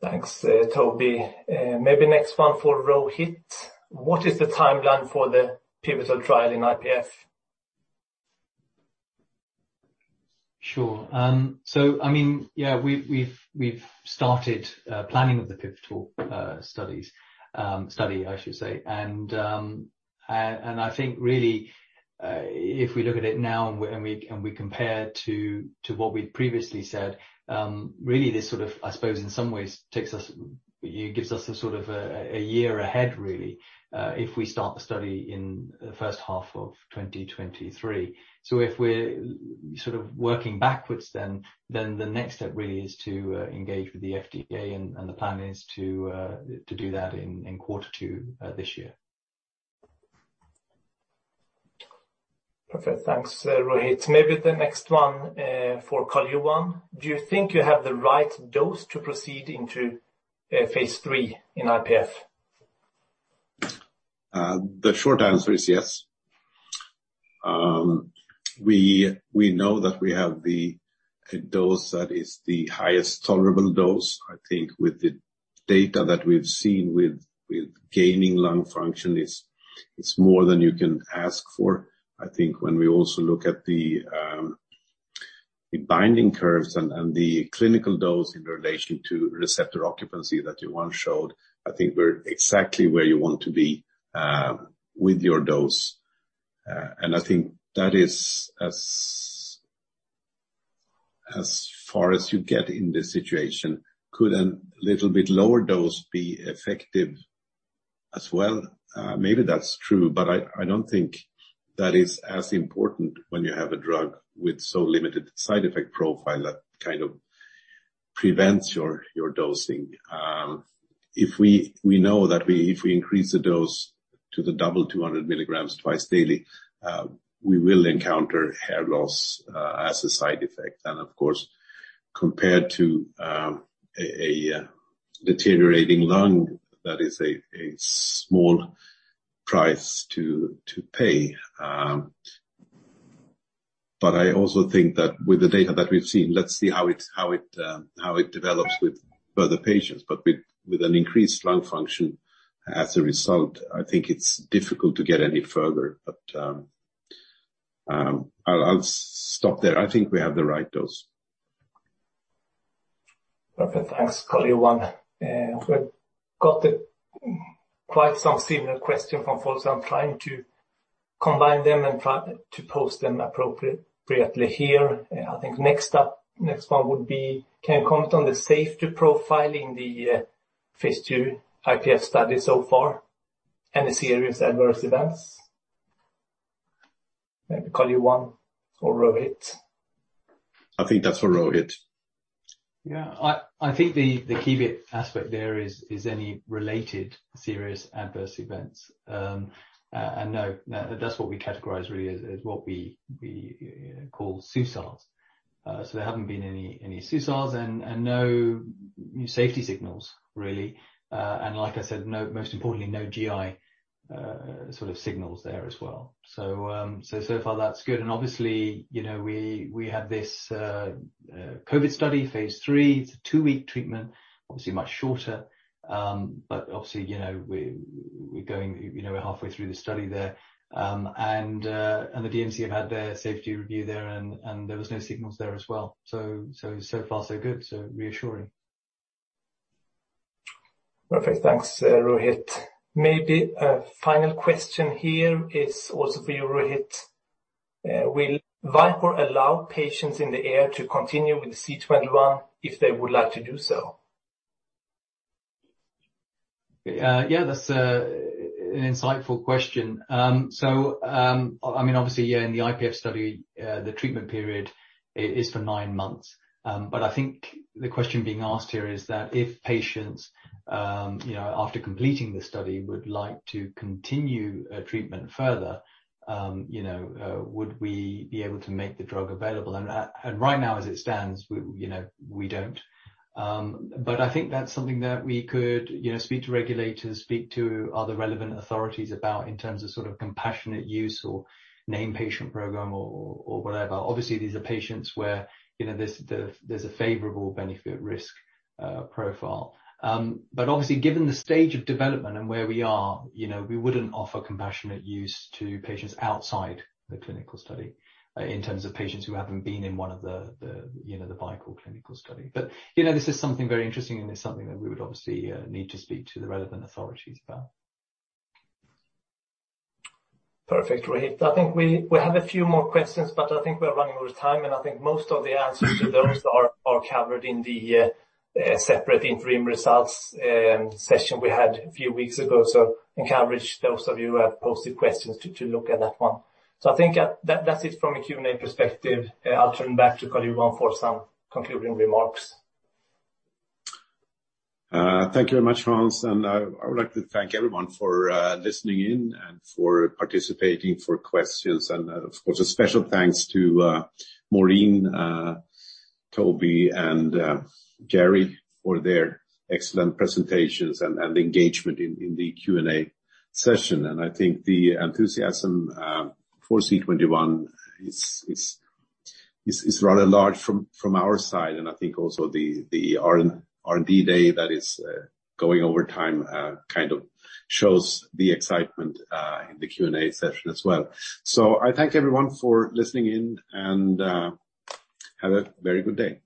Thanks, Toby. Maybe next one for Rohit. What is the timeline for the pivotal trial in IPF? Sure. So I mean, yeah, we've started planning of the pivotal studies, study, I should say. I think really, if we look at it now and we compare it to what we'd previously said, really this sort of, I suppose in some ways takes us you know gives us a sort of a year ahead really, if we start the study in the first half of 2023. So if we're sort of working backwards then, the next step really is to engage with the FDA, and the plan is to do that in quarter two this year. Perfect. Thanks, Rohit. Maybe the next one for Carl-Johan. Do you think you have the right dose to proceed into phase III in IPF? The short answer is yes. We know that we have a dose that is the highest tolerable dose. I think with the data that we've seen with gaining lung function, it's more than you can ask for. I think when we also look at the binding curves and the clinical dose in relation to receptor occupancy that Johan showed, I think we're exactly where you want to be with your dose. I think that is as far as you get in this situation. Could a little bit lower dose be effective as well? Maybe that's true, but I don't think that is as important when you have a drug with so limited side effect profile that kind of prevents your dosing. If we know that if we increase the dose to the double 200 mg twice daily, we will encounter hair loss as a side effect. Of course, compared to a deteriorating lung, that is a small price to pay. But I also think that with the data that we've seen, let's see how it develops with further patients, but with an increased lung function as a result. I think it's difficult to get any further, but I'll stop there. I think we have the right dose. Okay, thanks, Carl-Johan Dalsgaard. We've got quite some similar questions from folks. I'm trying to combine them and try to pose them appropriately here. I think next up, next one would be, can you comment on the safety profile in the phase II IPF study so far? Any serious adverse events? Maybe Carl-Johan Dalsgaard or Rohit Batta. I think that's for Rohit. Yeah. I think the key aspect there is any related serious adverse events. No. That's what we categorize really as what we call SUSARs. So there haven't been any SUSARs and no new safety signals, really. And like I said, most importantly, no GI sort of signals there as well. So far that's good. Obviously, we had this COVID study, phase III. It's a two-week treatment, obviously much shorter. But obviously, you know, we're going, you know, halfway through the study there. And the DMC have had their safety review there, and there was no signals there as well. So far, so good. So reassuring. Perfect. Thanks, Rohit. Maybe a final question here is also for you, Rohit. Will Vicore allow patients in the AIR to continue with C21 if they would like to do so? Yeah. That's an insightful question. So, I mean, obviously, yeah, in the IPF study, the treatment period is for nine months. I think the question being asked here is that if patients, you know, after completing the study, would like to continue treatment further, you know, would we be able to make the drug available? And right now, as it stands, we, you know, we don't. I think that's something that we could, you know, speak to regulators, speak to other relevant authorities about in terms of sort of compassionate use or name patient program or whatever. Obviously, these are patients where, you know, there's a favorable benefit risk profile. Obviously, given the stage of development and where we are, you know, we wouldn't offer compassionate use to patients outside the clinical study, in terms of patients who haven't been in one of the, you know, the Vicore clinical study. You know, this is something very interesting, and it's something that we would obviously need to speak to the relevant authorities about. Perfect, Rohit. I think we have a few more questions, but I think we're running out of time, and I think most of the answers to those are covered in the separate interim results session we had a few weeks ago. Encourage those of you who have posted questions to look at that one. I think that's it from a Q&A perspective. I'll turn back to Carl-Johan Dalsgaard for some concluding remarks. Thank you very much, Hans, and I would like to thank everyone for listening in and for participating for questions. Of course, a special thanks to Maureen, Toby, and Gerry for their excellent presentations and engagement in the Q&A session. I think the enthusiasm for C21 is rather large from our side, and I think also the R&D day that is going over time kind of shows the excitement in the Q&A session as well. I thank everyone for listening in, and have a very good day.